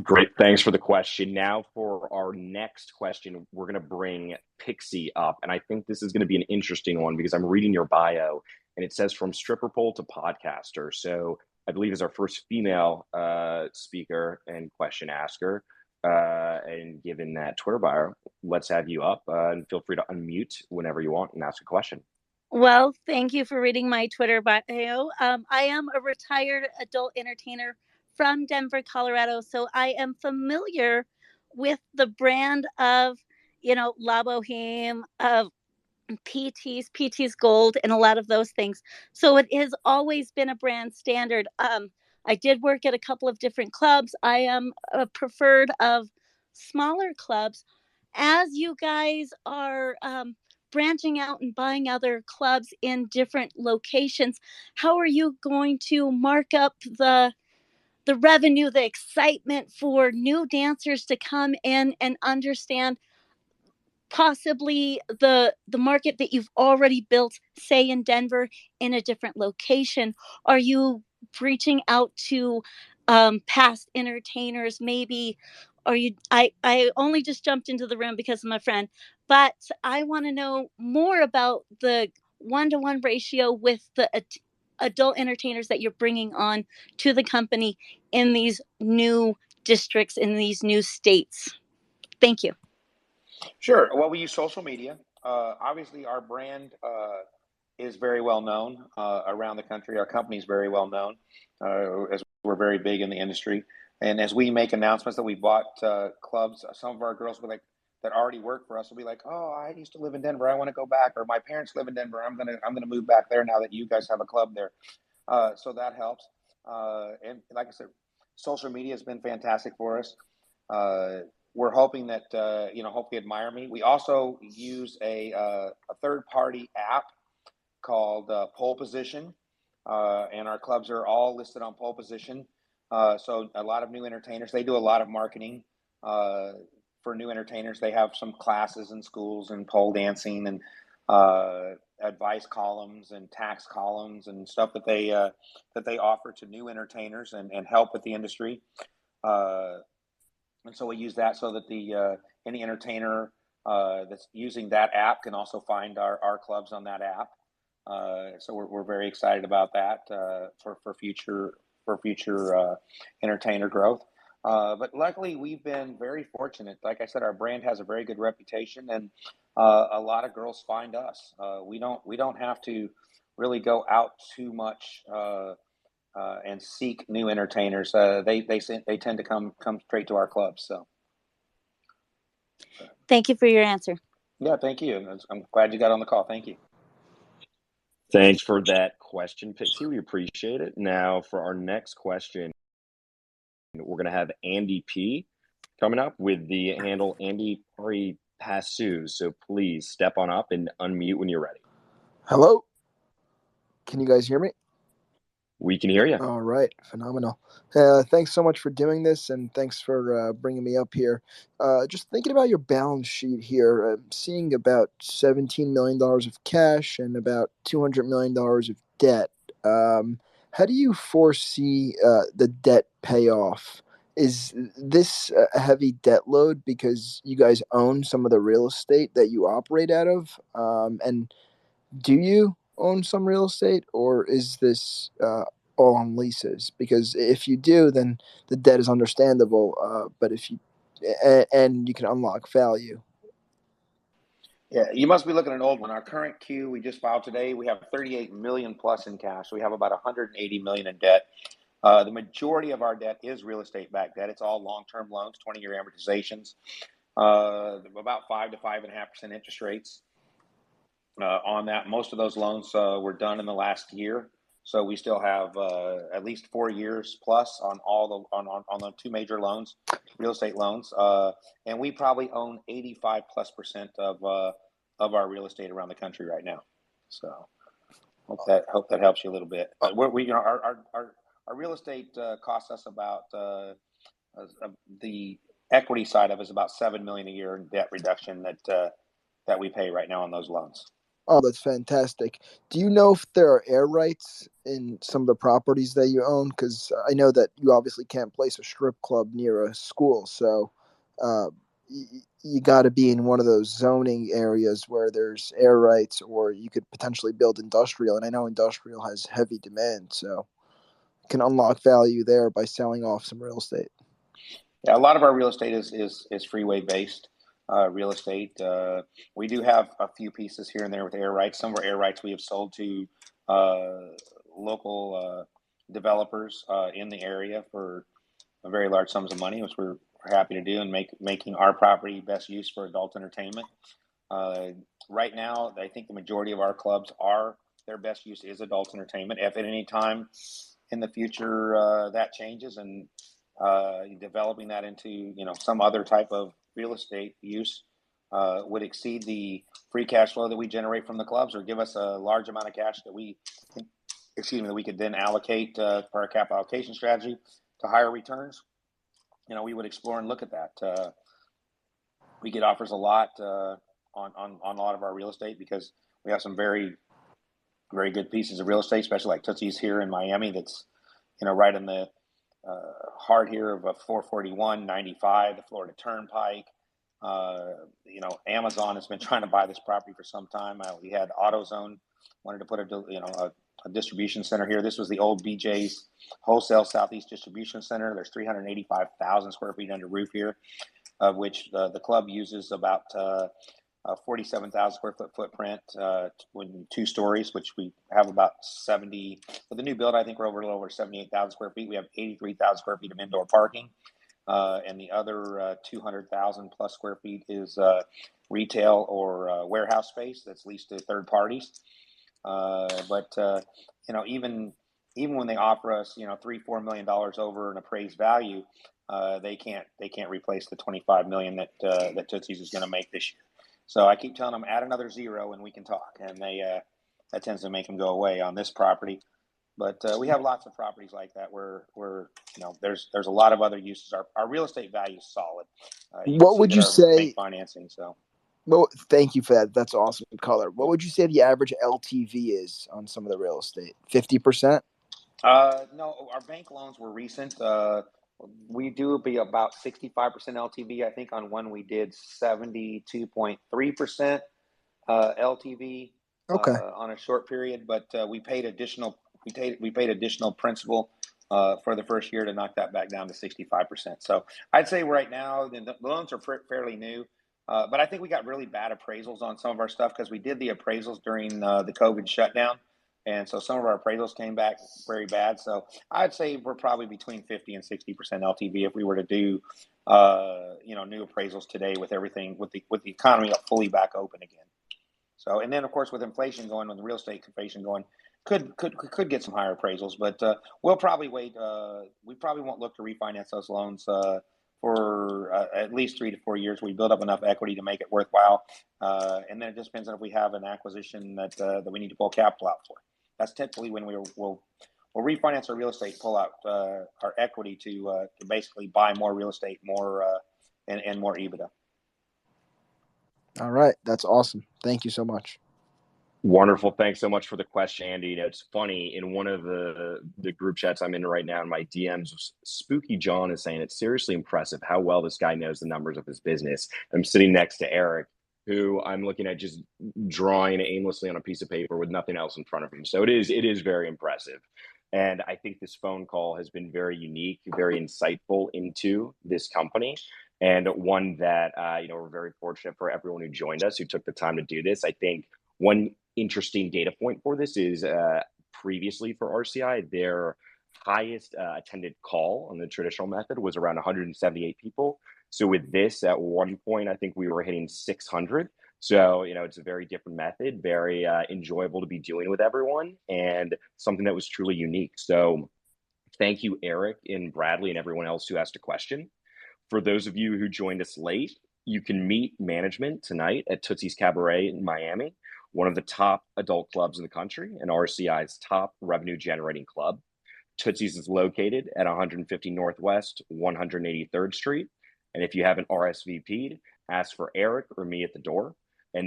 Great. Thanks for the question. Now for our next question, we're gonna bring Pixie up, and I think this is gonna be an interesting one because I'm reading your bio and it says from stripper pole to podcaster. So I believe it's our first female speaker and question asker. And given that Twitter bio, let's have you up, and feel free to unmute whenever you want and ask a question. Well, thank you for reading my Twitter bio. I am a retired adult entertainer from Denver, Colorado, so I am familiar with the brand of, you know, La Boheme, of PT's Gold, and a lot of those things. It has always been a brand standard. I did work at a couple of different clubs. I prefer smaller clubs. As you guys are branching out and buying other clubs in different locations, how are you going to mark up the revenue, the excitement for new dancers to come in and understand possibly the market that you've already built, say in Denver, in a different location. Are you reaching out to past entertainers maybe? Are you-I only just jumped into the room because of my friend, but I wanna know more about the one-to-one ratio with the adult entertainers that you're bringing on to the company in these new districts, in these new states. Thank you. Sure. Well, we use social media. Obviously, our brand is very well-known around the country. Our company is very well-known as we're very big in the industry. As we make announcements that we bought clubs, some of our girls that already work for us will be like, "Oh, I used to live in Denver, I wanna go back," or, "My parents live in Denver, I'm gonna move back there now that you guys have a club there." That helps. Like I said, social media's been fantastic for us. We're hoping that, you know, hopefully AdmireMe. We also use a third-party app called Pole Position, and our clubs are all listed on Pole Position. A lot of new entertainers, they do a lot of marketing for new entertainers. They have some classes in schools and pole dancing and advice columns and tax columns and stuff that they offer to new entertainers and help with the industry. We use that so that any entertainer that's using that app can also find our clubs on that app. We're very excited about that for future entertainer growth. Luckily, we've been very fortunate. Like I said, our brand has a very good reputation, and a lot of girls find us. We don't have to really go out too much and seek new entertainers. They tend to come straight to our clubs. Thank you for your answer. Yeah, thank you. I'm glad you got on the call. Thank you. Thanks for that question, Pixie. We appreciate it. Now, for our next question, we're gonna have Andy P. coming up with the handle andyprepassos. Please step on up and unmute when you're ready. Hello. Can you guys hear me? We can hear you. All right. Phenomenal. Thanks so much for doing this, and thanks for bringing me up here. Just thinking about your balance sheet here, I'm seeing about $17 million of cash and about $200 million of debt. How do you foresee the debt payoff? Is this a heavy debt load because you guys own some of the real estate that you operate out of? Do you own some real estate, or is this all on leases? Because if you do, then the debt is understandable, but if you and you can unlock value. Yeah. You must be looking at an old one. Our current Q we just filed today, we have $38 million+ in cash. We have about $180 million in debt. The majority of our debt is real estate-backed debt. It's all long-term loans, 20-year amortizations, about 5%-5.5% interest rates on that. Most of those loans were done in the last year, so we still have at least four years plus on all the on the two major loans, real estate loans. We probably own 85% plus of our real estate around the country right now. Hope that helps you a little bit. You know, our real estate costs us about a-the equity side of it is about $7 million a year in debt reduction that we pay right now on those loans. Oh, that's fantastic. Do you know if there are air rights in some of the properties that you own? 'Cause I know that you obviously can't place a strip club near a school, so you gotta be in one of those zoning areas where there's air rights or you could potentially build industrial, and I know industrial has heavy demand, so you can unlock value there by selling off some real estate. Yeah. A lot of our real estate is freeway-based real estate. We do have a few pieces here and there with air rights. Some of our air rights we have sold to local developers in the area for a very large sums of money, which we're happy to do in making our property best use for adult entertainment. Right now, I think the majority of our clubs, their best use is adult entertainment. If at any time in the future, that changes and developing that into, you know, some other type of real estate use, would exceed the free cash flow that we generate from the clubs or give us a large amount of cash that we can, excuse me, that we could then allocate for our capital allocation strategy to higher returns, you know, we would explore and look at that. We get offers a lot on a lot of our real estate because we have some very good pieces of real estate, especially like Tootsie's here in Miami that's, you know, right in the heart here of 441-95, the Florida Turnpike. You know, Amazon has been trying to buy this property for some time. We had AutoZone wanted to put a distribution center here. This was the old BJ's Wholesale Southeast Distribution Center. There's 385,000 sq ft under roof here, of which the club uses about 47,000 sq ft footprint with two stories which we have about seventy. For the new build, I think we're a little over 78,000 sq ft. We have 83,000 sq ft of indoor parking. And the other 200,000+ sq ft is retail or warehouse space that's leased to third parties. But you know, even when they offer us, you know, $3 million-$4 million over an appraised value, they can't replace the $25 million that Tootsie's is gonna make this year. I keep telling them, "Add another zero, and we can talk." That tends to make them go away on this property. We have lots of properties like that where you know there's a lot of other uses. Our real estate value is solid. What would you say? Considering our bank financing, so. Well, thank you for that. That's awesome color. What would you say the average LTV is on some of the real estate? 50%? No. Our bank loans were recent. We do be about 65% LTV. I think on one we did 72.3% LTV- Okay. on a short period. We paid additional principal for the first year to knock that back down to 65%. I'd say right now the loans are fairly new. I think we got really bad appraisals on some of our stuff because we did the appraisals during the COVID shutdown and so some of our appraisals came back very bad. I'd say we're probably between 50%-60% LTV if we were to do you know new appraisals today with everything, with the economy fully back open again. Of course with inflation going, with the real estate inflation going, could get some higher appraisals. We'll probably wait. We probably won't look to refinance those loans for at least three-four years. We build up enough equity to make it worthwhile. It just depends on if we have an acquisition that we need to pull capital out for. That's technically when we will refinance our real estate, pull out our equity to basically buy more real estate, more and more EBITDA. All right. That's awesome. Thank you so much. Wonderful. Thanks so much for the question, Andy. You know, it's funny, in one of the group chats I'm in right now, in my DMs, Spooky John is saying, "It's seriously impressive how well this guy knows the numbers of his business." I'm sitting next to Eric, who I'm looking at just drawing aimlessly on a piece of paper with nothing else in front of him. So it is very impressive, and I think this phone call has been very unique, very insightful into this company, and one that, you know, we're very fortunate for everyone who joined us, who took the time to do this. I think one interesting data point for this is, previously for RCI, their highest attended call on the traditional method was around 178 people. With this, at one point, I think we were hitting 600. You know, it's a very different method, very enjoyable to be doing with everyone, and something that was truly unique. Thank you Eric and Bradley and everyone else who asked a question. For those of you who joined us late, you can meet management tonight at Tootsie's Cabaret in Miami, one of the top adult clubs in the country and RCI's top revenue-generating club. Tootsie's is located at 150 Northwest 183rd Street. If you haven't RSVP'd, ask for Eric or me at the door.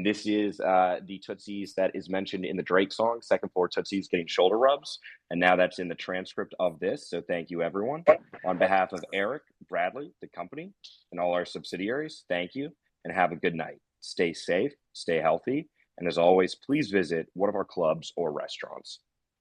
This is the Tootsie's that is mentioned in the Drake song, "Second floor Tootsie's getting shoulder rubs," and now that's in the transcript of this. Thank you everyone. On behalf of Eric, Bradley, the company, and all our subsidiaries, thank you, and have a good night. Stay safe, stay healthy, and as always, please visit one of our clubs or restaurants.